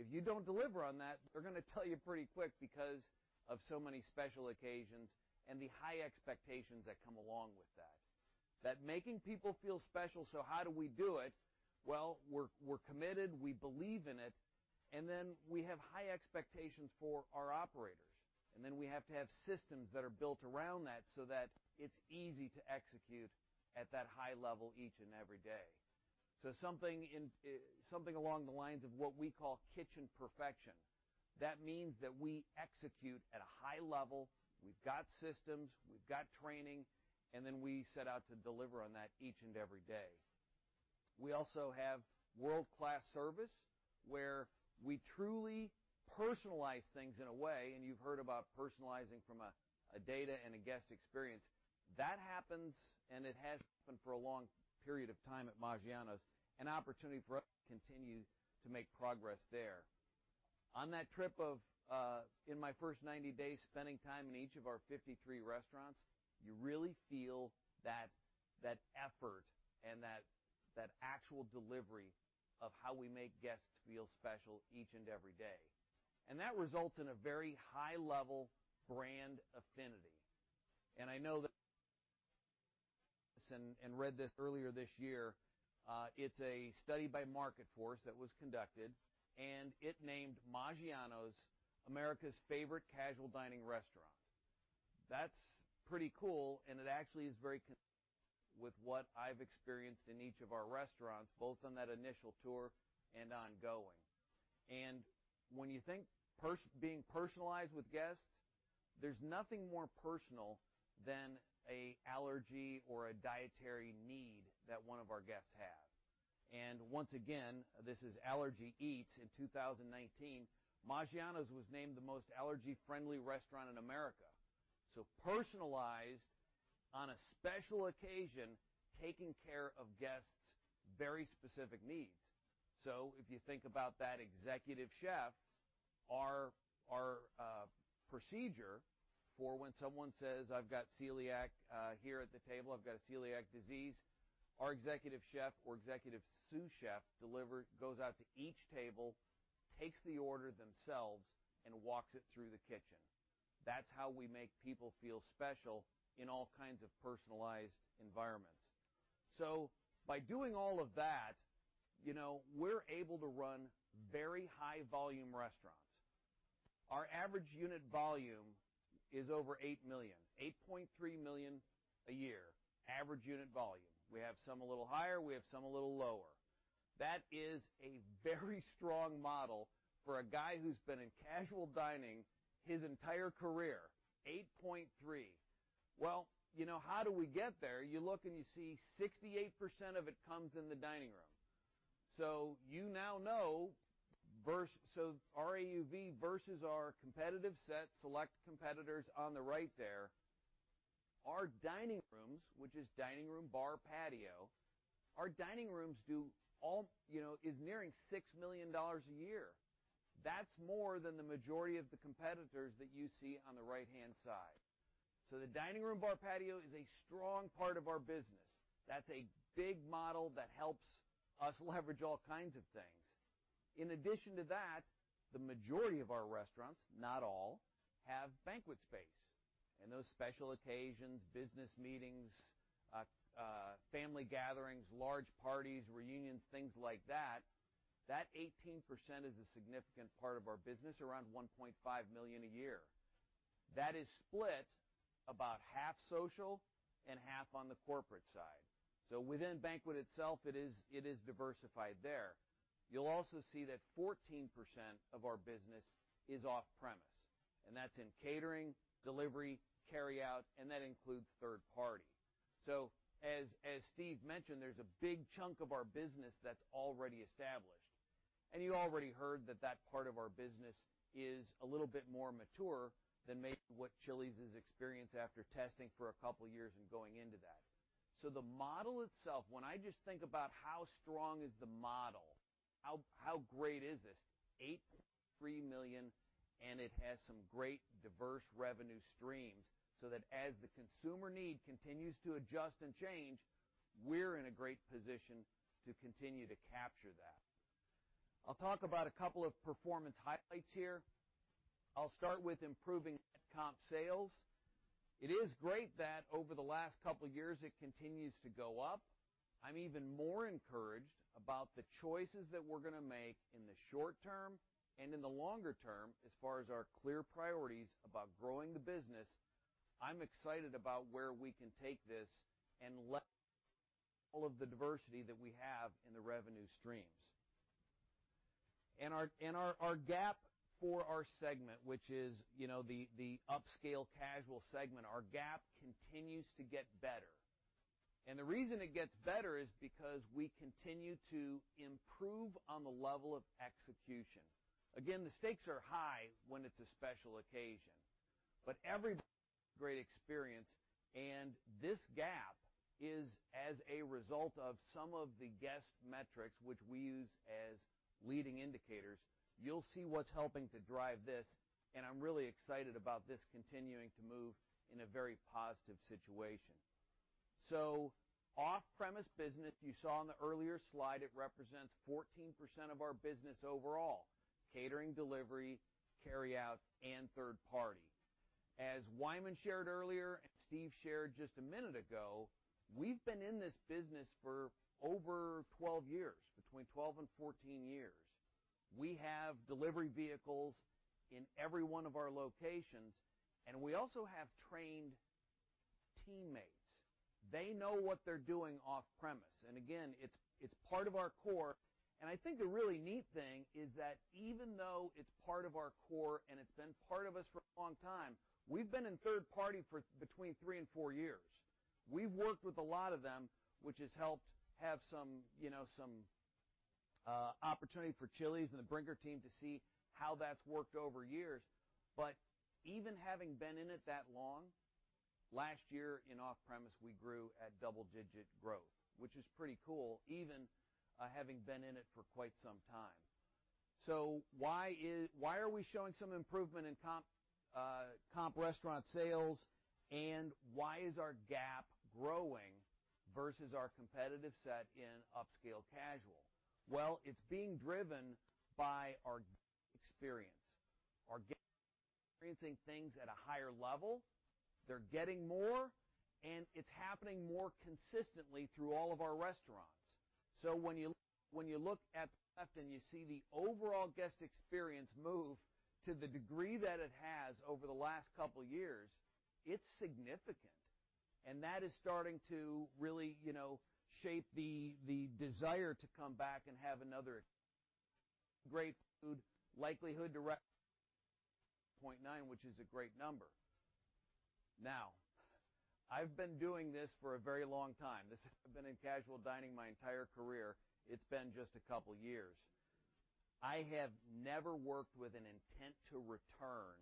If you don't deliver on that, they're going to tell you pretty quick because of so many special occasions and the high expectations that come along with that, making people feel special. How do we do it? Well, we're committed. We believe in it. Then we have high expectations for our operators. Then we have to have systems that are built around that so that it's easy to execute at that high level each and every day. Something along the lines of what we call Kitchen Perfection. That means that we execute high level. We've got systems, we've got training. Then we set out to deliver on that each and every day. We also have world-class service, where we truly personalize things in a way, and you've heard about personalizing from a data and a guest experience. That happens, and it has happened for a long period of time at Maggiano's, an opportunity for us to continue to make progress there. On that trip of, in my first 90 days, spending time in each of our 53 restaurants, you really feel that effort and that actual delivery of how we make guests feel special each and every day. That results in a very high-level brand affinity. I know that and read this earlier this year, it's a study by Market Force that was conducted, and it named Maggiano's America's Favorite Casual-Dining Restaurant. That's pretty cool, and it actually is very with what I've experienced in each of our restaurants, both on that initial tour and ongoing. When you think being personalized with guests, there's nothing more personal than an allergy or a dietary need that one of our guests have. Once again, this is AllergyEats in 2019, Maggiano's was named the most allergy-friendly restaurant in America. Personalized on a special occasion, taking care of guests' very specific needs. If you think about that executive chef, our procedure for when someone says, "I've got celiac here at the table. I've got a celiac disease," our executive chef or executive sous chef goes out to each table, takes the order themselves, and walks it through the kitchen. That's how we make people feel special in all kinds of personalized environments. By doing all of that, we're able to run very high-volume restaurants. Our average unit volume is over $8 million, $8.3 million a year, average unit volume. We have some a little higher, we have some a little lower. That is a very strong model for a guy who's been in casual dining his entire career, 8.3. Well, how do we get there? You look and you see 68% of it comes in the dining room. You now know, so our AUV versus our competitive set, select competitors on the right there, our dining rooms, which is dining room, bar, patio, our dining rooms is nearing $6 million a year. That's more than the majority of the competitors that you see on the right-hand side. The dining room, bar, patio is a strong part of our business. That's a big model that helps us leverage all kinds of things. In addition to that, the majority of our restaurants, not all, have banquet space. Those special occasions, business meetings, family gatherings, large parties, reunions, things like that 18% is a significant part of our business, around $1.5 million a year. That is split about half social and half on the corporate side. Within banquet itself, it is diversified there. You'll also see that 14% of our business is off-premise, and that's in catering, delivery, carry-out, and that includes third party. As Steve mentioned, there's a big chunk of our business that's already established. You already heard that that part of our business is a little bit more mature than maybe what Chili's has experienced after testing for a couple of years and going into that. The model itself, when I just think about how strong is the model, how great is this? $8.3 million. It has some great diverse revenue streams, so that as the consumer need continues to adjust and change, we're in a great position to continue to capture that. I'll talk about a couple of performance highlights here. I'll start with improving comp sales. It is great that over the last couple years, it continues to go up. I'm even more encouraged about the choices that we're going to make in the short term and in the longer term, as far as our clear priorities about growing the business. I'm excited about where we can take this and all of the diversity that we have in the revenue streams. Our gap for our segment, which is the upscale casual segment, our gap continues to get better. The reason it gets better is because we continue to improve on the level of execution. The stakes are high when it's a special occasion. Every great experience, and this gap is as a result of some of the guest metrics which we use as leading indicators. You'll see what's helping to drive this, and I'm really excited about this continuing to move in a very positive situation. Off-premise business, you saw on the earlier slide, it represents 14% of our business overall, catering, delivery, carry-out, and third party. As Wyman shared earlier and Steve shared just a minute ago, we've been in this business for over 12 years, between 12 and 14 years. We have delivery vehicles in every one of our locations, and we also have trained teammates. They know what they're doing off-premise, and again, it's part of our core. I think the really neat thing is that even though it's part of our core and it's been part of us for a long time, we've been in third party for between three and four years. We've worked with a lot of them, which has helped have some opportunity for Chili's and the Brinker team to see how that's worked over years. Even having been in it that long, last year in off-premise, we grew at double-digit growth, which is pretty cool, even having been in it for quite some time. Why are we showing some improvement in comp restaurant sales, and why is our gap growing versus our competitive set in upscale casual? It's being driven by our guest experience. Our guests are experiencing things at a higher level, they're getting more, and it's happening more consistently through all of our restaurants. When you look at the left and you see the overall guest experience move to the degree that it has over the last couple of years, it's significant, and that is starting to really shape the desire to come back and have another great food, likelihood to 0.9, which is a great number. I've been doing this for a very long time. This has been in casual dining my entire career. It's been just a couple of years. I have never worked with an intent to return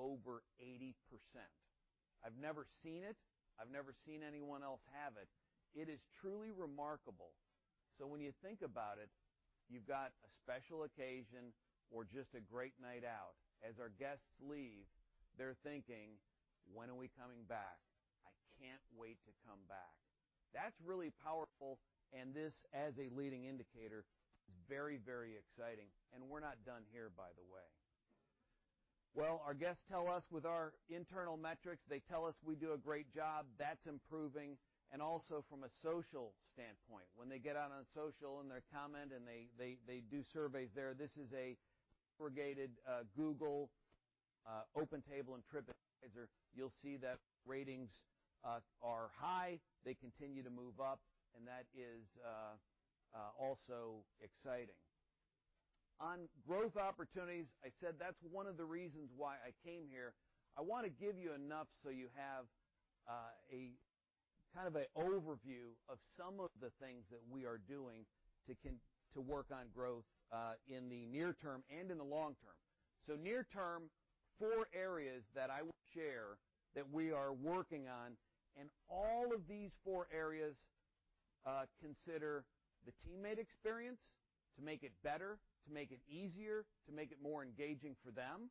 over 80%. I've never seen it. I've never seen anyone else have it. It is truly remarkable. When you think about it, you've got a special occasion or just a great night out. As our guests leave, they're thinking, "When are we coming back? I can't wait to come back." That's really powerful. This, as a leading indicator, is very exciting. We're not done here, by the way. Our guests tell us with our internal metrics, they tell us we do a great job. That's improving. Also from a social standpoint, when they get out on social and they comment, and they do surveys there, this is an aggregated Google, OpenTable, and TripAdvisor. You'll see that ratings are high. They continue to move up, and that is also exciting. On growth opportunities, I said that's one of the reasons why I came here. I want to give you enough so you have a kind of an overview of some of the things that we are doing to work on growth in the near term and in the long term. Near term, four areas that I will share that we are working on, all of these four areas consider the teammate experience to make it better, to make it easier, to make it more engaging for them.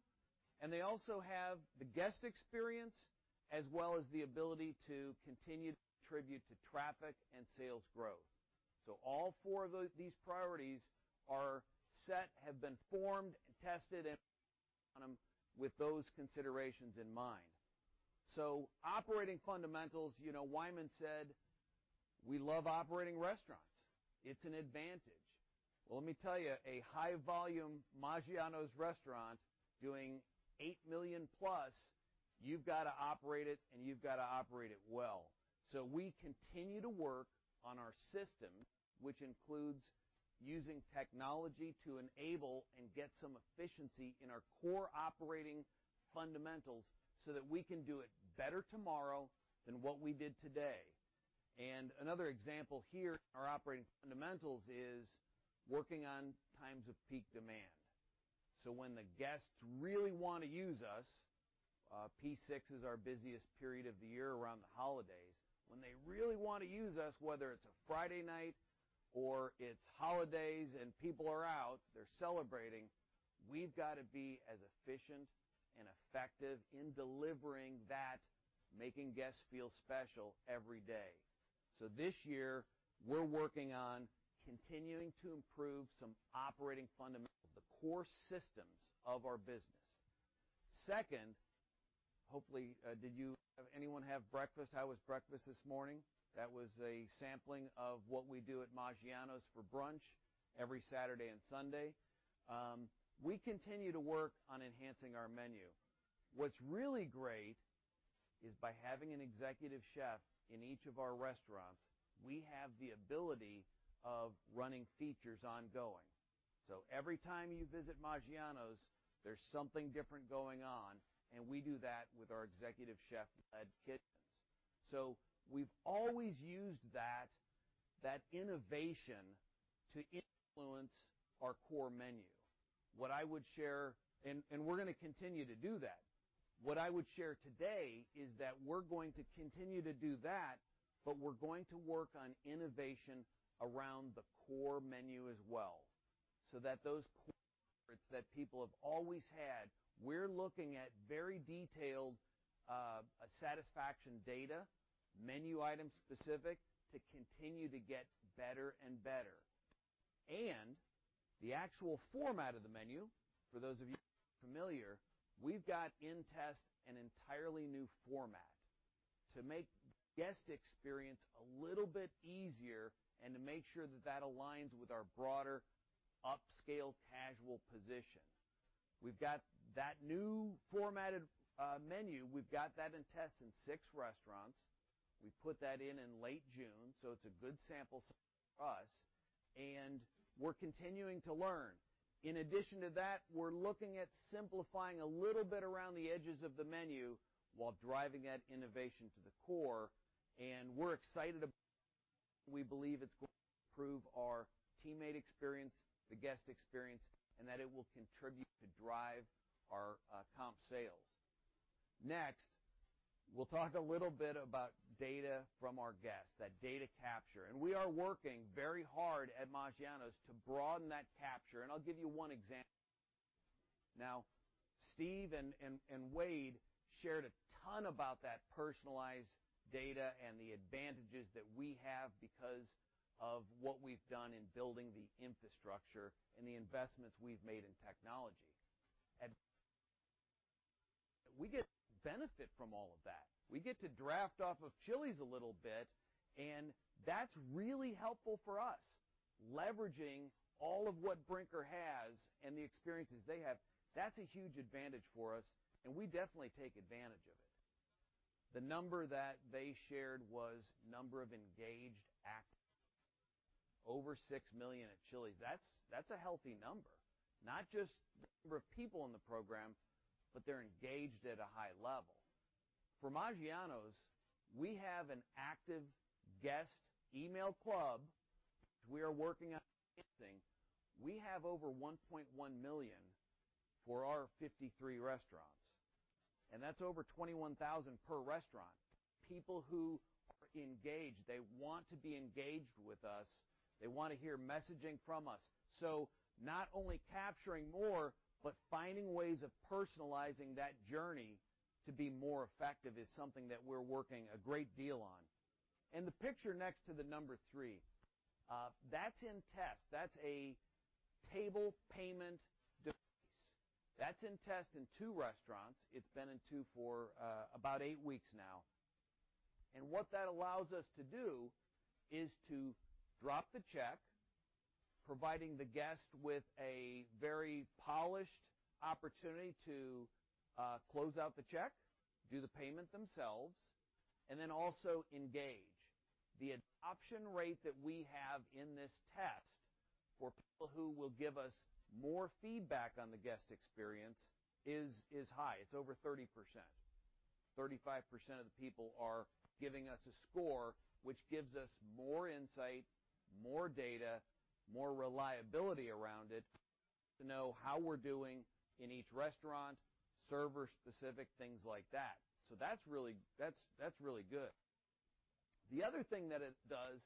They also have the guest experience, as well as the ability to continue to contribute to traffic and sales growth. All four of these priorities are set, have been formed and tested, with those considerations in mind. Operating fundamentals, Wyman said we love operating restaurants. It's an advantage. Let me tell you, a high-volume Maggiano's restaurant doing $8 million plus, you've got to operate it, and you've got to operate it well. We continue to work on our system, which includes using technology to enable and get some efficiency in our core operating fundamentals so that we can do it better tomorrow than what we did today. Another example here in our operating fundamentals is working on times of peak demand. When the guests really want to use us, P6 is our busiest period of the year around the holidays. When they really want to use us, whether it's a Friday night or it's holidays and people are out, they're celebrating, we've got to be as efficient and effective in delivering that, making guests feel special every day. This year, we're working on continuing to improve some operating fundamentals, the core systems of our business. Second, hopefully, did anyone have breakfast? How was breakfast this morning? That was a sampling of what we do at Maggiano's for brunch every Saturday and Sunday. We continue to work on enhancing our menu. What's really great is by having an executive chef in each of our restaurants, we have the ability of running features ongoing. Every time you visit Maggiano's, there's something different going on, and we do that with our executive chef-led kitchens. We've always used that innovation to influence our core menu. We're going to continue to do that. What I would share today is that we're going to continue to do that, but we're going to work on innovation around the core menu as well, so that those core efforts that people have always had, we're looking at very detailed satisfaction data, menu item specific, to continue to get better and better. The actual format of the menu, for those of you who are familiar, we've got in test an entirely new format to make the guest experience a little bit easier and to make sure that that aligns with our broader upscale casual position. We've got that new formatted menu. We've got that in test in six restaurants. We put that in in late June, so it's a good sample size for us, and we're continuing to learn. In addition to that, we're looking at simplifying a little bit around the edges of the menu while driving that innovation to the core, and we're excited about that. We believe it's going to improve our teammate experience, the guest experience, and that it will contribute to drive our comp sales. Next, we'll talk a little bit about data from our guests, that data capture. We are working very hard at Maggiano's to broaden that capture, I'll give you one example. Steve and Wade shared a ton about that personalized data and the advantages that we have because of what we've done in building the infrastructure and the investments we've made in technology. We get benefit from all of that. We get to draft off of Chili's a little bit, and that's really helpful for us. Leveraging all of what Brinker has and the experiences they have, that's a huge advantage for us, and we definitely take advantage of it. The number that they shared was number of engaged, active, over 6 million at Chili's. That's a healthy number. Not just the number of people in the program, but they're engaged at a high level. For Maggiano's, we have an active guest email club, which we are working on. We have over $1.1 million for our 53 restaurants. That's over 21,000 per restaurant. People who are engaged, they want to be engaged with us. They want to hear messaging from us. Not only capturing more, but finding ways of personalizing that journey to be more effective is something that we're working a great deal on. The picture next to the number three, that's in test. That's a table payment device. That's in test in two restaurants. It's been in two for about eight weeks now. What that allows us to do is to drop the check, providing the guest with a very polished opportunity to close out the check, do the payment themselves, and then also engage. The adoption rate that we have in this test for people who will give us more feedback on the guest experience is high. It's over 30%. 35% of the people are giving us a score, which gives us more insight, more data, more reliability around it to know how we're doing in each restaurant, server specific, things like that. That's really good. The other thing that it does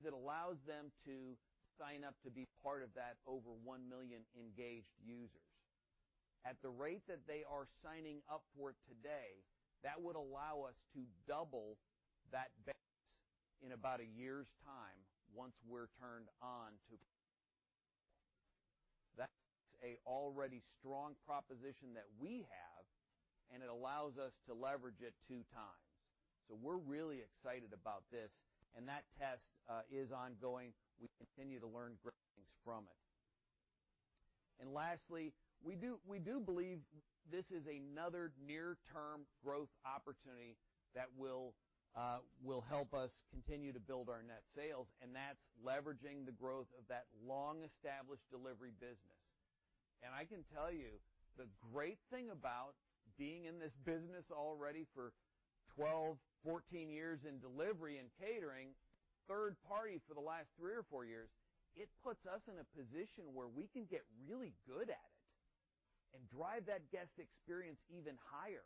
is it allows them to sign up to be part of that over 1 million engaged users. At the rate that they are signing up for it today, that would allow us to double that base in about a year's time once we're turned on to. That's a already strong proposition that we have, and it allows us to leverage it 2x. We're really excited about this, and that test is ongoing. We continue to learn great things from it. Lastly, we do believe this is another near-term growth opportunity that will help us continue to build our net sales, and that's leveraging the growth of that long-established delivery business. I can tell you, the great thing about being in this business already for 12, 14 years in delivery and catering, third party for the last three or four years, it puts us in a position where we can get really good at it and drive that guest experience even higher.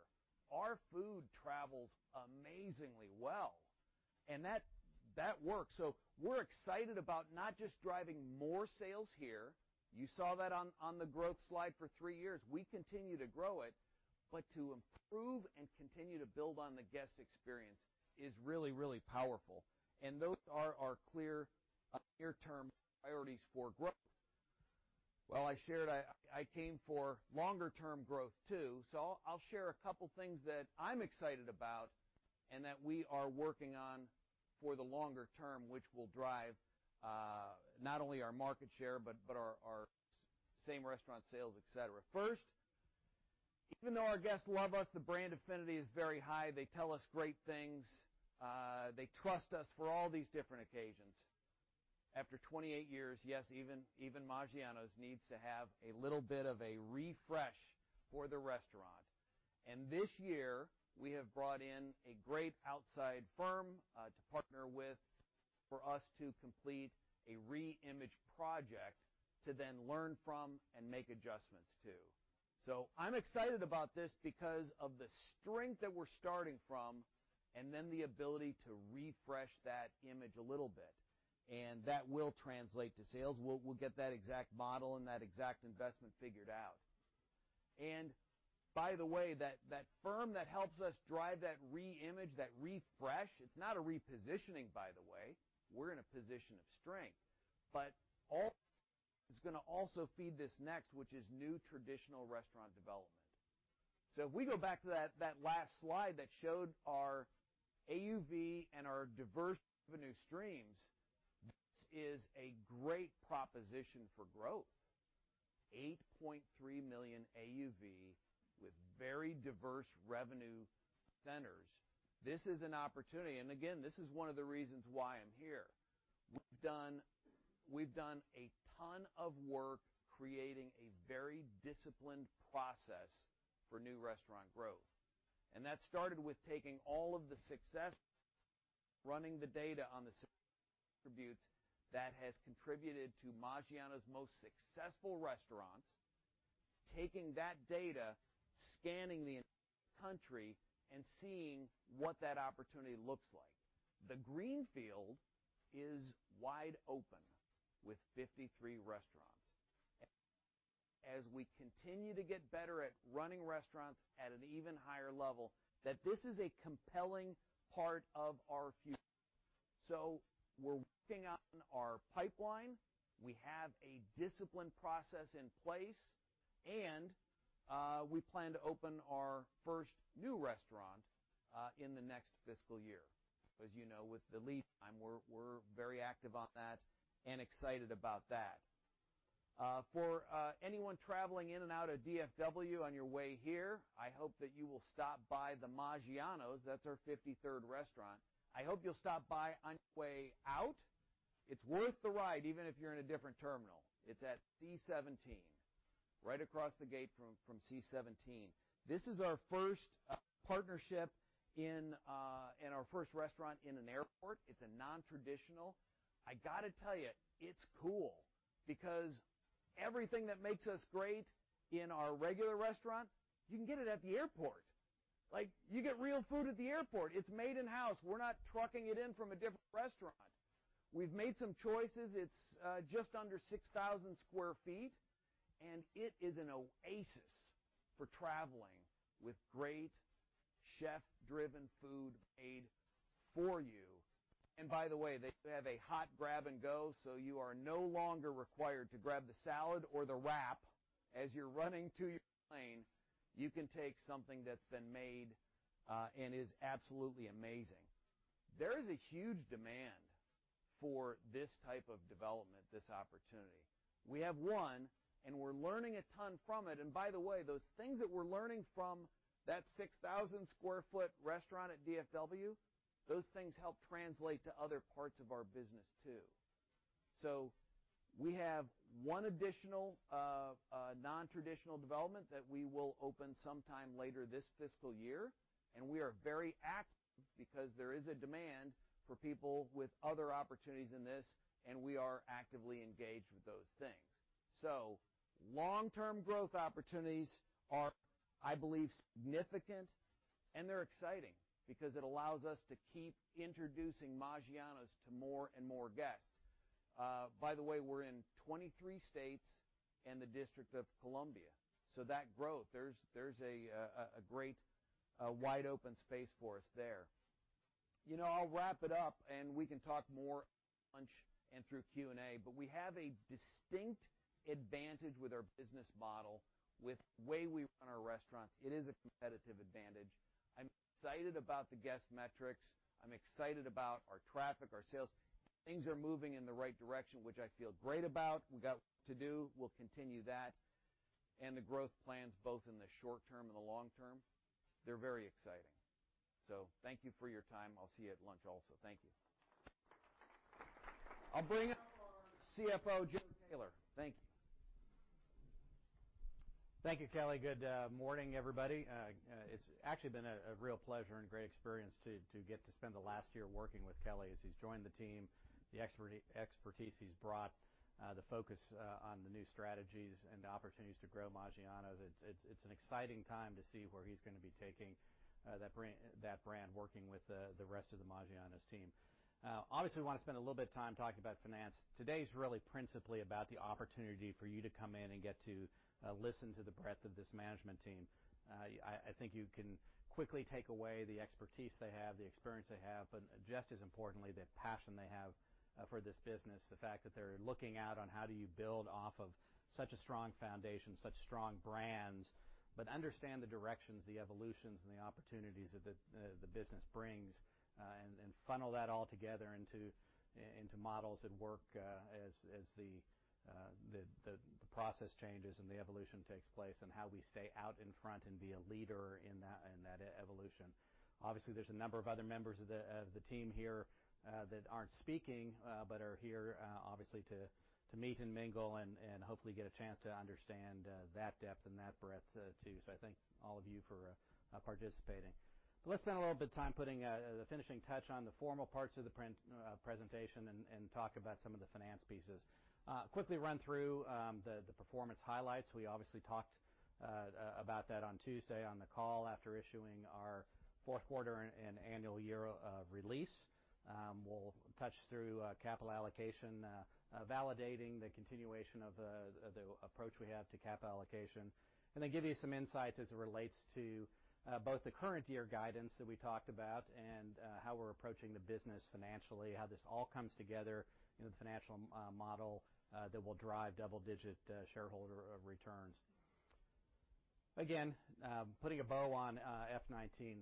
Our food travels amazingly well, and that works. We're excited about not just driving more sales here, you saw that on the growth slide for three years. We continue to grow it, but to improve and continue to build on the guest experience is really, really powerful. Those are our clear near-term priorities for growth. Well, I shared I came for longer term growth too, I'll share a couple things that I'm excited about and that we are working on for the longer term, which will drive not only our market share, but our same restaurant sales, et cetera. First, even though our guests love us, the brand affinity is very high. They tell us great things. They trust us for all these different occasions. After 28 years, yes, even Maggiano's needs to have a little bit of a refresh for the restaurant. This year, we have brought in a great outside firm to partner with for us to complete a reimage project to then learn from and make adjustments to. I'm excited about this because of the strength that we're starting from then the ability to refresh that image a little bit, that will translate to sales. We'll get that exact model and that exact investment figured out. By the way, that firm that helps us drive that reimage, that refresh, it's not a repositioning by the way. We're in a position of strength. All is going to also feed this next, which is new traditional restaurants. If we go back to that last slide that showed our AUV and our diverse revenue streams, this is a great proposition for growth. $8.3 million AUV with very diverse revenue centers. This is an opportunity, and again, this is one of the reasons why I'm here. We've done a ton of work creating a very disciplined process for new restaurant growth. That started with taking all of the success, running the data on the success attributes that has contributed to Maggiano's most successful restaurants, taking that data, scanning the entire country, and seeing what that opportunity looks like. The green field is wide open with 53 restaurants. As we continue to get better at running restaurants at an even higher level, that this is a compelling part of our future. We're working on our pipeline, we have a disciplined process in place, and we plan to open our first new restaurant in the next fiscal year. As you know, with the lead time, we're very active on that and excited about that. For anyone traveling in and out of DFW on your way here, I hope that you will stop by the Maggiano's. That's our 53rd restaurant. I hope you'll stop by on your way out. It's worth the ride, even if you're in a different terminal. It's at D17, right across the gate from C17. This is our first partnership and our first restaurant in an airport. It's nontraditional. I got to tell you, it's cool because everything that makes us great in our regular restaurant, you can get it at the airport. You get real food at the airport. It's made in-house. We're not trucking it in from a different restaurant. We've made some choices. It's just under 6,000 sq ft, and it is an oasis for traveling, with great chef-driven food made for you. By the way, they have a hot grab-and-go, so you are no longer required to grab the salad or the wrap as you're running to your plane. You can take something that's been made and is absolutely amazing. There is a huge demand for this type of development, this opportunity. We have one, we're learning a ton from it. By the way, those things that we're learning from that 6,000 sq ft restaurant at DFW, those things help translate to other parts of our business, too. We have one additional nontraditional development that we will open sometime later this fiscal year, and we are very active because there is a demand for people with other opportunities in this, and we are actively engaged with those things. Long-term growth opportunities are, I believe, significant, and they're exciting because it allows us to keep introducing Maggiano's to more and more guests. By the way, we're in 23 states and the District of Columbia. That growth, there's a great wide open space for us there. I'll wrap it up, and we can talk more at lunch and through Q&A, but we have a distinct advantage with our business model, with the way we run our restaurants. It is a competitive advantage. I'm excited about the guest metrics. I'm excited about our traffic, our sales. Things are moving in the right direction, which I feel great about. We got work to do. We'll continue that. The growth plans, both in the short term and the long term, they're very exciting. Thank you for your time. I'll see you at lunch also. Thank you. I'll bring up our CFO, Joe Taylor. Thank you. Thank you, Kelly. Good morning, everybody. It's actually been a real pleasure and great experience to get to spend the last year working with Kelly as he's joined the team, the expertise he's brought, the focus on the new strategies and the opportunities to grow Maggiano's. It's an exciting time to see where he's going to be taking that brand, working with the rest of the Maggiano's team. Obviously, we want to spend a little bit of time talking about finance. Today's really principally about the opportunity for you to come in and get to listen to the breadth of this management team. I think you can quickly take away the expertise they have, the experience they have, but just as importantly, the passion they have for this business, the fact that they're looking out on how do you build off of such a strong foundation, such strong brands, but understand the directions, the evolutions, and the opportunities that the business brings, and funnel that all together into models that work as the process changes and the evolution takes place, and how we stay out in front and be a leader in that evolution. Obviously, there's a number of other members of the team here that aren't speaking but are here obviously to meet and mingle and hopefully get a chance to understand that depth and that breadth too. I thank all of you for participating. Let's spend a little bit of time putting the finishing touch on the formal parts of the presentation and talk about some of the finance pieces. Quickly run through the performance highlights. We obviously talked about that on Tuesday on the call after issuing our fourth quarter and annual year release. We'll touch through capital allocation, validating the continuation of the approach we have to capital allocation, and then give you some insights as it relates to both the current year guidance that we talked about and how we're approaching the business financially, how this all comes together in the financial model that will drive double-digit shareholder returns. Again, putting a bow on FY 2019,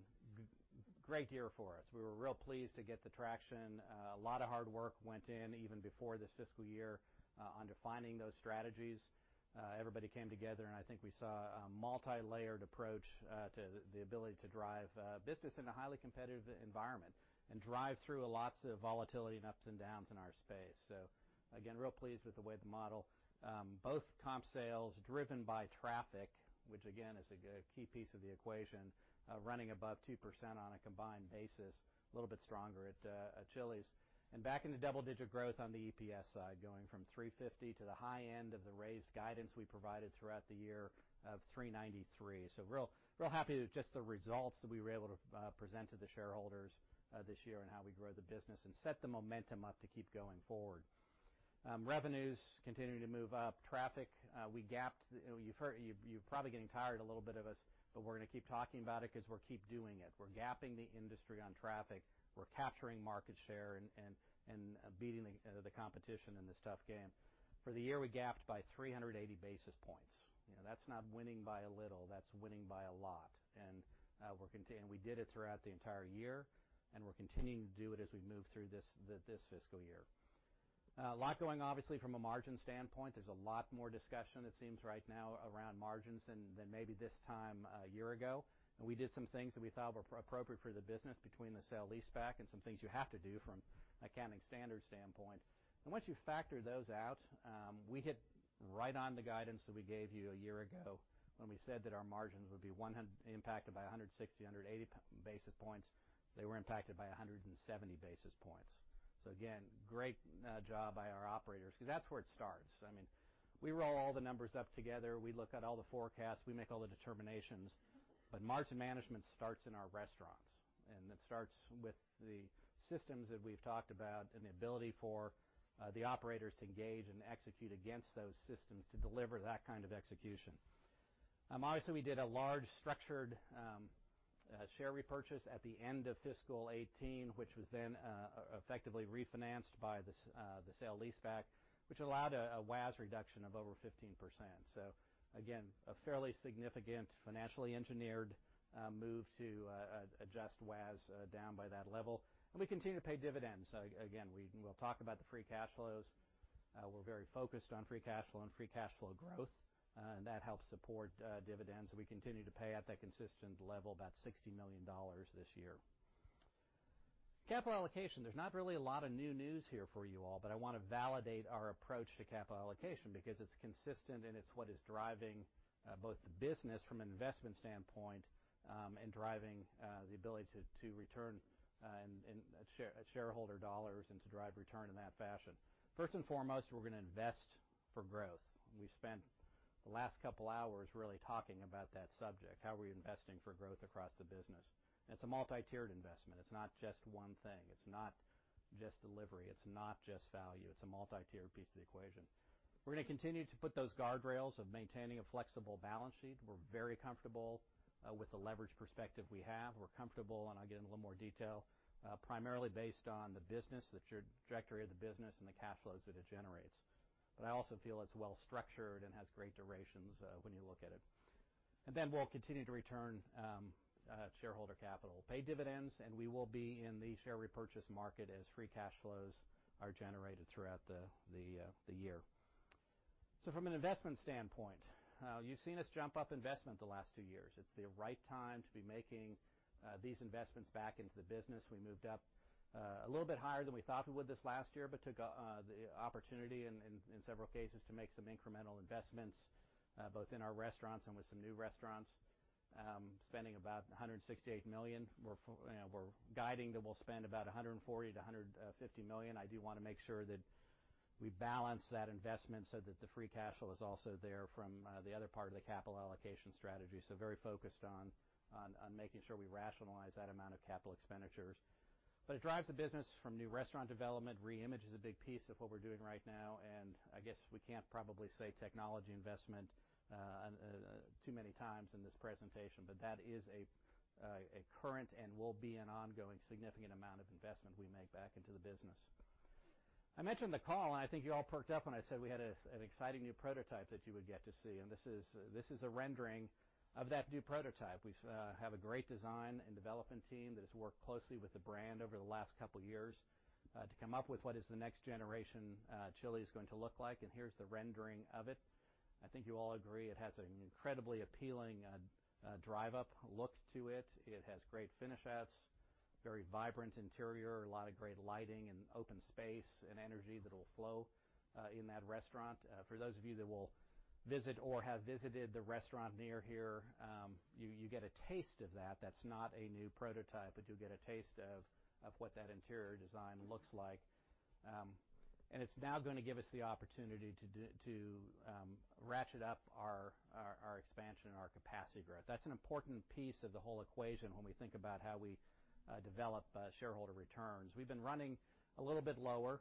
great year for us. We were real pleased to get the traction. A lot of hard work went in even before this fiscal year on defining those strategies. Everybody came together, I think we saw a multi-layered approach to the ability to drive business in a highly competitive environment and drive through lots of volatility and ups and downs in our space. Again, real pleased with the way the model, both comp sales driven by traffic, which again is a key piece of the equation, running above 2% on a combined basis, a little bit stronger at Chili's. Back into double-digit growth on the EPS side, going from $3.50 to the high end of the raised guidance we provided throughout the year of $3.93. Real happy with just the results that we were able to present to the shareholders this year and how we grow the business and set the momentum up to keep going forward. Revenues continuing to move up. Traffic, we gapped. You're probably getting tired a little bit of us, but we're going to keep talking about it because we keep doing it. We're gapping the industry on traffic. We're capturing market share and beating the competition in this tough game. For the year, we gapped by 380 basis points. That's not winning by a little, that's winning by a lot. We did it throughout the entire year, and we're continuing to do it as we move through this fiscal year. A lot going, obviously, from a margin standpoint. There's a lot more discussion, it seems right now around margins than maybe this time a year ago. We did some things that we thought were appropriate for the business between the sale-leaseback and some things you have to do from an accounting standards standpoint. Once you factor those out, we hit right on the guidance that we gave you a year ago when we said that our margins would be impacted by 160, 180 basis points. They were impacted by 170 basis points. Again, great job by our operators because that's where it starts. We roll all the numbers up together, we look at all the forecasts, we make all the determinations, but margin management starts in our restaurants. It starts with the systems that we've talked about and the ability for the operators to engage and execute against those systems to deliver that kind of execution. Obviously, we did a large structured share repurchase at the end of fiscal 2018, which was then effectively refinanced by the sale leaseback, which allowed a WACC reduction of over 15%. Again, a fairly significant financially engineered move to adjust WACC down by that level. We continue to pay dividends. Again, we'll talk about the free cash flows. We're very focused on free cash flow and free cash flow growth, and that helps support dividends. We continue to pay at that consistent level, about $60 million this year. Capital allocation. There's not really a lot of new news here for you all, but I want to validate our approach to capital allocation because it's consistent and it's what is driving both the business from an investment standpoint, and driving the ability to return shareholder dollars and to drive return in that fashion. First and foremost, we're going to invest for growth. We've spent the last couple hours really talking about that subject, how we're investing for growth across the business. It's a multi-tiered investment. It's not just one thing. It's not just delivery. It's not just value. It's a multi-tiered piece of the equation. We're going to continue to put those guardrails of maintaining a flexible balance sheet. We're very comfortable with the leverage perspective we have. We're comfortable, and I'll get in a little more detail, primarily based on the business, the trajectory of the business, and the cash flows that it generates. I also feel it's well-structured and has great durations when you look at it. We'll continue to return shareholder capital, pay dividends, and we will be in the share repurchase market as free cash flows are generated throughout the year. From an investment standpoint, you've seen us jump up investment the last two years. It's the right time to be making these investments back into the business. We moved up a little bit higher than we thought we would this last year, took the opportunity in several cases to make some incremental investments, both in our restaurants and with some new restaurants, spending about $168 million. We're guiding that we'll spend about $140 million-$150 million. I do want to make sure that we balance that investment so that the free cash flow is also there from the other part of the capital allocation strategy. Very focused on making sure we rationalize that amount of capital expenditures. It drives the business from new restaurant development. Reimage is a big piece of what we're doing right now, I guess we can't probably say technology investment too many times in this presentation, but that is a current and will be an ongoing significant amount of investment we make back into the business. I mentioned the call, and I think you all perked up when I said we had an exciting new prototype that you would get to see, and this is a rendering of that new prototype. We have a great design and development team that has worked closely with the brand over the last couple of years to come up with what is the next generation Chili's going to look like, and here's the rendering of it. I think you all agree it has an incredibly appealing drive-up look to it. It has great finish outs, very vibrant interior, a lot of great lighting and open space and energy that will flow in that restaurant. For those of you that will visit or have visited the restaurant near here, you get a taste of that. That's not a new prototype, but you'll get a taste of what that interior design looks like. It's now going to give us the opportunity to ratchet up our expansion and our capacity growth. That's an important piece of the whole equation when we think about how we develop shareholder returns. We've been running a little bit lower,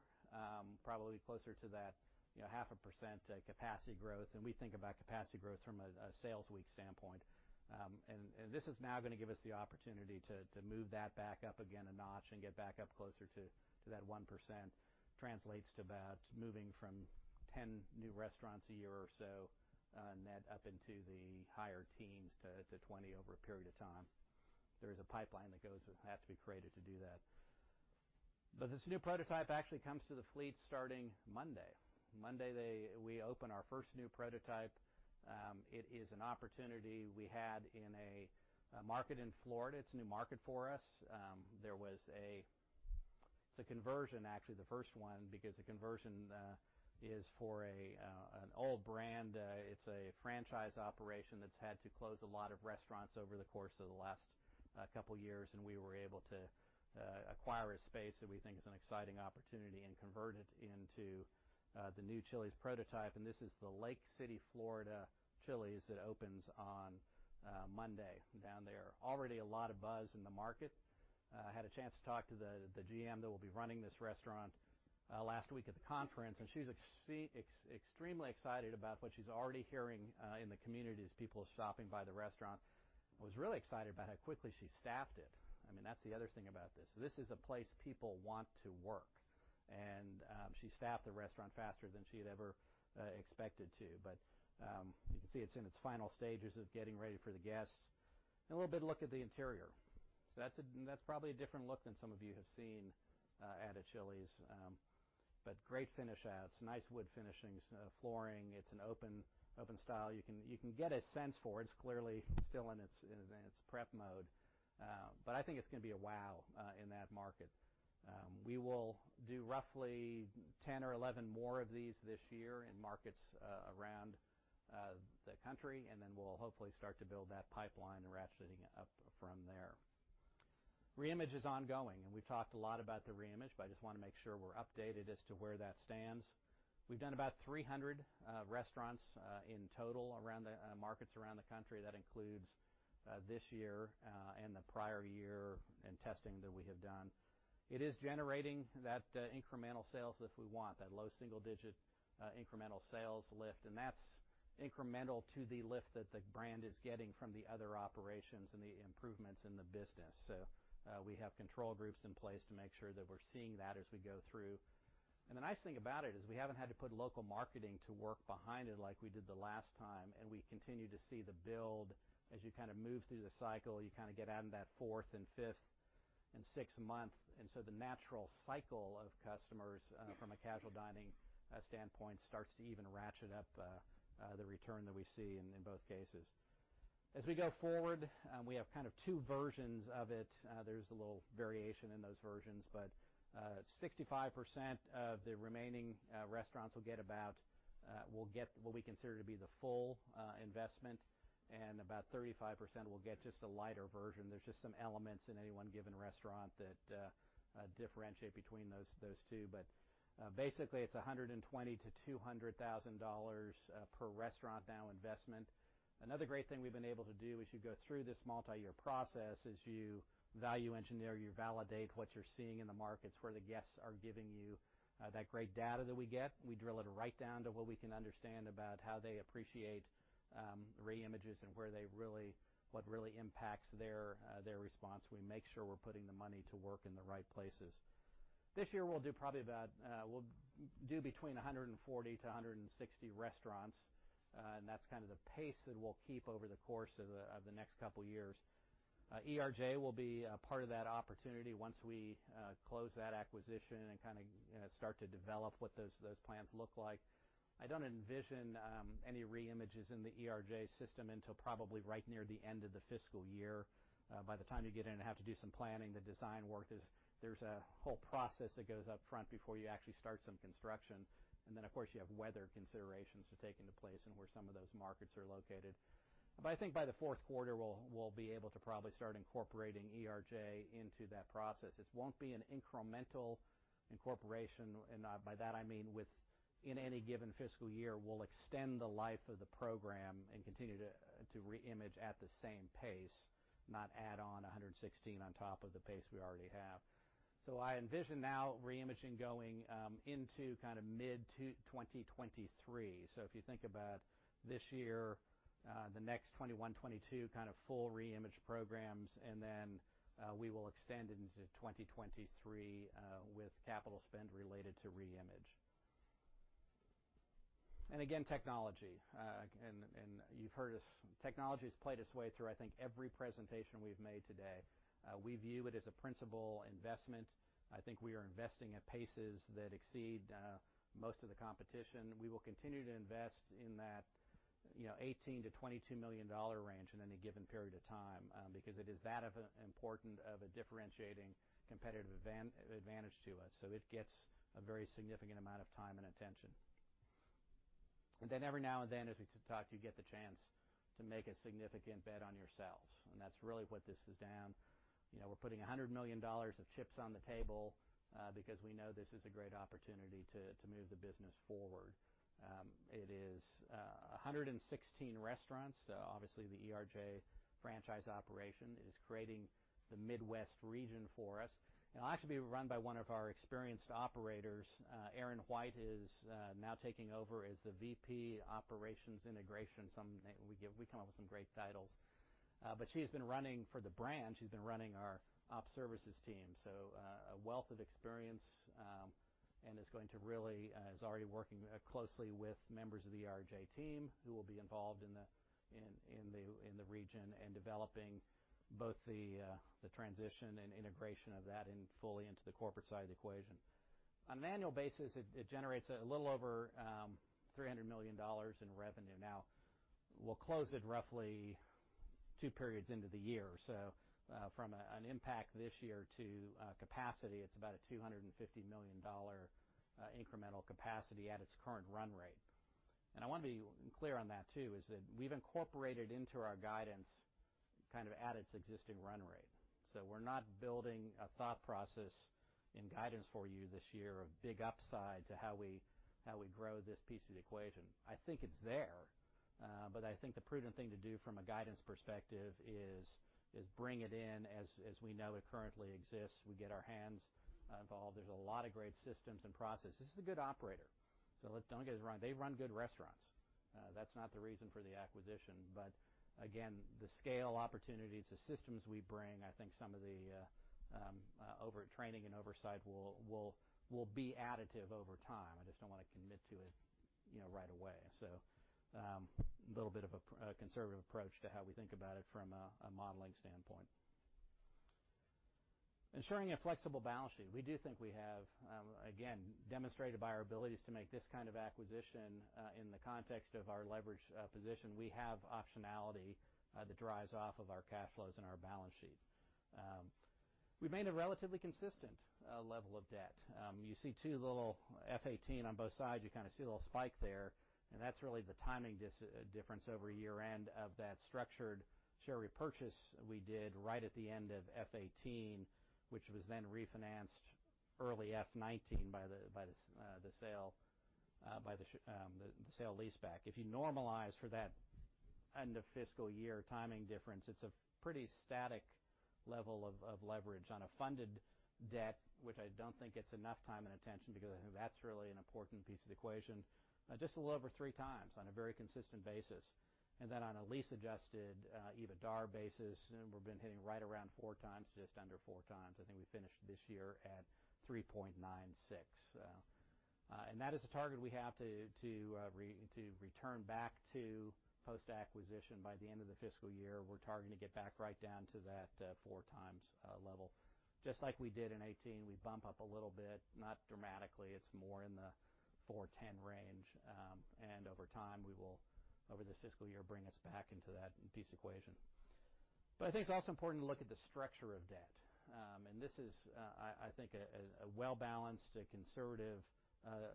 probably closer to that 0.5% capacity growth. We think about capacity growth from a sales week standpoint. This is now going to give us the opportunity to move that back up again a notch and get back up closer to that 1%. Translates to about moving from 10 new restaurants a year or so net up into the higher teens to 20 over a period of time. There is a pipeline that has to be created to do that. This new prototype actually comes to the fleet starting Monday. Monday, we open our first new prototype. It is an opportunity we had in a market in Florida. It's a new market for us. It's a conversion, actually, the first one, because the conversion is for an old brand. It's a franchise operation that's had to close a lot of restaurants over the course of the last couple years, and we were able to acquire a space that we think is an exciting opportunity and convert it into the new Chili's prototype. This is the Lake City, Florida Chili's that opens on Monday down there. Already a lot of buzz in the market. Had a chance to talk to the GM that will be running this restaurant last week at the conference, and she's extremely excited about what she's already hearing in the community as people are stopping by the restaurant. I was really excited about how quickly she staffed it. That's the other thing about this. This is a place people want to work. She staffed the restaurant faster than she had ever expected to. You can see it's in its final stages of getting ready for the guests. A little bit of look at the interior. That's probably a different look than some of you have seen at a Chili's. Great finish outs, nice wood finishings, flooring. It's an open style. You can get a sense for it. It's clearly still in its prep mode. I think it's going to be a wow in that market. We will do roughly 10 or 11 more of these this year in markets around the country, and then we'll hopefully start to build that pipeline and ratcheting it up from there. Reimage is ongoing, and we've talked a lot about the Reimage, but I just want to make sure we're updated as to where that stands. We've done about 300 restaurants in total around the markets around the country. That includes this year and the prior year in testing that we have done. It is generating that incremental sales lift we want, that low single-digit incremental sales lift. That's incremental to the lift that the brand is getting from the other operations and the improvements in the business. We have control groups in place to make sure that we're seeing that as we go through. The nice thing about it is we haven't had to put local marketing to work behind it like we did the last time, and we continue to see the build. As you move through the cycle, you get out into that fourth and fifth and sixth month. The natural cycle of customers from a casual dining standpoint starts to even ratchet up the return that we see in both cases. As we go forward, we have two versions of it. There's a little variation in those versions, but 65% of the remaining restaurants will get what we consider to be the full investment, and about 35% will get just a lighter version. There's just some elements in any one given restaurant that differentiate between those two. Basically, it's $120,000-$200,000 per restaurant now investment. Another great thing we've been able to do as you go through this multi-year process is you value engineer, you validate what you're seeing in the markets where the guests are giving you that great data that we get. We drill it right down to what we can understand about how they appreciate reimages and what really impacts their response. We make sure we're putting the money to work in the right places. This year, we'll do between 140-160 restaurants. That's kind of the pace that we'll keep over the course of the next couple of years. ERJ will be a part of that opportunity once we close that acquisition and start to develop what those plans look like. I don't envision any reimages in the ERJ system until probably right near the end of the fiscal year. By the time you get in and have to do some planning, the design work, there's a whole process that goes up front before you actually start some construction. Then, of course, you have weather considerations to take into place and where some of those markets are located. I think by the fourth quarter, we'll be able to probably start incorporating ERJ into that process. It won't be an incremental incorporation, and by that I mean in any given fiscal year, we'll extend the life of the program and continue to reimage at the same pace, not add on 116 on top of the pace we already have. I envision now reimaging going into mid-2023. If you think about this year, the next 2021, 2022 full Reimage programs, and then we will extend into 2023 with capital spend related to Reimage. Again, technology. You've heard us. Technology has played its way through, I think, every presentation we've made today. We view it as a principal investment. I think we are investing at paces that exceed most of the competition. We will continue to invest in that $18 million-$22 million range in any given period of time, because it is that important of a differentiating competitive advantage to us. It gets a very significant amount of time and attention. Every now and then, as we talk, you get the chance to make a significant bet on yourselves. That's really what this is down. We're putting $100 million of chips on the table because we know this is a great opportunity to move the business forward. It is 116 restaurants. Obviously, the ERJ franchise operation is creating the Midwest region for us. It'll actually be run by one of our experienced operators. Aaron White is now taking over as the VP, Operations Integration. We come up with some great titles. She has been running for the brand. She's been running our op services team. A wealth of experience and is already working closely with members of the ERJ team who will be involved in the region and developing both the transition and integration of that and fully into the corporate side of the equation. On an annual basis, it generates a little over $300 million in revenue. We'll close it roughly two periods into the year. From an impact this year to capacity, it's about a $250 million incremental capacity at its current run rate. I want to be clear on that too, is that we've incorporated into our guidance kind of at its existing run rate. We're not building a thought process in guidance for you this year of big upside to how we grow this piece of the equation. I think it's there. I think the prudent thing to do from a guidance perspective is bring it in as we know it currently exists. We get our hands involved. There's a lot of great systems and processes. This is a good operator. Don't get me wrong. They run good restaurants. That's not the reason for the acquisition. Again, the scale opportunities, the systems we bring, I think some of the training and oversight will be additive over time. I just don't want to commit to it right away. A little bit of a conservative approach to how we think about it from a modeling standpoint. Ensuring a flexible balance sheet. We do think we have, again, demonstrated by our abilities to make this kind of acquisition in the context of our leverage position. We have optionality that drives off of our cash flows and our balance sheet. We've made a relatively consistent level of debt. You see two little FY 2018 on both sides. You kind of see a little spike there. That's really the timing difference over year-end of that structured share repurchase we did right at the end of FY 2018, which was then refinanced early FY 2019 by the sale lease back. If you normalize for that end of fiscal year timing difference, it's a pretty static level of leverage on a funded debt, which I don't think gets enough time and attention because I think that's really an important piece of the equation. Just a little over three times on a very consistent basis. On a lease-adjusted EBITDA basis, we've been hitting right around 4x, just under four times. I think we finished this year at 3.96x. That is a target we have to return back to post-acquisition by the end of the fiscal year. We're targeting to get back right down to that 4x level. Just like we did in 2018, we bump up a little bit, not dramatically. It's more in the $410 million range. Over time, we will, over this fiscal year, bring us back into that piece equation. I think it's also important to look at the structure of debt. This is, I think, a well-balanced, a conservative,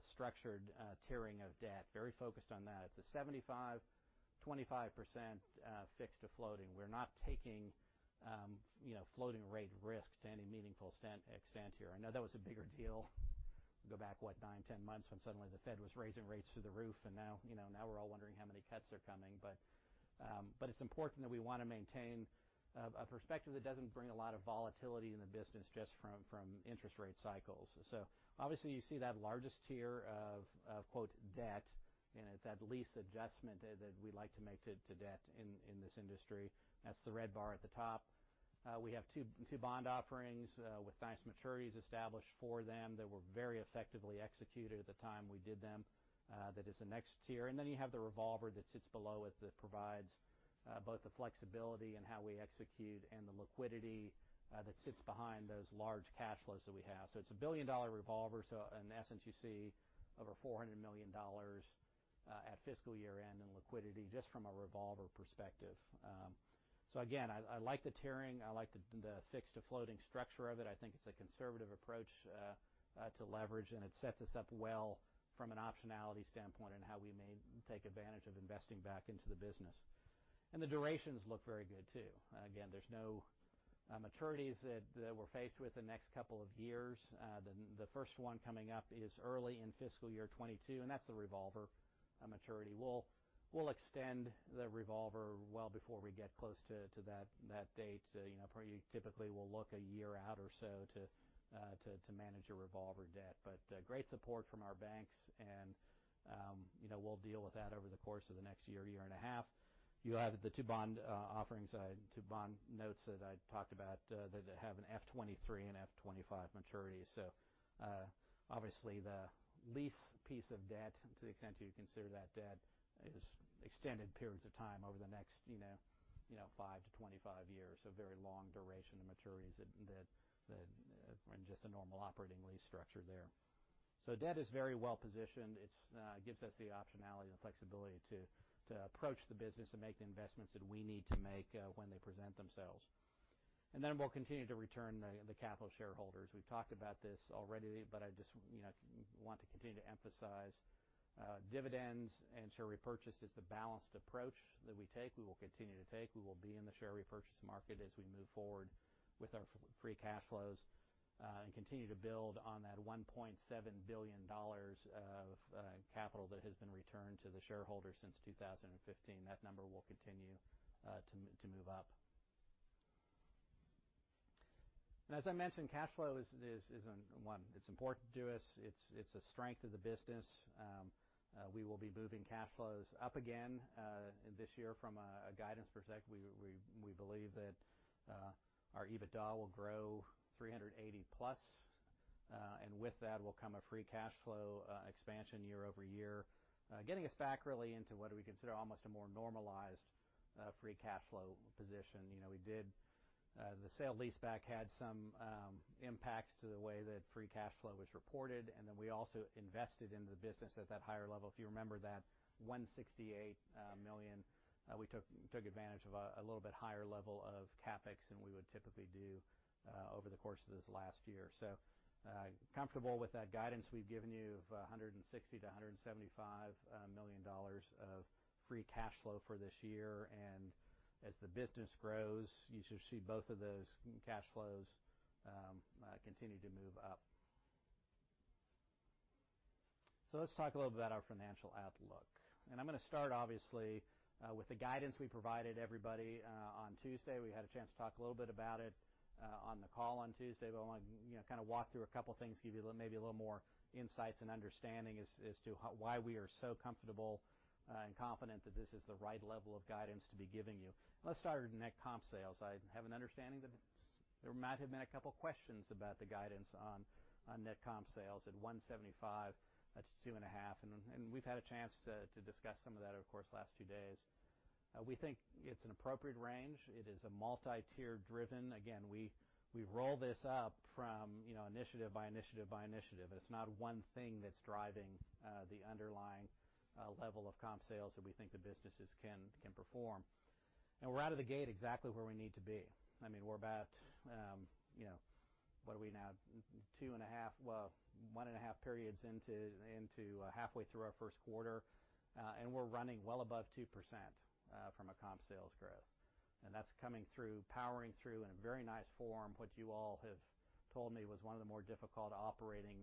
structured tiering of debt, very focused on that. It's a 75%, 25% fixed to floating. We're not taking floating rate risk to any meaningful extent here. I know that was a bigger deal. Go back, what, nine, 10 months when suddenly the Fed was raising rates through the roof, and now we're all wondering how many cuts are coming. It's important that we want to maintain a perspective that doesn't bring a lot of volatility in the business just from interest rate cycles. Obviously, you see that largest tier of, quote, "debt," and it's that lease adjustment that we like to make to debt in this industry. That's the red bar at the top. We have two bond offerings with nice maturities established for them that were very effectively executed at the time we did them. That is the next tier. Then you have the revolver that sits below it that provides both the flexibility in how we execute and the liquidity that sits behind those large cash flows that we have. It's a billion-dollar revolver. In essence, you see over $400 million at fiscal year-end in liquidity just from a revolver perspective. Again, I like the tiering. I like the fixed to floating structure of it. I think it's a conservative approach to leverage, and it sets us up well from an optionality standpoint in how we may take advantage of investing back into the business. The durations look very good, too. Again, there's no maturities that we're faced with the next couple of years. The first one coming up is early in fiscal year 2022, that's a revolver maturity. We'll extend the revolver well before we get close to that date. Typically, we'll look a year out or so to manage a revolver debt. Great support from our banks, and we'll deal with that over the course of the next year and a half. You have the two bond offerings, two bond notes that I talked about that have an FY 2023 and FY 2025 maturity. Obviously, the lease piece of debt, to the extent you consider that debt, is extended periods of time over the next 5-25 years. Very long duration of maturities and just a normal operating lease structure there. Debt is very well positioned. It gives us the optionality and flexibility to approach the business and make the investments that we need to make when they present themselves. We'll continue to return the capital to shareholders. We've talked about this already, but I just want to continue to emphasize, dividends and share repurchase is the balanced approach that we take, we will continue to take. We will be in the share repurchase market as we move forward with our free cash flows, and continue to build on that $1.7 billion of capital that has been returned to the shareholders since 2015. That number will continue to move up. Now, as I mentioned, cash flow is important to us. It's a strength of the business. We will be moving cash flows up again this year from a guidance perspective. We believe that our EBITDA will grow $380 million-plus. With that will come a free cash flow expansion year-over-year, getting us back really into what we consider almost a more normalized free cash flow position. The sale-lease back had some impacts to the way that free cash flow was reported. Then we also invested in the business at that higher level. If you remember that $168 million, we took advantage of a little bit higher level of CapEx than we would typically do over the course of this last year. Comfortable with that guidance we've given you of $160 million-$175 million of free cash flow for this year. As the business grows, you should see both of those cash flows continue to move up. Let's talk a little bit about our financial outlook. I'm going to start, obviously, with the guidance we provided everybody on Tuesday. We had a chance to talk a little bit about it on the call on Tuesday. I want to kind of walk through a couple things, give you maybe a little more insights and understanding as to why we are so comfortable and confident that this is the right level of guidance to be giving you. Let's start with net comp sales. I have an understanding that there might have been a couple questions about the guidance on net comp sales at 1.75%, that's 2.5%. We've had a chance to discuss some of that, of course, last two days. We think it's an appropriate range. It is a multi-tier driven. Again, we roll this up from initiative by initiative by initiative. It's not one thing that's driving the underlying level of comp sales that we think the businesses can perform. We're out of the gate exactly where we need to be. I mean, we're about, what are we now? One and a half periods into halfway through our first quarter, and we're running well above 2% from a comp sales growth. That's coming through, powering through in a very nice form, what you all have told me was one of the more difficult operating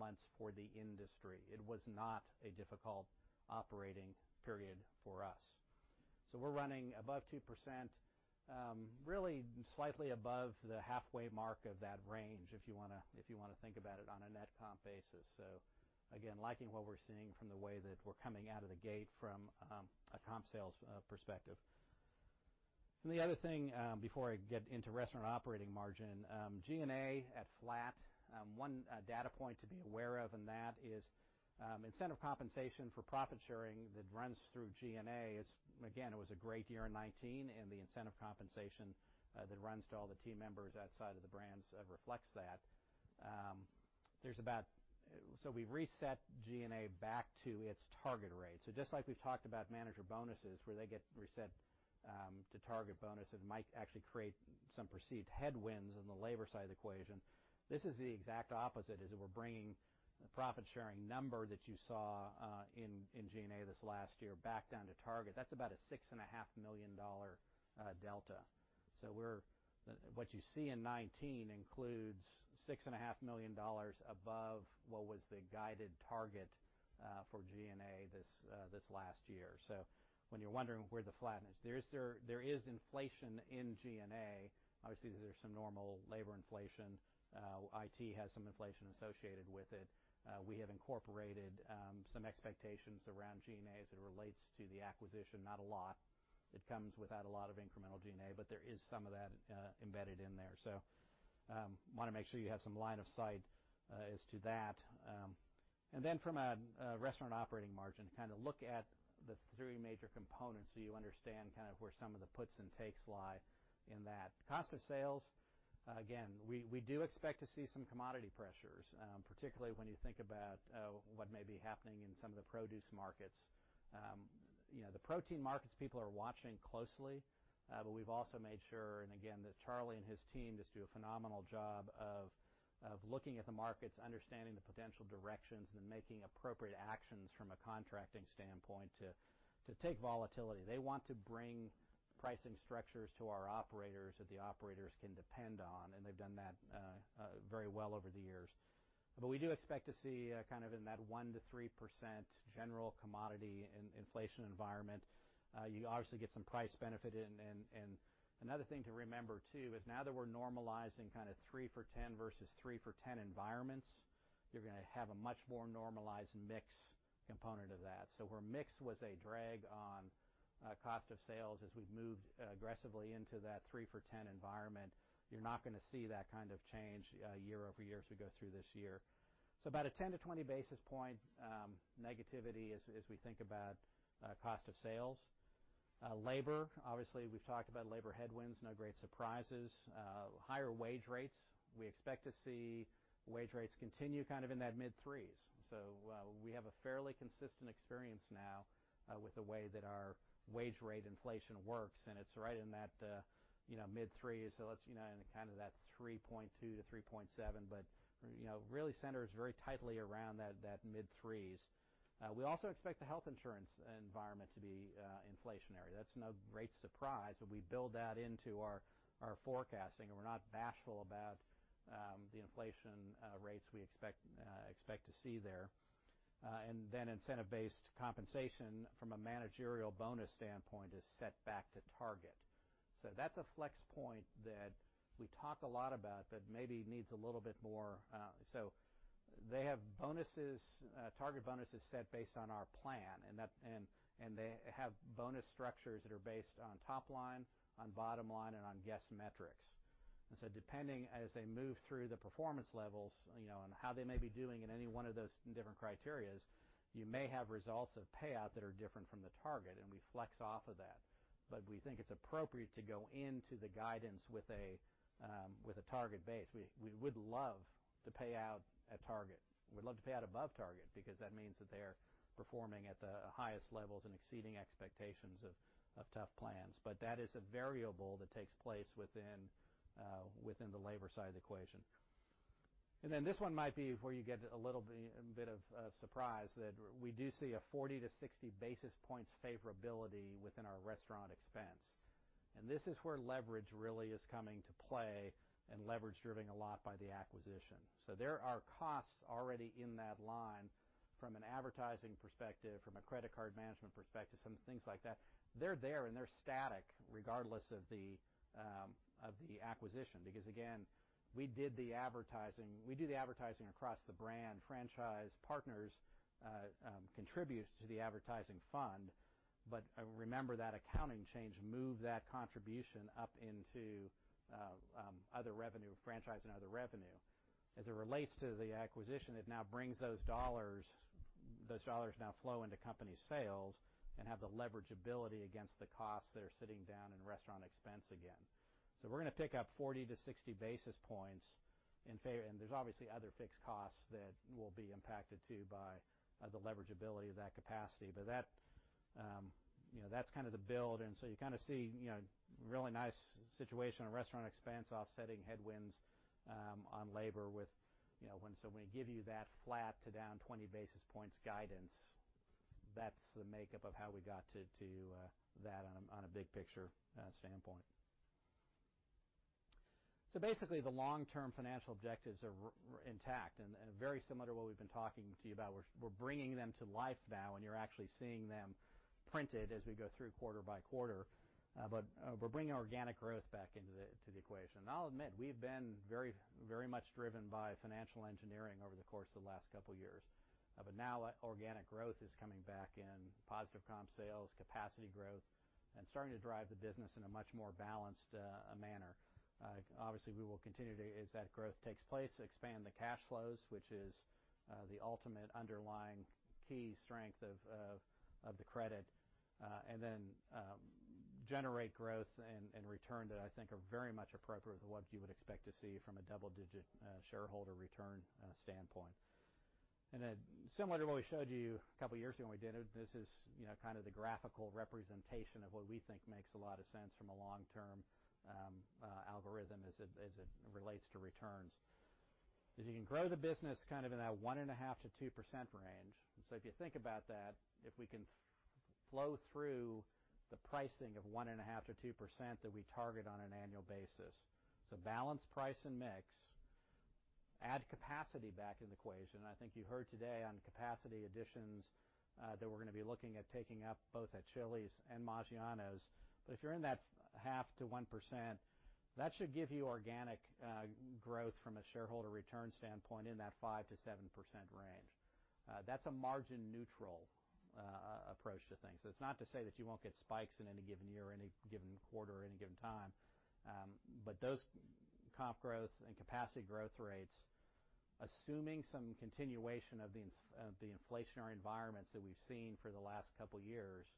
months for the industry. It was not a difficult operating period for us. We're running above 2%, really slightly above the halfway mark of that range, if you want to think about it on a net comp basis. Again, liking what we're seeing from the way that we're coming out of the gate from a comp sales perspective. The other thing, before I get into restaurant operating margin, G&A at flat. One data point to be aware of, that is incentive compensation for profit sharing that runs through G&A is, again, it was a great year in 2019. The incentive compensation that runs to all the team members outside of the brands reflects that. We've reset G&A back to its target rate. Just like we've talked about manager bonuses, where they get reset to target bonuses, it might actually create some perceived headwinds in the labor side of the equation. This is the exact opposite, is that we're bringing the profit-sharing number that you saw in G&A this last year back down to target. That's about a six and a half million dollar delta. What you see in 2019 includes six and a half million dollars above what was the guided target for G&A this last year. When you're wondering where the flat is, there is inflation in G&A. Obviously, there is some normal labor inflation. IT has some inflation associated with it. We have incorporated some expectations around G&A as it relates to the acquisition, not a lot. It comes without a lot of incremental G&A, but there is some of that embedded in there. Want to make sure you have some line of sight as to that. Then from a restaurant operating margin, kind of look at the three major components so you understand kind of where some of the puts and takes lie in that. Cost of sales, again, we do expect to see some commodity pressures, particularly when you think about what may be happening in some of the produce markets. The protein markets, people are watching closely. We've also made sure, and again, that Charlie and his team just do a phenomenal job of looking at the markets, understanding the potential directions, and then making appropriate actions from a contracting standpoint to take volatility. They want to bring pricing structures to our operators that the operators can depend on, and they've done that very well over the years. We do expect to see kind of in that 1%-3% general commodity and inflation environment. You obviously get some price benefit in. Another thing to remember, too, is now that we're normalizing kind of 3 for $10 versus 3 for $10 environments, you're going to have a much more normalized mix component of that. Where mix was a drag on cost of sales as we've moved aggressively into that 3 for $10 environment, you're not going to see that kind of change year-over-year as we go through this year. About a 10-20 basis point negativity as we think about cost of sales. Labor, obviously, we've talked about labor headwinds, no great surprises. Higher wage rates. We expect to see wage rates continue kind of in that mid-threes. We have a fairly consistent experience now with the way that our wage rate inflation works, and it's right in that mid-threes. In kind of that 3.2%-3.7%, but really centers very tightly around that mid-threes. We also expect the health insurance environment to be inflationary. That's no great surprise. We build that into our forecasting, and we're not bashful about the inflation rates we expect to see there. Incentive-based compensation from a managerial bonus standpoint is set back to target. That's a flex point that we talk a lot about that maybe needs a little bit more. They have bonuses, target bonuses set based on our plan, and they have bonus structures that are based on top line, on bottom line, and on guest metrics. Depending as they move through the performance levels, and how they may be doing in any one of those different criteria, you may have results of payout that are different from the target, and we flex off of that. We think it's appropriate to go into the guidance with a target base. We would love to pay out at target. We'd love to pay out above target because that means that they are performing at the highest levels and exceeding expectations of tough plans. That is a variable that takes place within the labor side of the equation. This one might be where you get a little bit of surprise, that we do see a 40 to 60 basis points favorability within our restaurant expense. This is where leverage really is coming to play and leverage driven a lot by the acquisition. There are costs already in that line from an advertising perspective, from a credit card management perspective, some things like that. They're there, and they're static regardless of the acquisition. Again, we do the advertising across the brand. Franchise partners contribute to the advertising fund. Remember that accounting change moved that contribution up into other revenue, franchise and other revenue. As it relates to the acquisition, it now brings those dollars, those dollars now flow into company sales and have the leverage ability against the costs that are sitting down in restaurant expense again. We're going to pick up 40 to 60 basis points in favor, and there's obviously other fixed costs that will be impacted too by the leverage ability of that capacity. That's kind of the build. You kind of see really nice situation on restaurant expense offsetting headwinds on labor with. When we give you that flat to down 20 basis points guidance, that's the makeup of how we got to that on a big picture standpoint. Basically, the long-term financial objectives are intact and very similar to what we've been talking to you about. We're bringing them to life now, you're actually seeing them printed as we go through quarter by quarter. We're bringing organic growth back into the equation. I'll admit, we've been very much driven by financial engineering over the course of the last couple of years. Now organic growth is coming back in positive comp sales, capacity growth, and starting to drive the business in a much more balanced manner. Obviously, we will continue to, as that growth takes place, expand the cash flows, which is the ultimate underlying key strength of the credit, and then generate growth and return that I think are very much appropriate to what you would expect to see from a double-digit shareholder return standpoint. Similar to what we showed you a couple of years ago when we did it, this is kind of the graphical representation of what we think makes a lot of sense from a long-term algorithm as it relates to returns. If you can grow the business kind of in that 1.5%-2% range. If you think about that, if we can flow through the pricing of 1.5%-2% that we target on an annual basis. Balance price and mix, add capacity back in the equation. I think you heard today on capacity additions, that we're going to be looking at taking up both at Chili's and Maggiano's. If you're in that 0.5%-1%, that should give you organic growth from a shareholder return standpoint in that 5%-7% range. That's a margin neutral approach to things. It's not to say that you won't get spikes in any given year or any given quarter or any given time. Those comp growth and capacity growth rates, assuming some continuation of the inflationary environments that we've seen for the last couple of years,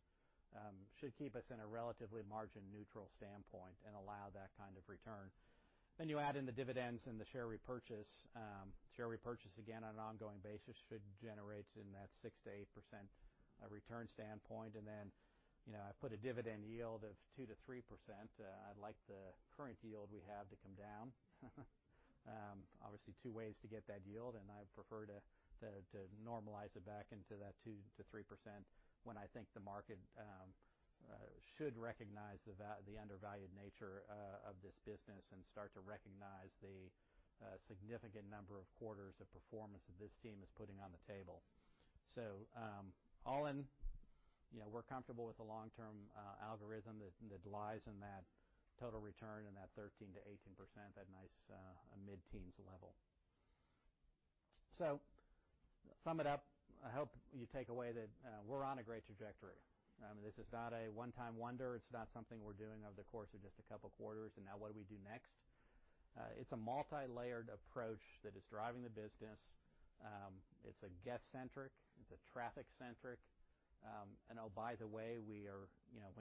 should keep us in a relatively margin neutral standpoint and allow that kind of return. You add in the dividends and the share repurchase. Share repurchase, again, on an ongoing basis should generate in that 6%-8% return standpoint. I put a dividend yield of 2%-3%. I'd like the current yield we have to come down. Obviously, two ways to get that yield. I prefer to normalize it back into that 2%-3% when I think the market should recognize the undervalued nature of this business and start to recognize the significant number of quarters of performance that this team is putting on the table. All in, we're comfortable with the long-term algorithm that lies in that total return in that 13%-18%, that nice mid-teens level. To sum it up, I hope you take away that we're on a great trajectory. This is not a one-time wonder. It's not something we're doing over the course of just a couple of quarters. Now what do we do next? It's a multilayered approach that is driving the business. It's guest centric, it's traffic centric. Oh, by the way, when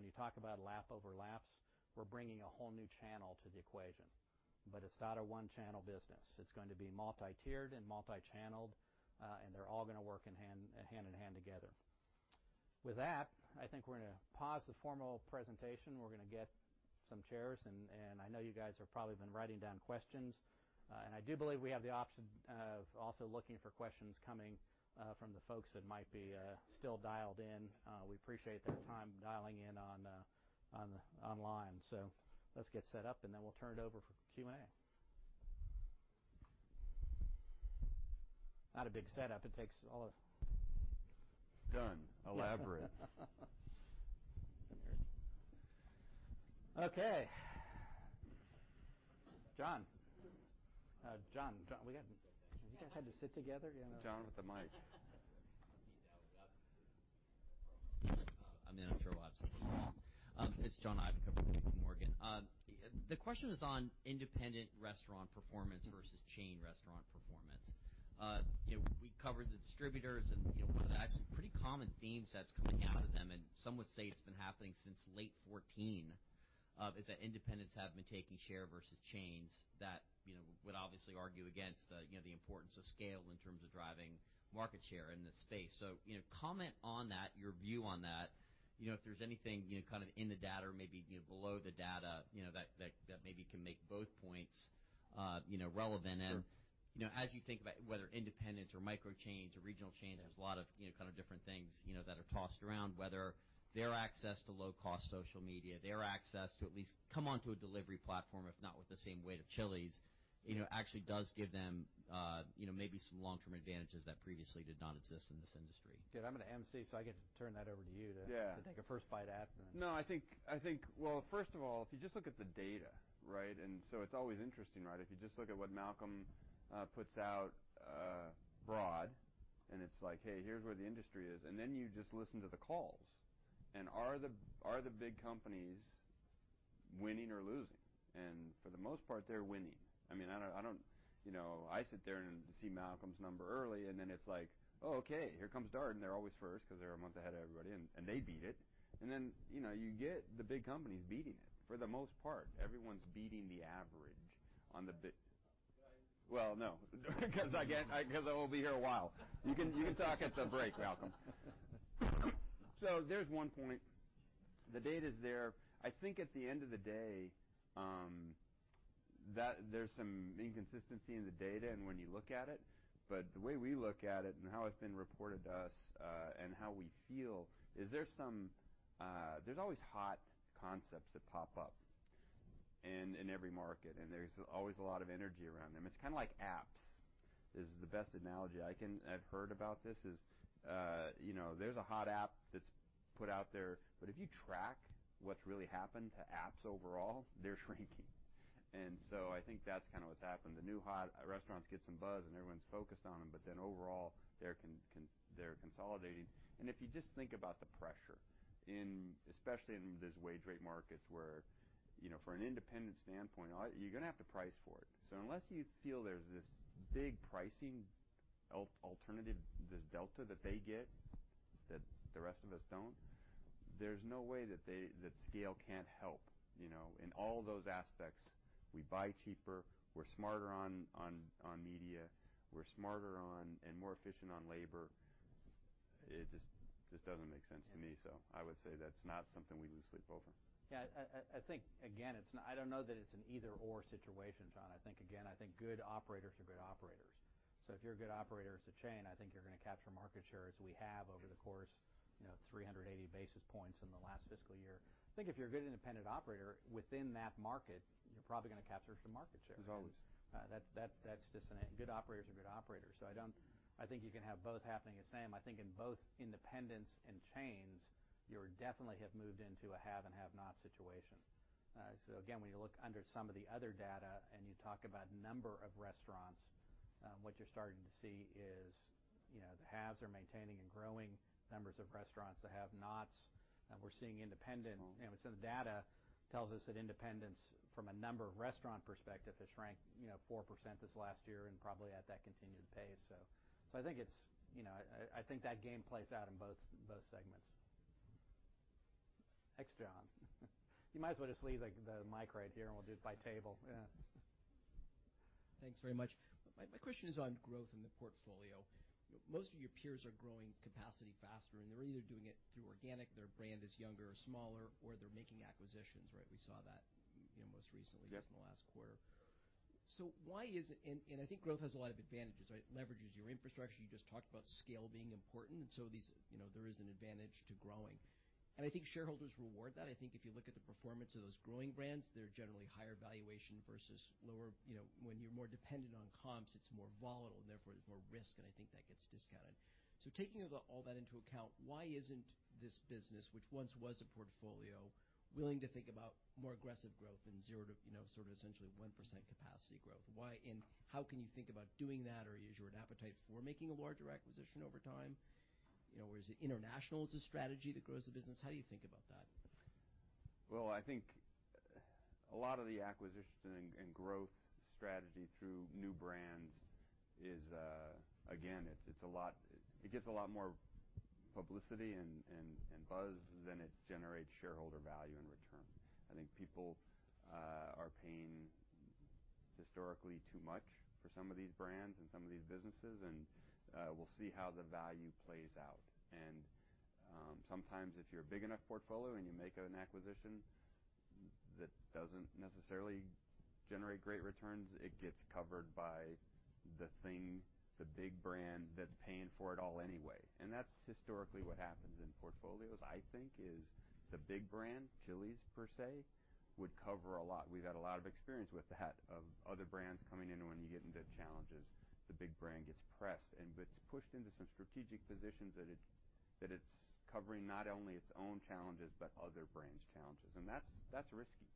you talk about lap overlaps, we're bringing a whole new channel to the equation. It's not a one-channel business. It's going to be multi-tiered and multi-channeled, and they're all going to work hand in hand together. With that, I think we're going to pause the formal presentation. We're going to get some chairs, and I know you guys have probably been writing down questions, and I do believe we have the option of also looking for questions coming from the folks that might be still dialed in. We appreciate that time dialing in online. Let's get set up, and then we'll turn it over for Q&A. Not a big setup. Done. Elaborate. Okay. John. John, You guys had to sit together? Yeah. John with the mic. It's John Ivankoe with JPMorgan. The question is on independent restaurant performance versus chain restaurant performance. We covered the distributors, and one of the actually pretty common themes that's coming out of them, and some would say it's been happening since late 2014, is that independents have been taking share versus chains that would obviously argue against the importance of scale in terms of driving market share in this space. Comment on that, your view on that, if there's anything, kind of in the data or maybe below the data, that maybe can make both points relevant. As you think about whether independents or micro chains or regional chains, there's a lot of kind of different things that are tossed around, whether their access to low-cost social media, their access to at least come onto a delivery platform, if not with the same weight of Chili's, actually does give them maybe some long-term advantages that previously did not exist in this industry. Good. I'm going to emcee, so I get to turn that over to you to- Yeah take a first bite at, and then. No, I think, well, first of all, if you just look at the data, right? It's always interesting, right? If you just look at what Malcolm puts out broad, and it's like, "Hey, here's where the industry is." You just listen to the calls. Are the big companies winning or losing? For the most part, they're winning. I sit there and see Malcolm's number early, and then it's like, "Oh, okay, here comes Darden." They're always first because they're a month ahead of everybody, and they beat it. You get the big companies beating it. For the most part, everyone's beating the average on the big- Should I? Well, no. Because I'll be here a while. You can talk at the break, Malcolm. There's one point. The data's there. I think at the end of the day, there's some inconsistency in the data and when you look at it, but the way we look at it and how it's been reported to us, and how we feel is there's always hot concepts that pop up in every market, and there's always a lot of energy around them. It's kind of like apps, is the best analogy I've heard about this, is there's a hot app that's put out there, but if you track what's really happened to apps overall, they're shrinking. I think that's kind of what's happened. The new hot restaurants get some buzz, and everyone's focused on them, but then overall they're consolidating. If you just think about the pressure, especially in these wage rate markets where, for an independent standpoint, you're going to have to price for it. Unless you feel there's this big pricing alternative, this delta that they get that the rest of us don't, there's no way that scale can't help. In all those aspects, we buy cheaper, we're smarter on media, we're smarter on and more efficient on labor. It just doesn't make sense to me. Yeah. I would say that's not something we lose sleep over. Yeah. I think again, I don't know that it's an either/or situation, John. I think, again, I think good operators are good operators. If you're a good operator as a chain, I think you're going to capture market share as we have over the course, 380 basis points in the last fiscal year. I think if you're a good independent operator within that market, you're probably going to capture some market share. As always. That's just good operators are good operators. I think you can have both happening the same. I think in both independents and chains, you definitely have moved into a have and have-not situation. Again, when you look under some of the other data and you talk about number of restaurants, what you're starting to see is the haves are maintaining and growing numbers of restaurants. The have-nots, we're seeing independent. Some data tells us that independents, from a number of restaurant perspective, have shrank 4% this last year and probably at that continued pace. I think that game plays out in both segments. Thanks, John. You might as well just leave the mic right here, and we'll do it by table. Thanks very much. My question is on growth in the portfolio. Most of your peers are growing capacity faster, and they're either doing it through organic, their brand is younger or smaller, or they're making acquisitions, right? We saw that most recently just in the last quarter. I think growth has a lot of advantages, right? It leverages your infrastructure. You just talked about scale being important, and so there is an advantage to growing. I think shareholders reward that. I think if you look at the performance of those growing brands, they're generally higher valuation versus, when you're more dependent on comps, it's more volatile, therefore there's more risk, and I think that gets discounted. Taking all that into account, why isn't this business, which once was a portfolio, willing to think about more aggressive growth than zero to sort of essentially 1% capacity growth? Why, and how can you think about doing that, or is your appetite for making a larger acquisition over time? Is it international as a strategy that grows the business? How do you think about that? Well, I think a lot of the acquisition and growth strategy through new brands, again, it gives a lot more publicity and buzz than it generates shareholder value in return. I think people are paying historically too much for some of these brands and some of these businesses, we'll see how the value plays out. Sometimes if you're a big enough portfolio and you make an acquisition that doesn't necessarily generate great returns, it gets covered by the thing, the big brand that's paying for it all anyway. That's historically what happens in portfolios, I think is the big brand, Chili's per se, would cover a lot. We've had a lot of experience with that, of other brands coming in when you get into challenges, the big brand gets pressed. It's pushed into some strategic positions that it's covering not only its own challenges, but other brands' challenges. That's risky.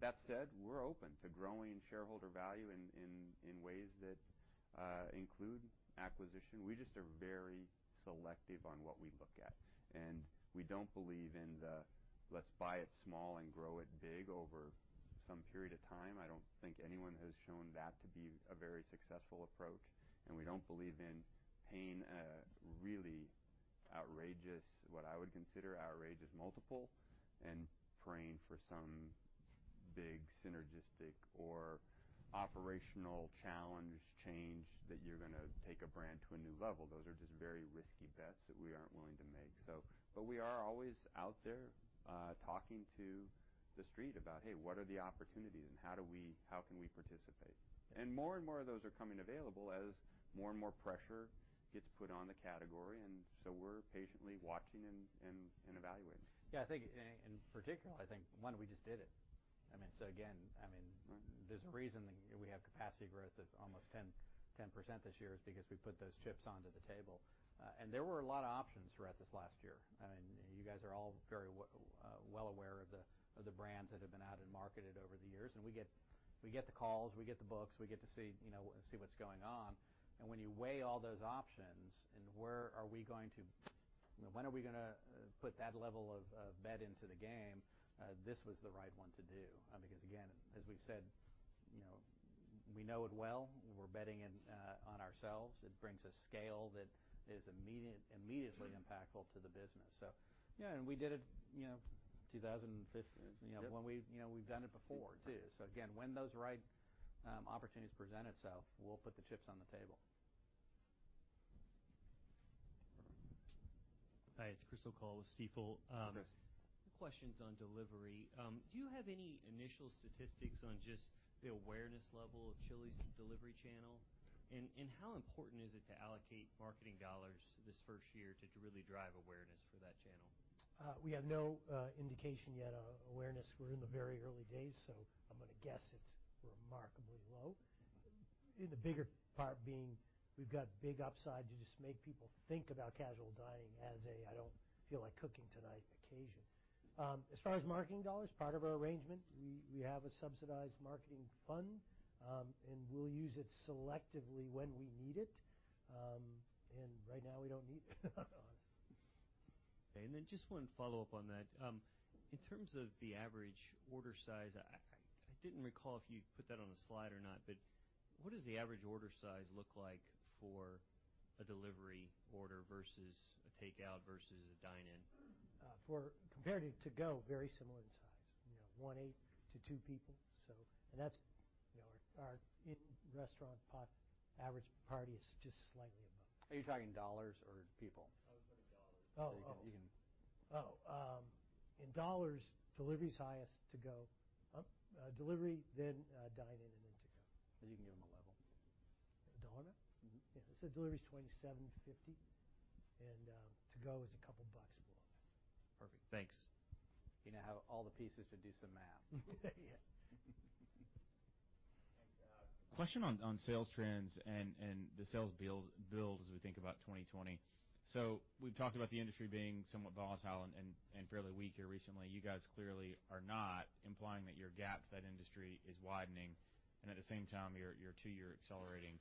That said, we're open to growing shareholder value in ways that include acquisition. We just are very selective on what we look at. We don't believe in the let's buy it small and grow it big over some period of time. I don't think anyone has shown that to be a very successful approach, and we don't believe in paying a really outrageous, what I would consider outrageous, multiple and praying for some big synergistic or operational challenge change that you're going to take a brand to a new level. Those are just very risky bets that we aren't willing to make. We are always out there talking to the street about, "Hey, what are the opportunities and how can we participate?" More and more of those are coming available as more and more pressure gets put on the category, and so we're patiently watching and evaluating. Yeah, in particular, I think, one, we just did it. Again, there's a reason that we have capacity growth of almost 10% this year is because we put those chips onto the table. There were a lot of options for us this last year. You guys are all very well aware of the brands that have been out and marketed over the years, and we get the calls, we get the books, we get to see what's going on. When you weigh all those options and when are we going to put that level of bet into the game? This was the right one to do. Again, as we said, we know it well. We're betting on ourselves. It brings a scale that is immediately impactful to the business. Yeah. We did it, 2015. We've done it before, too. Again, when those right opportunities present themselves, we'll put the chips on the table. Hi, it's Chris O'Cull with Stifel. Hi, Chris. Questions on delivery. Do you have any initial statistics on just the awareness level of Chili's delivery channel? How important is it to allocate marketing dollars this first year to really drive awareness for that channel? We have no indication yet of awareness. We're in the very early days. I'm going to guess it's remarkably low. The bigger part being we've got big upside to just make people think about casual dining as a "I don't feel like cooking tonight" occasion. As far as marketing dollars, part of our arrangement, we have a subsidized marketing fund. We'll use it selectively when we need it. Right now, we don't need it honestly. Okay. Just one follow-up on that. In terms of the average order size, I didn't recall if you put that on a slide or not, but what does the average order size look like for a delivery order versus a takeout versus a dine-in? Compared to to-go, very similar in size. 1.8 to two people. Our in-restaurant pot average party is just slightly above. Are you talking dollars or people? I was talking dollars. Oh, oh. You can- Oh. In dollars, delivery is highest to-go. Delivery, then dine-in, and then to-go. You can give them a level? Dollar? Yeah. Delivery is $27.50, and to-go is a couple of bucks below that. Perfect. Thanks. You now have all the pieces to do some math. Yeah. Thanks. Question on sales trends and the sales build as we think about 2020. We've talked about the industry being somewhat volatile and fairly weak here recently. You guys clearly are not, implying that your gap to that industry is widening, and at the same time, your two-year accelerating.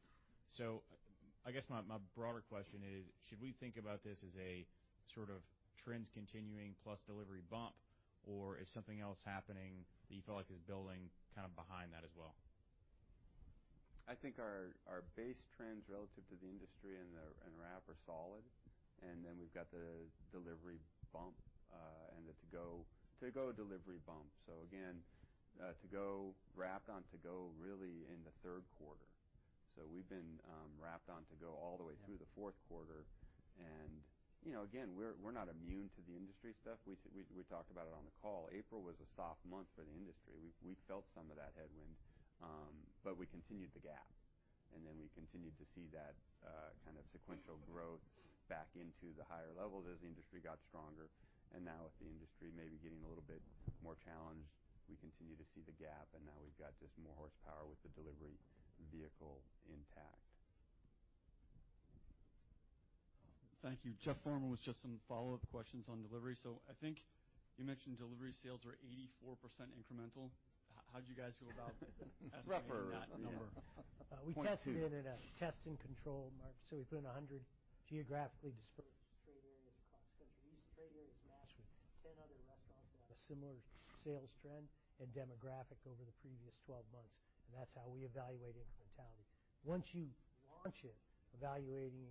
I guess my broader question is, should we think about this as a sort of trends continuing plus delivery bump, or is something else happening that you feel like is building kind of behind that as well? I think our base trends relative to the industry and ramp are solid, and then we've got the delivery bump, and the to-go delivery bump. Again, ramp on to-go really in the third quarter. We've been ramped on to-go all the way through the fourth quarter, and again, we're not immune to the industry stuff. We talked about it on the call. April was a soft month for the industry. We felt some of that headwind. We continued the gap, and then we continued to see that kind of sequential growth back into the higher levels as the industry got stronger, and now with the industry maybe getting a little bit more challenged, we continue to see the gap, and now we've got just more horsepower with the delivery vehicle intact. Thank you. Jeff Farmer with just some follow-up questions on delivery. I think you mentioned delivery sales are 84% incremental. How'd you guys go about estimating that number? We tested it at a test and control mark. We put in 100 geographically dispersed trade areas across the country. We used trade areas matched with 10 other restaurants that have a similar sales trend and demographic over the previous 12 months. That's how we evaluate incrementality. Once you launch it, evaluating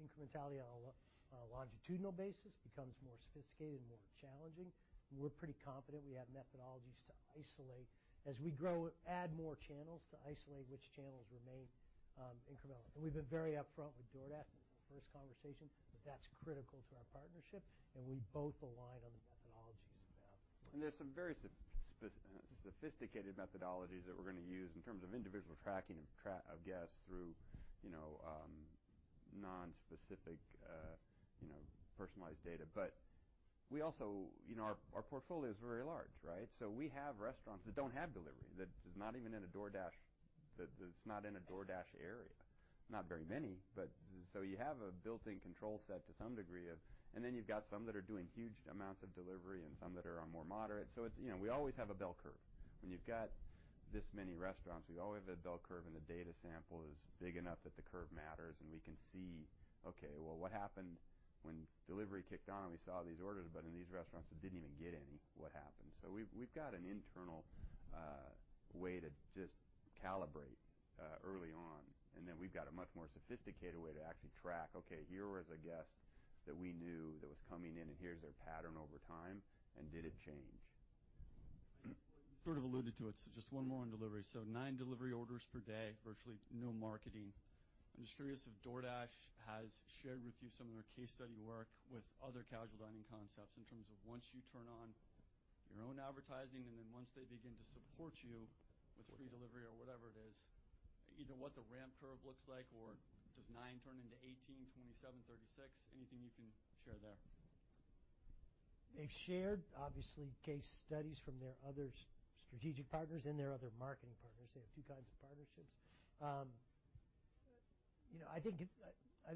incrementality on a longitudinal basis becomes more sophisticated and more challenging. We're pretty confident we have methodologies to isolate, as we add more channels, to isolate which channels remain incremental. We've been very upfront with DoorDash in the first conversation, that's critical to our partnership, and we both align on the methodologies involved. There's some very sophisticated methodologies that we're going to use in terms of individual tracking of guests through nonspecific personalized data. Our portfolio is very large, right? We have restaurants that don't have delivery, that's not in a DoorDash area. Not very many, but you have a built-in control set to some degree. You've got some that are doing huge amounts of delivery and some that are more moderate. We always have a bell curve. When you've got this many restaurants, we always have a bell curve, and the data sample is big enough that the curve matters, and we can see, okay, well, what happened when delivery kicked on and we saw these orders, but in these restaurants that didn't even get any, what happened? We've got an internal way to just calibrate early on. We've got a much more sophisticated way to actually track, okay, here was a guest that we knew that was coming in, and here's their pattern over time, and did it change? You sort of alluded to it, just one more on delivery. Nine delivery orders per day, virtually no marketing. I'm just curious if DoorDash has shared with you some of their case study work with other casual dining concepts in terms of once you turn on your own advertising and then once they begin to support you with free delivery or whatever it is, either what the ramp curve looks like or does nine turn into 18, 27, 36? Anything you can share there. They've shared, obviously, case studies from their other strategic partners and their other marketing partners. They have two kinds of partnerships. I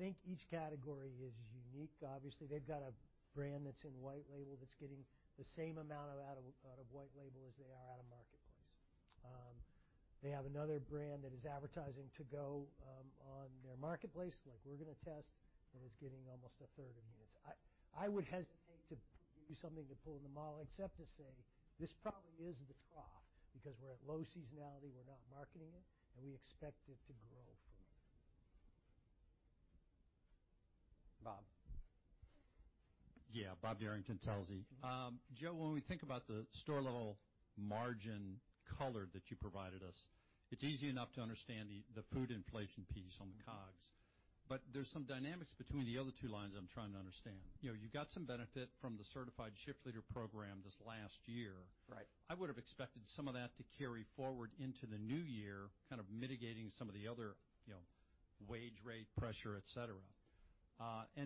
think each category is unique. Obviously, they've got a brand that's in white label that's getting the same amount out of white label as they are out of marketplace. They have another brand that is advertising to-go on their marketplace, like we're going to test, and it's getting almost a third of units. I would hesitate to give you something to pull in the model except to say this probably is the trough because we're at low seasonality, we're not marketing it, and we expect it to grow from here. Bob. Yeah. Bob Derrington, Telsey. Joe, when we think about the store-level margin color that you provided us, it's easy enough to understand the food inflation piece on the COGS. There's some dynamics between the other two lines I'm trying to understand. You got some benefit from the certified shift leader program this last year. Right. I would have expected some of that to carry forward into the new year, kind of mitigating some of the other wage rate pressure, et cetera.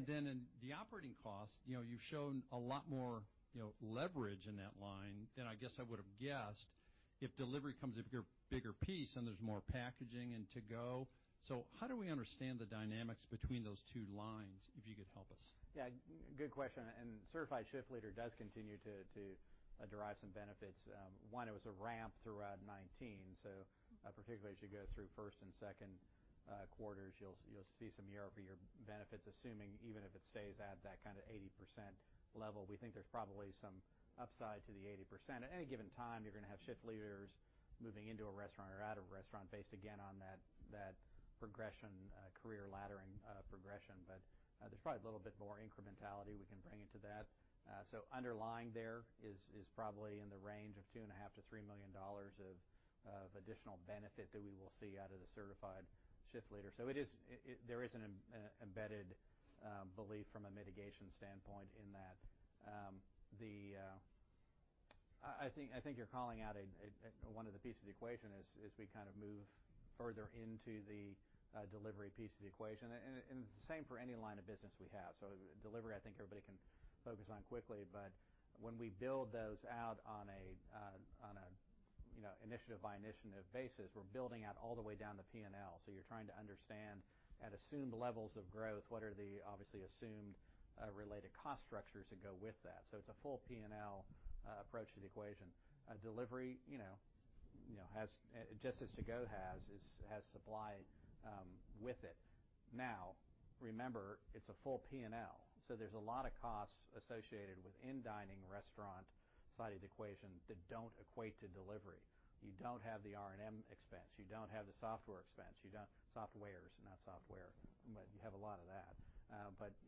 Then in the operating cost, you've shown a lot more leverage in that line than I guess I would have guessed if delivery becomes a bigger piece and there's more packaging and to-go. How do we understand the dynamics between those two lines, if you could help us? Yeah. Good question. Certified Shift Leader does continue to derive some benefits. One, it was a ramp throughout 2019, so particularly as you go through first and second quarters, you'll see some year-over-year benefits, assuming even if it stays at that kind of 80% level. We think there's probably some upside to the 80%. At any given time, you're going to have shift leaders moving into a restaurant or out of a restaurant based, again, on that career laddering progression. There's probably a little bit more incrementality we can bring into that. Underlying there is probably in the range of $2.5 million-$3 million of additional benefit that we will see out of the Certified Shift Leader. There is an embedded belief from a mitigation standpoint in that. I think you're calling out one of the pieces of the equation as we kind of move further into the delivery piece of the equation. It's the same for any line of business we have. Delivery, I think everybody can focus on quickly, but when we build those out on an initiative-by-initiative basis, we're building out all the way down the P&L. You're trying to understand at assumed levels of growth, what are the obviously assumed related cost structures that go with that. It's a full P&L approach to the equation. Delivery, just as to-go has supply with it. Now, remember, it's a full P&L, there's a lot of costs associated with in-dining restaurant side of the equation that don't equate to delivery. You don't have the R&M expense. You don't have the software expense. Softwares, not software. You have a lot of that.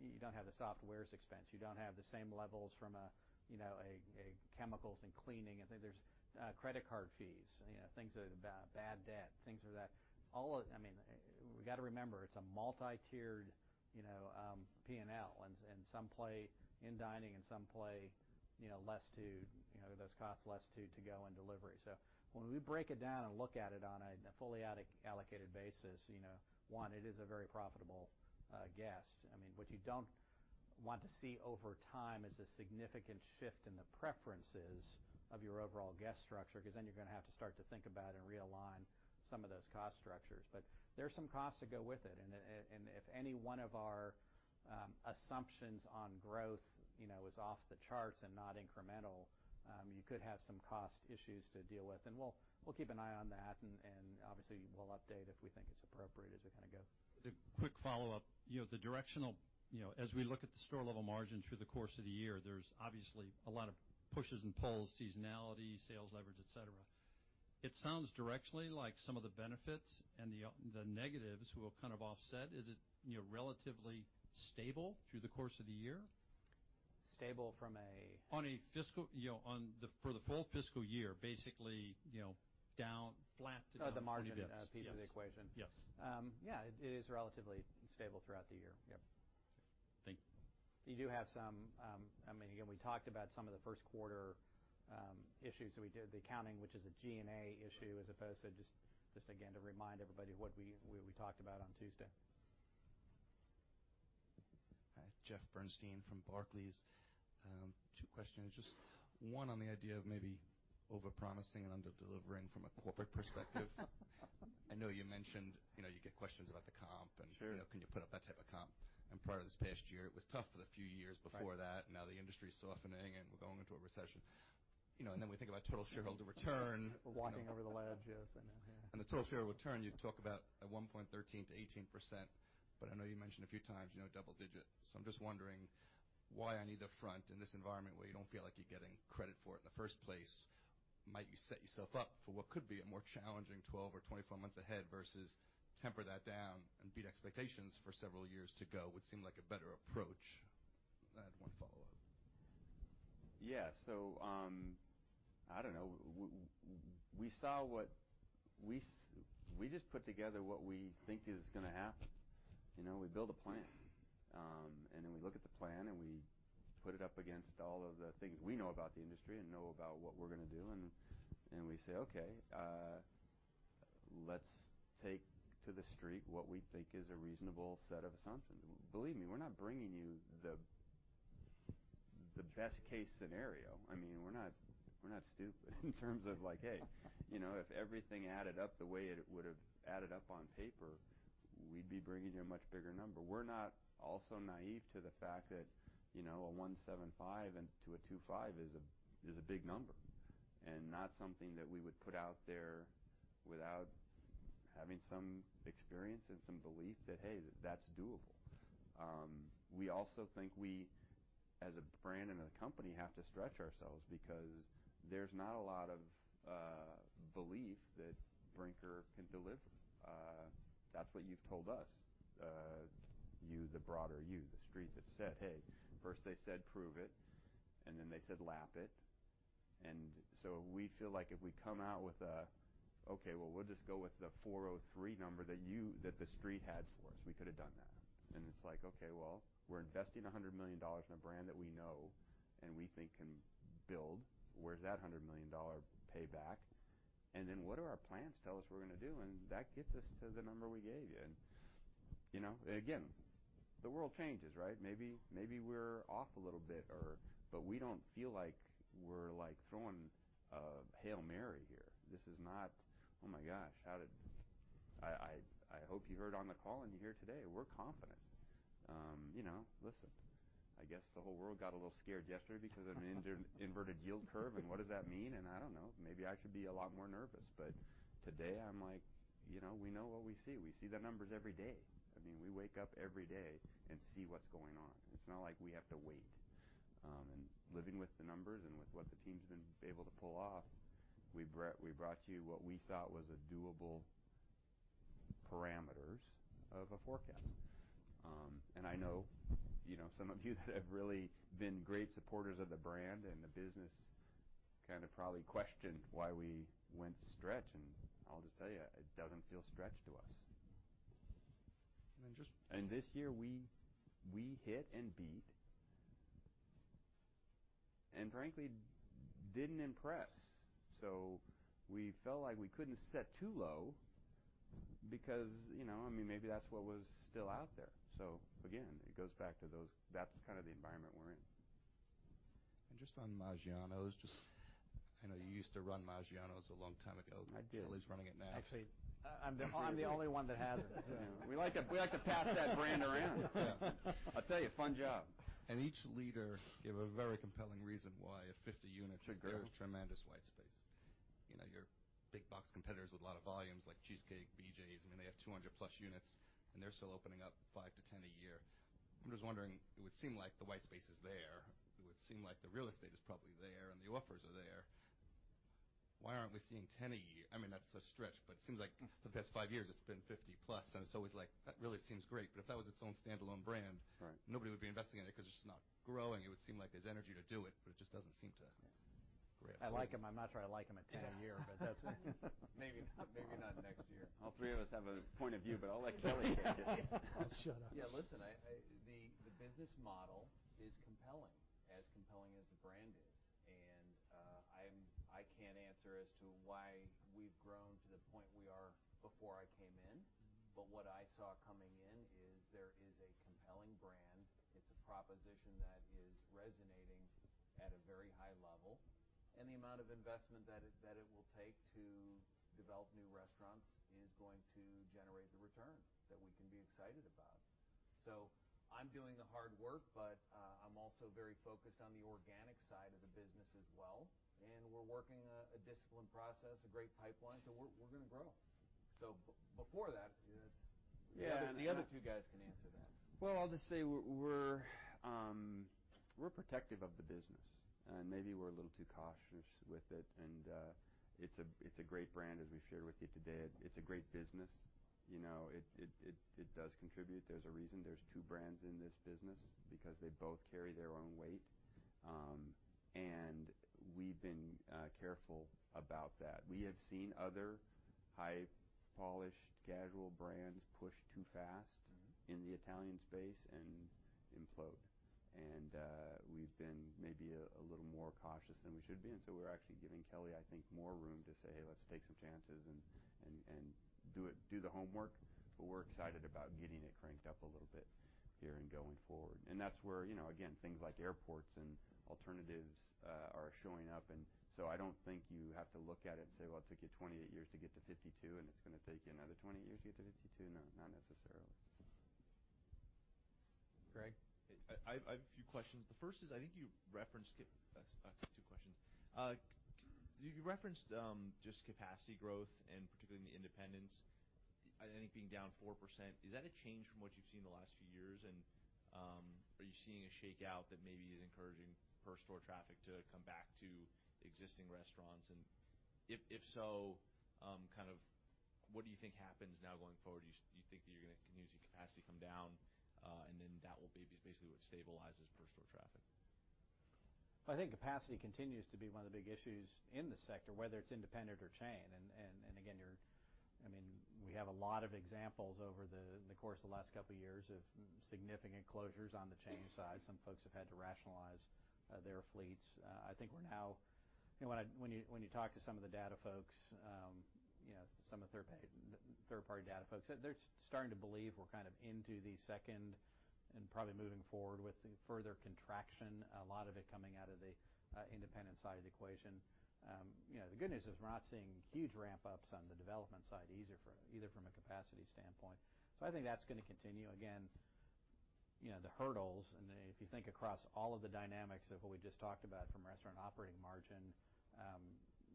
You don't have the softwares expense. You don't have the same levels from a chemicals and cleaning, I think there's credit card fees, things like bad debt, things like that. We got to remember, it's a multi-tiered P&L, and some play in dining and some play less to those costs, less to-go and delivery. When we break it down and look at it on a fully allocated basis. One, it is a very profitable guest. What you don't want to see over time is a significant shift in the preferences of your overall guest structure, because then you're going to have to start to think about and realign some of those cost structures. There's some costs that go with it, if any one of our assumptions on growth is off the charts and not incremental, you could have some cost issues to deal with. We'll keep an eye on that, and obviously, we'll update if we think it's appropriate as we go. A quick follow-up. As we look at the store-level margin through the course of the year, there's obviously a lot of pushes and pulls, seasonality, sales leverage, et cetera. It sounds directly like some of the benefits and the negatives will kind of offset. Is it relatively stable through the course of the year? Stable from a? For the full fiscal year, basically, flat to down 20 basis points. Oh, the margin piece of the equation. Yes. Yeah. It is relatively stable throughout the year. Yep. Thank you. We talked about some of the first quarter issues that we did, the accounting, which is a G&A issue, just again to remind everybody what we talked about on Tuesday. Jeff Bernstein from Barclays. Two questions. Just one on the idea of maybe over-promising and under-delivering from a corporate perspective. I know you mentioned you get questions about the comp. Sure Can you put up that type of comp. Part of this past year, it was tough for the few years before that. Right. Now the industry's softening, and we're going into a recession. We think about total shareholder return. We're walking over the ledge. Yes. I know, yeah. The total shareholder return, you talk about at one point 13%-18%. I know you mentioned a few times double digit. I'm just wondering why on either front in this environment where you don't feel like you're getting credit for it in the first place, might you set yourself up for what could be a more challenging 12 or 24 months ahead versus temper that down and beat expectations for several years to go would seem like a better approach. I had one follow-up. Yeah. I don't know. We just put together what we think is going to happen. We build a plan, and then we look at the plan, and we put it up against all of the things we know about the industry and know about what we're going to do, and we say, "Okay. Let's take to The Street what we think is a reasonable set of assumptions." Believe me, we're not bringing you the best-case scenario. We're not stupid in terms of, hey, if everything added up the way it would've added up on paper, we'd be bringing you a much bigger number. We're not also naive to the fact that a $1.75-$2.25 is a big number, and not something that we would put out there without having some experience and some belief that, hey, that's doable. We also think we, as a brand and a company, have to stretch ourselves because there's not a lot of belief that Brinker can deliver. That's what you've told us. You, the broader you, The Street that said, hey. First they said prove it, then they said lap it. We feel like if we come out with a, "Okay. Well, we'll just go with the 403 number" that The Street had for us, we could've done that. It's like, okay, well, we're investing $100 million in a brand that we know and we think can build. Where's that $100 million payback? Then what do our plans tell us we're going to do? That gets us to the number we gave you. Again, the world changes, right? Maybe we're off a little bit, but we don't feel like we're throwing a Hail Mary here. This is not, oh, my gosh. I hope you heard on the call, and you hear today, we're confident. Listen, I guess the whole world got a little scared yesterday because of an inverted yield curve, and what does that mean, and I don't know. Maybe I should be a lot more nervous, but today I'm like, we know what we see. We see the numbers every day. We wake up every day and see what's going on. It's not like we have to wait. Living with the numbers and with what the team's been able to pull off, we brought you what we thought was a doable parameters of a forecast. I know some of you that have really been great supporters of the brand and the business probably questioned why we went stretch, and I'll just tell you, it doesn't feel stretched to us. And then just- This year, we hit and beat, and frankly, didn't impress. We felt like we couldn't set too low because maybe that's what was still out there. Again, it goes back to that's kind of the environment we're in. Just on Maggiano's, I know you used to run Maggiano's a long time ago. I did. Kelly's running it now. Actually, I'm the only one that hasn't. We like to pass that brand around. I'll tell you, fun job. Each leader gave a very compelling reason why a 50 units. There's tremendous white space. Your big box competitors with a lot of volumes like Cheesecake, BJ's, they have 200+ units, and they're still opening up five to 10 a year. I'm just wondering, it would seem like the white space is there. It would seem like the real estate is probably there, and the offers are there. Why aren't we seeing 10 a year? That's a stretch, but it seems like the past five years it's been 50+, and it's always like that really seems great, but if that was its own standalone brand. Nobody would be investing in it because it's just not growing. It would seem like there's energy to do it, but it just doesn't seem to grip. I like them. I'm not sure I like them at 10 a year, but that's. Maybe not next year. All three of us have a point of view, but I'll let Kelly take it. I'll shut up. Yeah, listen. The business model is compelling, as compelling as the brand is. I can't answer as to why we've grown to the point we are before I came in. What I saw coming in is there is a compelling brand. It's a proposition that is resonating at a very high level, and the amount of investment that it will take to develop new restaurants is going to generate the return that we can be excited about. I'm doing the hard work, but I'm also very focused on the organic side of the business as well. We're working a disciplined process, a great pipeline, so we're going to grow. Before that, the other two guys can answer that. Well, I'll just say we're protective of the business, and maybe we're a little too cautious with it. It's a great brand, as we've shared with you today. It's a great business. It does contribute. There's a reason there's two brands in this business, because they both carry their own weight. We've been careful about that. We have seen other high-polished casual brands push too fast in the Italian space and implode. We've been maybe a little more cautious than we should be. We're actually giving Kelly, I think, more room to say, "Hey, let's take some chances and do the homework." We're excited about getting it cranked up a little bit here and going forward. That's where, again, things like airports and alternatives are showing up, and so I don't think you have to look at it and say, "Well, it took you 28 years to get to 52, and it's going to take you another 20 years to get to 52?" No, not necessarily. Greg? I have a few questions. The first is, I think you referenced just capacity growth and particularly in the independents, I think being down 4%. Is that a change from what you've seen the last few years? Are you seeing a shakeout that maybe is encouraging per store traffic to come back to existing restaurants? If so, what do you think happens now going forward? Do you think that you're going to continue to see capacity come down, and then that will be basically what stabilizes per store traffic? I think capacity continues to be one of the big issues in the sector, whether it's independent or chain. Again, we have a lot of examples over the course of the last couple of years of significant closures on the chain side. Some folks have had to rationalize their fleets. I think we're now, when you talk to some of the data folks, some of the third-party data folks, they're starting to believe we're into the second and probably moving forward with further contraction, a lot of it coming out of the independent side of the equation. The good news is we're not seeing huge ramp-ups on the development side, either from a capacity standpoint. I think that's going to continue. Again, the hurdles, and if you think across all of the dynamics of what we just talked about from restaurant operating margin,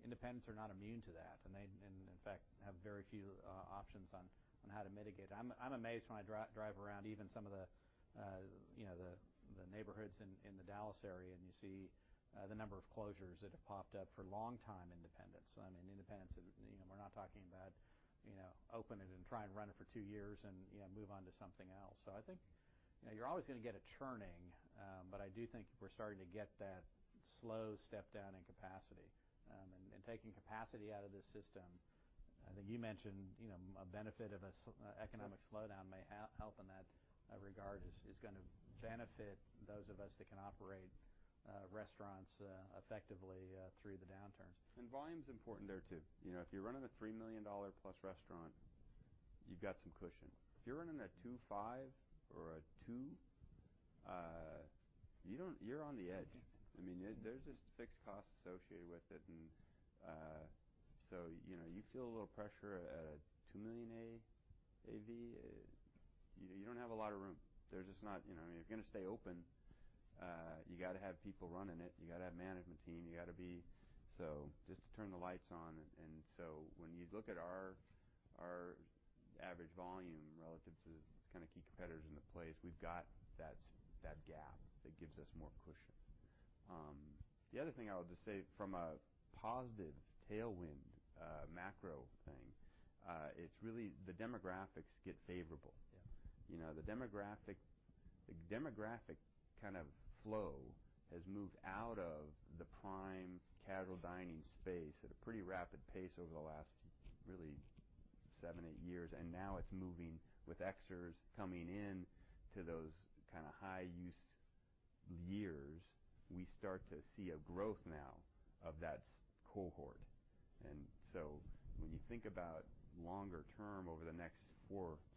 independents are not immune to that, and they, in fact, have very few options on how to mitigate. I'm amazed when I drive around even some of the neighborhoods in the Dallas area, and you see the number of closures that have popped up for long-time independents. Independents, we're not talking about open it and try and run it for two years and move on to something else. I think you're always going to get a churning, but I do think we're starting to get that slow step down in capacity. Taking capacity out of the system, I think you mentioned, a benefit of an economic slowdown may help in that regard, is going to benefit those of us that can operate restaurants effectively through the downturns. Volume's important there, too. If you're running a $3 million-plus restaurant, you've got some cushion. If you're running a $2.5 million or a $2 million, you're on the edge. There's this fixed cost associated with it, you feel a little pressure at a $2 million AUV, you don't have a lot of room. If you're going to stay open, you got to have people running it. You got to have management team. Just to turn the lights on. When you look at our average volume relative to kind of key competitors in the place, we've got that gap that gives us more cushion. The other thing I would just say from a positive tailwind macro thing, it's really the demographics get favorable. Yeah. The demographic kind of flow has moved out of the prime casual dining space at a pretty rapid pace over the last, really, seven, eight years, and now it's moving with X-ers coming in to those kind of high-use years. We start to see a growth now of that cohort. When you think about longer term over the next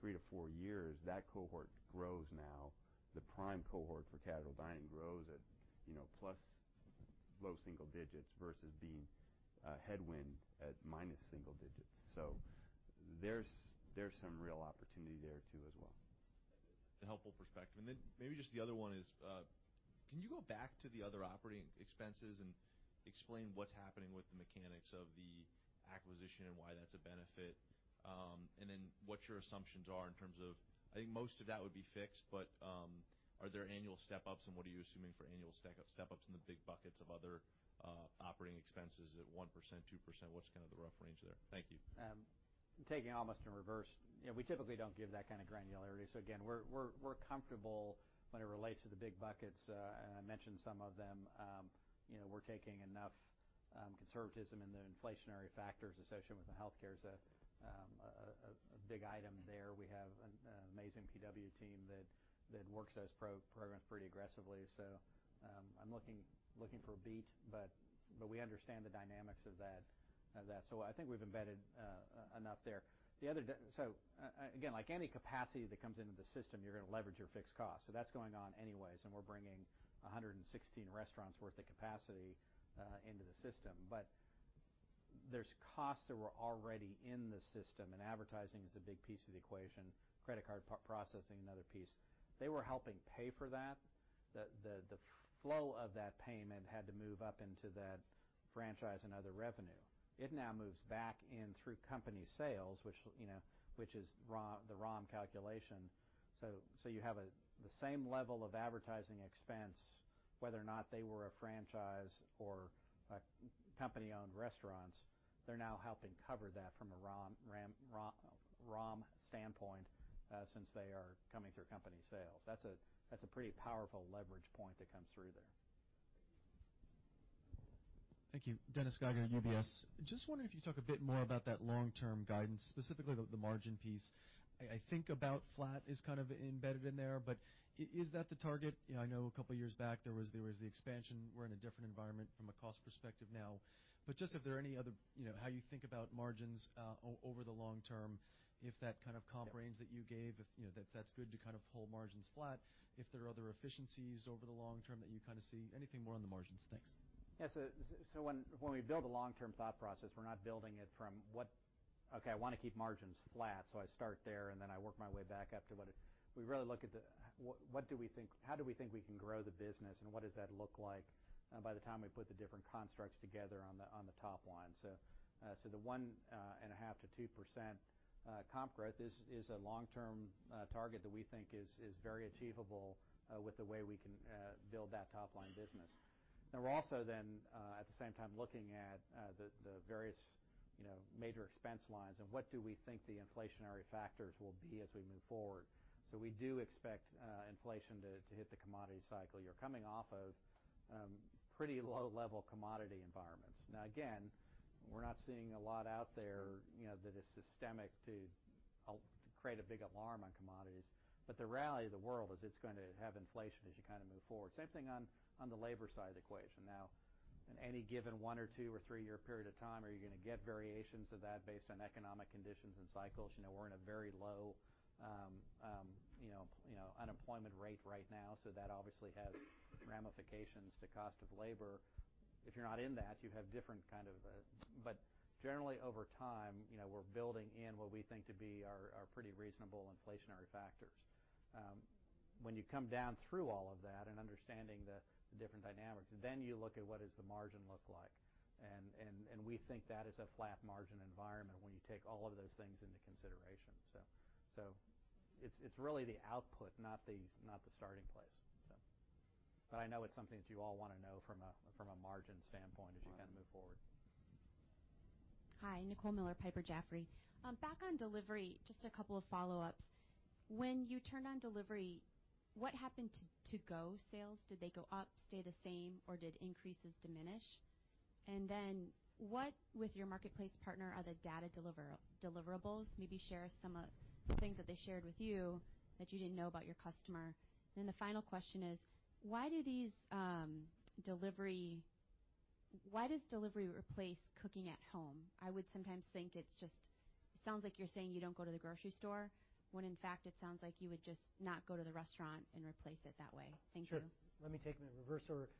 three or four years, that cohort grows now. The prime cohort for casual dining grows at plus low single digits versus being a headwind at minus single digits. There's some real opportunity there too as well. A helpful perspective. Maybe just the other one is, can you go back to the other operating expenses and explain what's happening with the mechanics of the acquisition and why that's a benefit? What your assumptions are in terms of, I think most of that would be fixed, but are there annual step-ups, and what are you assuming for annual step-ups in the big buckets of other operating expenses at 1%, 2%? What's kind of the rough range there? Thank you. Taking almost in reverse. We typically don't give that kind of granularity. Again, we're comfortable when it relates to the big buckets. I mentioned some of them. We're taking enough conservatism in the inflationary factors associated with the healthcare is a big item there. We have an amazing PW team that works those programs pretty aggressively. I'm looking for a beat, but we understand the dynamics of that. I think we've embedded enough there. Again, like any capacity that comes into the system, you're going to leverage your fixed cost. That's going on anyways, and we're bringing 116 restaurants worth of capacity into the system. There's costs that were already in the system, and advertising is a big piece of the equation, credit card processing, another piece. They were helping pay for that. The flow of that payment had to move up into that franchise and other revenue. It now moves back in through company sales, which is the ROM calculation. You have the same level of advertising expense, whether or not they were a franchise or a company-owned restaurants. They're now helping cover that from a ROM standpoint, since they are coming through company sales. That's a pretty powerful leverage point that comes through there. Thank you. Dennis Geiger, UBS. Just wondering if you could talk a bit more about that long-term guidance, specifically the margin piece. I think about flat is kind of embedded in there. Is that the target? I know a couple of years back there was the expansion. We're in a different environment from a cost perspective now, but how you think about margins over the long term, if that kind of comp range that you gave, if that's good to kind of hold margins flat, if there are other efficiencies over the long term that you kind of see. Anything more on the margins? Thanks. When we build a long-term thought process, we're not building it from what, okay, I want to keep margins flat, I start there and then I work my way back up. We really look at how do we think we can grow the business and what does that look like by the time we put the different constructs together on the top line. The 1.5%-2% comp growth is a long-term target that we think is very achievable with the way we can build that top-line business. We're also then at the same time looking at the various major expense lines and what do we think the inflationary factors will be as we move forward. We do expect inflation to hit the commodity cycle. You're coming off of pretty low-level commodity environments. Again, we're not seeing a lot out there that is systemic to create a big alarm on commodities. The reality of the world is it's going to have inflation as you move forward. Same thing on the labor side of the equation. In any given one or two or three-year period of time, are you going to get variations of that based on economic conditions and cycles? We're in a very low unemployment rate right now, that obviously has ramifications to cost of labor. If you're not in that, generally over time, we're building in what we think to be our pretty reasonable inflationary factors. When you come down through all of that and understanding the different dynamics, you look at what does the margin look like. We think that is a flat margin environment when you take all of those things into consideration. It's really the output, not the starting place. I know it's something that you all want to know from a margin standpoint as you kind of move forward. Hi, Nicole Miller, Piper Jaffray. Back on delivery, just a couple of follow-ups. When you turned on delivery, what happened to to-go sales? Did they go up, stay the same, or did increases diminish? What, with your marketplace partner, are the data deliverables? Maybe share some of the things that they shared with you that you didn't know about your customer. The final question is, why does delivery replace cooking at home? I would sometimes think it's just, sounds like you're saying you don't go to the grocery store, when in fact it sounds like you would just not go to the restaurant and replace it that way. Thank you. Sure. Let me take them in reverse order.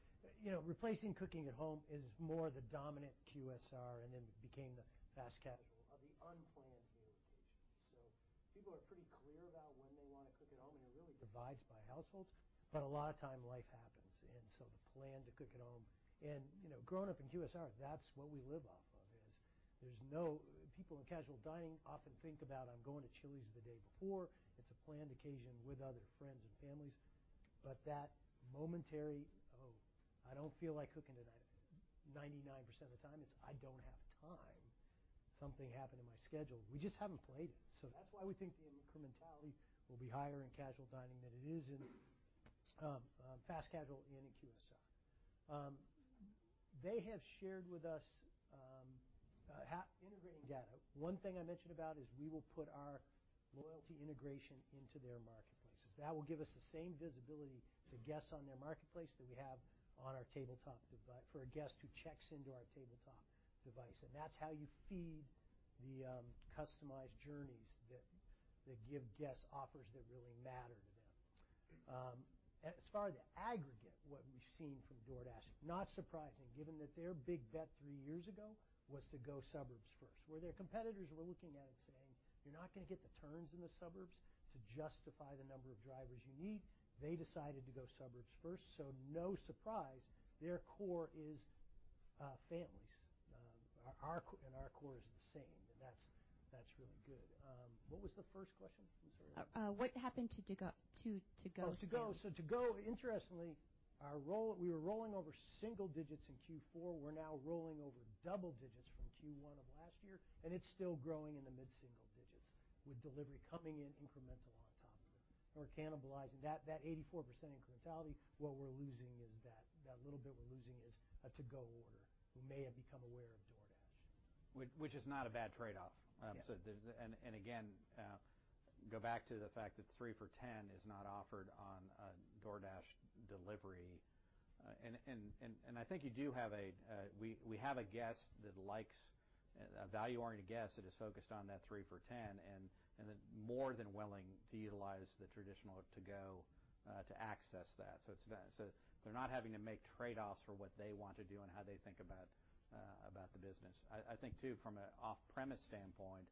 Replacing cooking at home is more the dominant QSR and then became the fast casual of the unplanned meal occasion. People are pretty clear about when they want to cook at home, and it really divides by households. A lot of time, life happens. The plan to cook at home. Growing up in QSR, that's what we live off of is there's no people in casual dining often think about, I'm going to Chili's the day before. It's a planned occasion with other friends and families. That momentary, "Oh, I don't feel like cooking tonight," 99% of the time it's, "I don't have time. Something happened to my schedule." We just haven't planned it. That's why we think the incrementality will be higher in casual dining than it is in fast casual and in QSR. They have shared with us integrating data. One thing I mentioned about is we will put our loyalty integration into their marketplaces. That will give us the same visibility to guests on their marketplace that we have on our tabletop for a guest who checks into our tabletop device, and that's how you feed the customized journeys that give guests offers that really matter to them. As far as the aggregate, what we've seen from DoorDash, not surprising given that their big bet three years ago was to go suburbs first. Where their competitors were looking at it saying, "You're not going to get the turns in the suburbs to justify the number of drivers you need," they decided to go suburbs first. No surprise, their core is families. Our core is the same, and that's really good. What was the first question? I'm sorry. What happened to to-go sales? To-go. To-go, interestingly, we were rolling over single digits in Q4. We're now rolling over double digits. It's still growing in the mid-single digits with delivery coming in incremental on top of it. We're cannibalizing. That 84% incrementality, what we're losing is that little bit is a to-go order who may have become aware of DoorDash. Which is not a bad trade-off. Yeah. Again, go back to the fact that 3 for $10 is not offered on DoorDash delivery. I think we have a guest that likes a value-oriented guest that is focused on that 3 for $10, then more than willing to utilize the traditional to-go, to access that. They're not having to make trade-offs for what they want to do and how they think about the business. I think too, from an off-premise standpoint,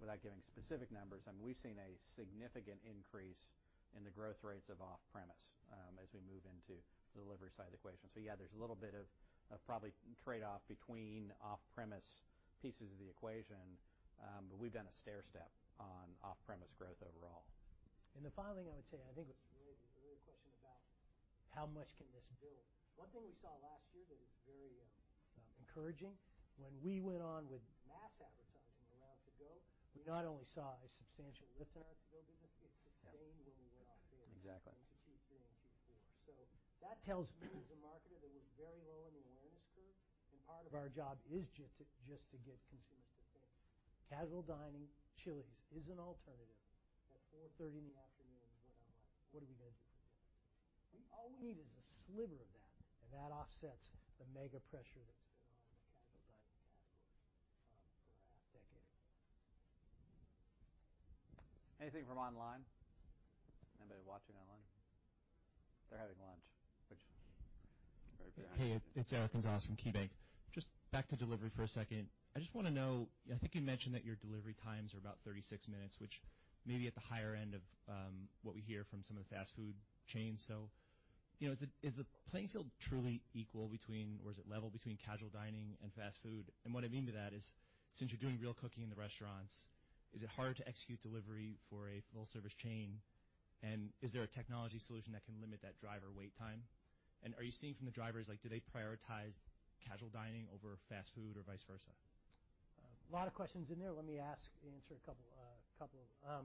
without giving specific numbers, we've seen a significant increase in the growth rates of off-premise as we move into the delivery side of the equation. Yeah, there's a little bit of probably trade-off between off-premise pieces of the equation. We've done a stair-step on off-premise growth overall. The final thing I would say, I think it was maybe an earlier question about how much can this build. One thing we saw last year that is very encouraging, when we went on with mass advertising around to-go, we not only saw a substantial lift on our to-go business, it sustained when we went off hiatus- Exactly. Into Q3 and Q4. That tells me as a marketer that we're very low in the awareness curve, and part of our job is just to get consumers to think casual dining, Chili's is an alternative at 4:30 in the afternoon when I'm like, "What are we going to do for dinner?" All we need is a sliver of that, and that offsets the mega pressure that's been on the casual dining category for a decade. Anything from online? Anybody watching online? They're having lunch, which very fair. Hey, it's Eric Gonzalez from KeyBanc. Just back to delivery for a second. I just want to know, I think you mentioned that your delivery times are about 36 minutes, which may be at the higher end of what we hear from some of the fast food chains. Is the playing field truly equal between, or is it level between casual dining and fast food? What I mean by that is, since you're doing real cooking in the restaurants, is it harder to execute delivery for a full-service chain? Is there a technology solution that can limit that driver wait time? Are you seeing from the drivers, do they prioritize casual dining over fast food or vice versa? A lot of questions in there. Let me answer a couple of them.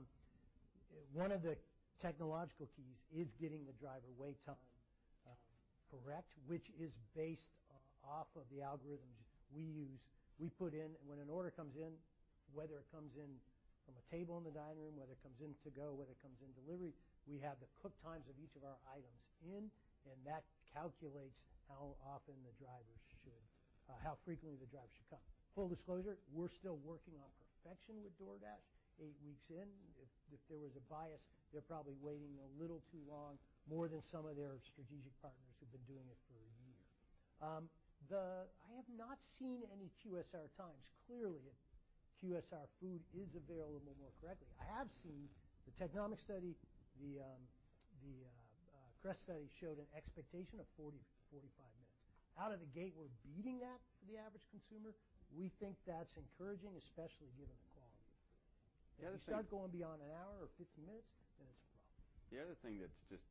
One of the technological keys is getting the driver wait time correct, which is based off of the algorithms we use. We put in when an order comes in, whether it comes in from a table in the dining room, whether it comes in to-go, whether it comes in delivery, we have the cook times of each of our items in. That calculates how frequently the driver should come. Full disclosure, we're still working on perfection with DoorDash. Eight weeks in, if there was a bias, they're probably waiting a little too long, more than some of their strategic partners who've been doing it for a year. I have not seen any QSR times. Clearly, QSR food is available more correctly. I have seen the Technomic study. The CREST study showed an expectation of 40 to 45 minutes. Out of the gate, we're beating that for the average consumer. We think that's encouraging, especially given the quality of the food. The other thing- If you start going beyond an hour or 50 minutes, then it's a problem. The other thing that's just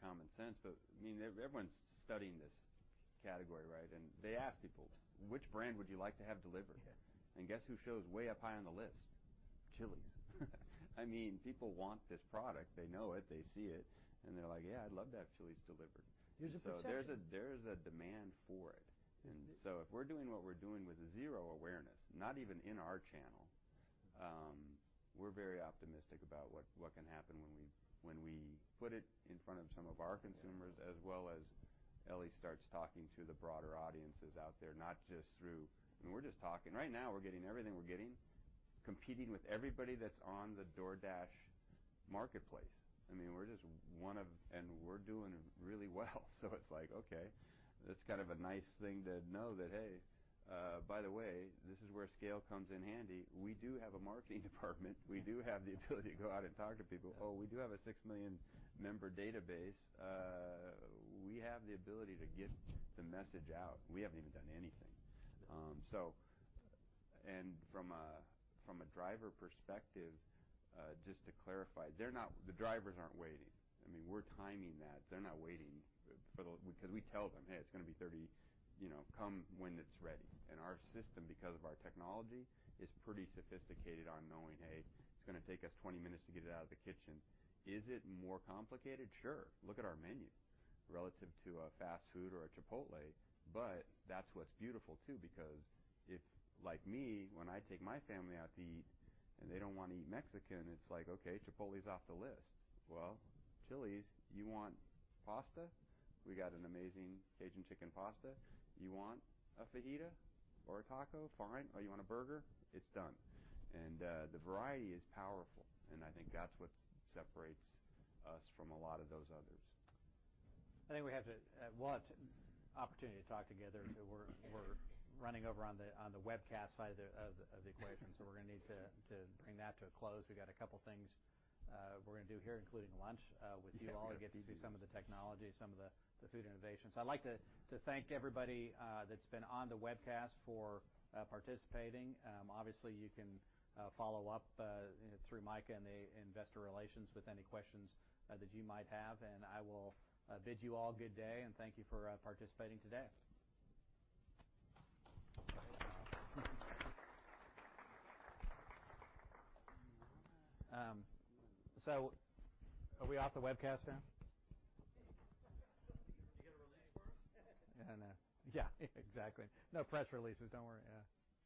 common sense, but everyone's studying this category, right? They ask people, "Which brand would you like to have delivered? Yeah. Guess who shows way up high on the list? Chili's. People want this product. They know it, they see it, and they're like, "Yeah, I'd love to have Chili's delivered. There's a perception. There is a demand for it. If we're doing what we're doing with zero awareness, not even in our channel, we're very optimistic about what can happen when we put it in front of some of our consumers, as well as Ellie starts talking to the broader audiences out there, not just through. We're just talking. Right now, we're getting everything we're getting, competing with everybody that's on the DoorDash marketplace. We're just one of, and we're doing really well. It's like, okay, that's a nice thing to know that, hey, by the way, this is where scale comes in handy. We do have a marketing department. We do have the ability to go out and talk to people. Oh, we do have a 6 million member database. We have the ability to get the message out, and we haven't even done anything. From a driver perspective, just to clarify, the drivers aren't waiting. We're timing that. They're not waiting because we tell them, "Hey, it's going to be 30. Come when it's ready." Our system, because of our technology, is pretty sophisticated on knowing, hey, it's going to take us 20 minutes to get it out of the kitchen. Is it more complicated? Sure. Look at our menu relative to a fast food or a Chipotle. That's what's beautiful too, because if like me, when I take my family out to eat, and they don't want to eat Mexican, it's like, okay, Chipotle's off the list. Well, Chili's, you want pasta? We got an amazing Cajun Chicken Pasta. You want a fajita or a taco? Fine. You want a burger? It's done. The variety is powerful, and I think that's what separates us from a lot of those others. I think we have what? Opportunity to talk together. We're running over on the webcast side of the equation. We're going to need to bring that to a close. We got a couple things we're going to do here, including lunch with you all and get to see some of the technology, some of the food innovations. I'd like to thank everybody that's been on the webcast for participating. Obviously, you can follow up through Mika and the investor relations with any questions that you might have. I will bid you all good day, and thank you for participating today. Are we off the webcast now? You get a release first? I don't know. Yeah, exactly. No press releases. Don't worry. Yeah.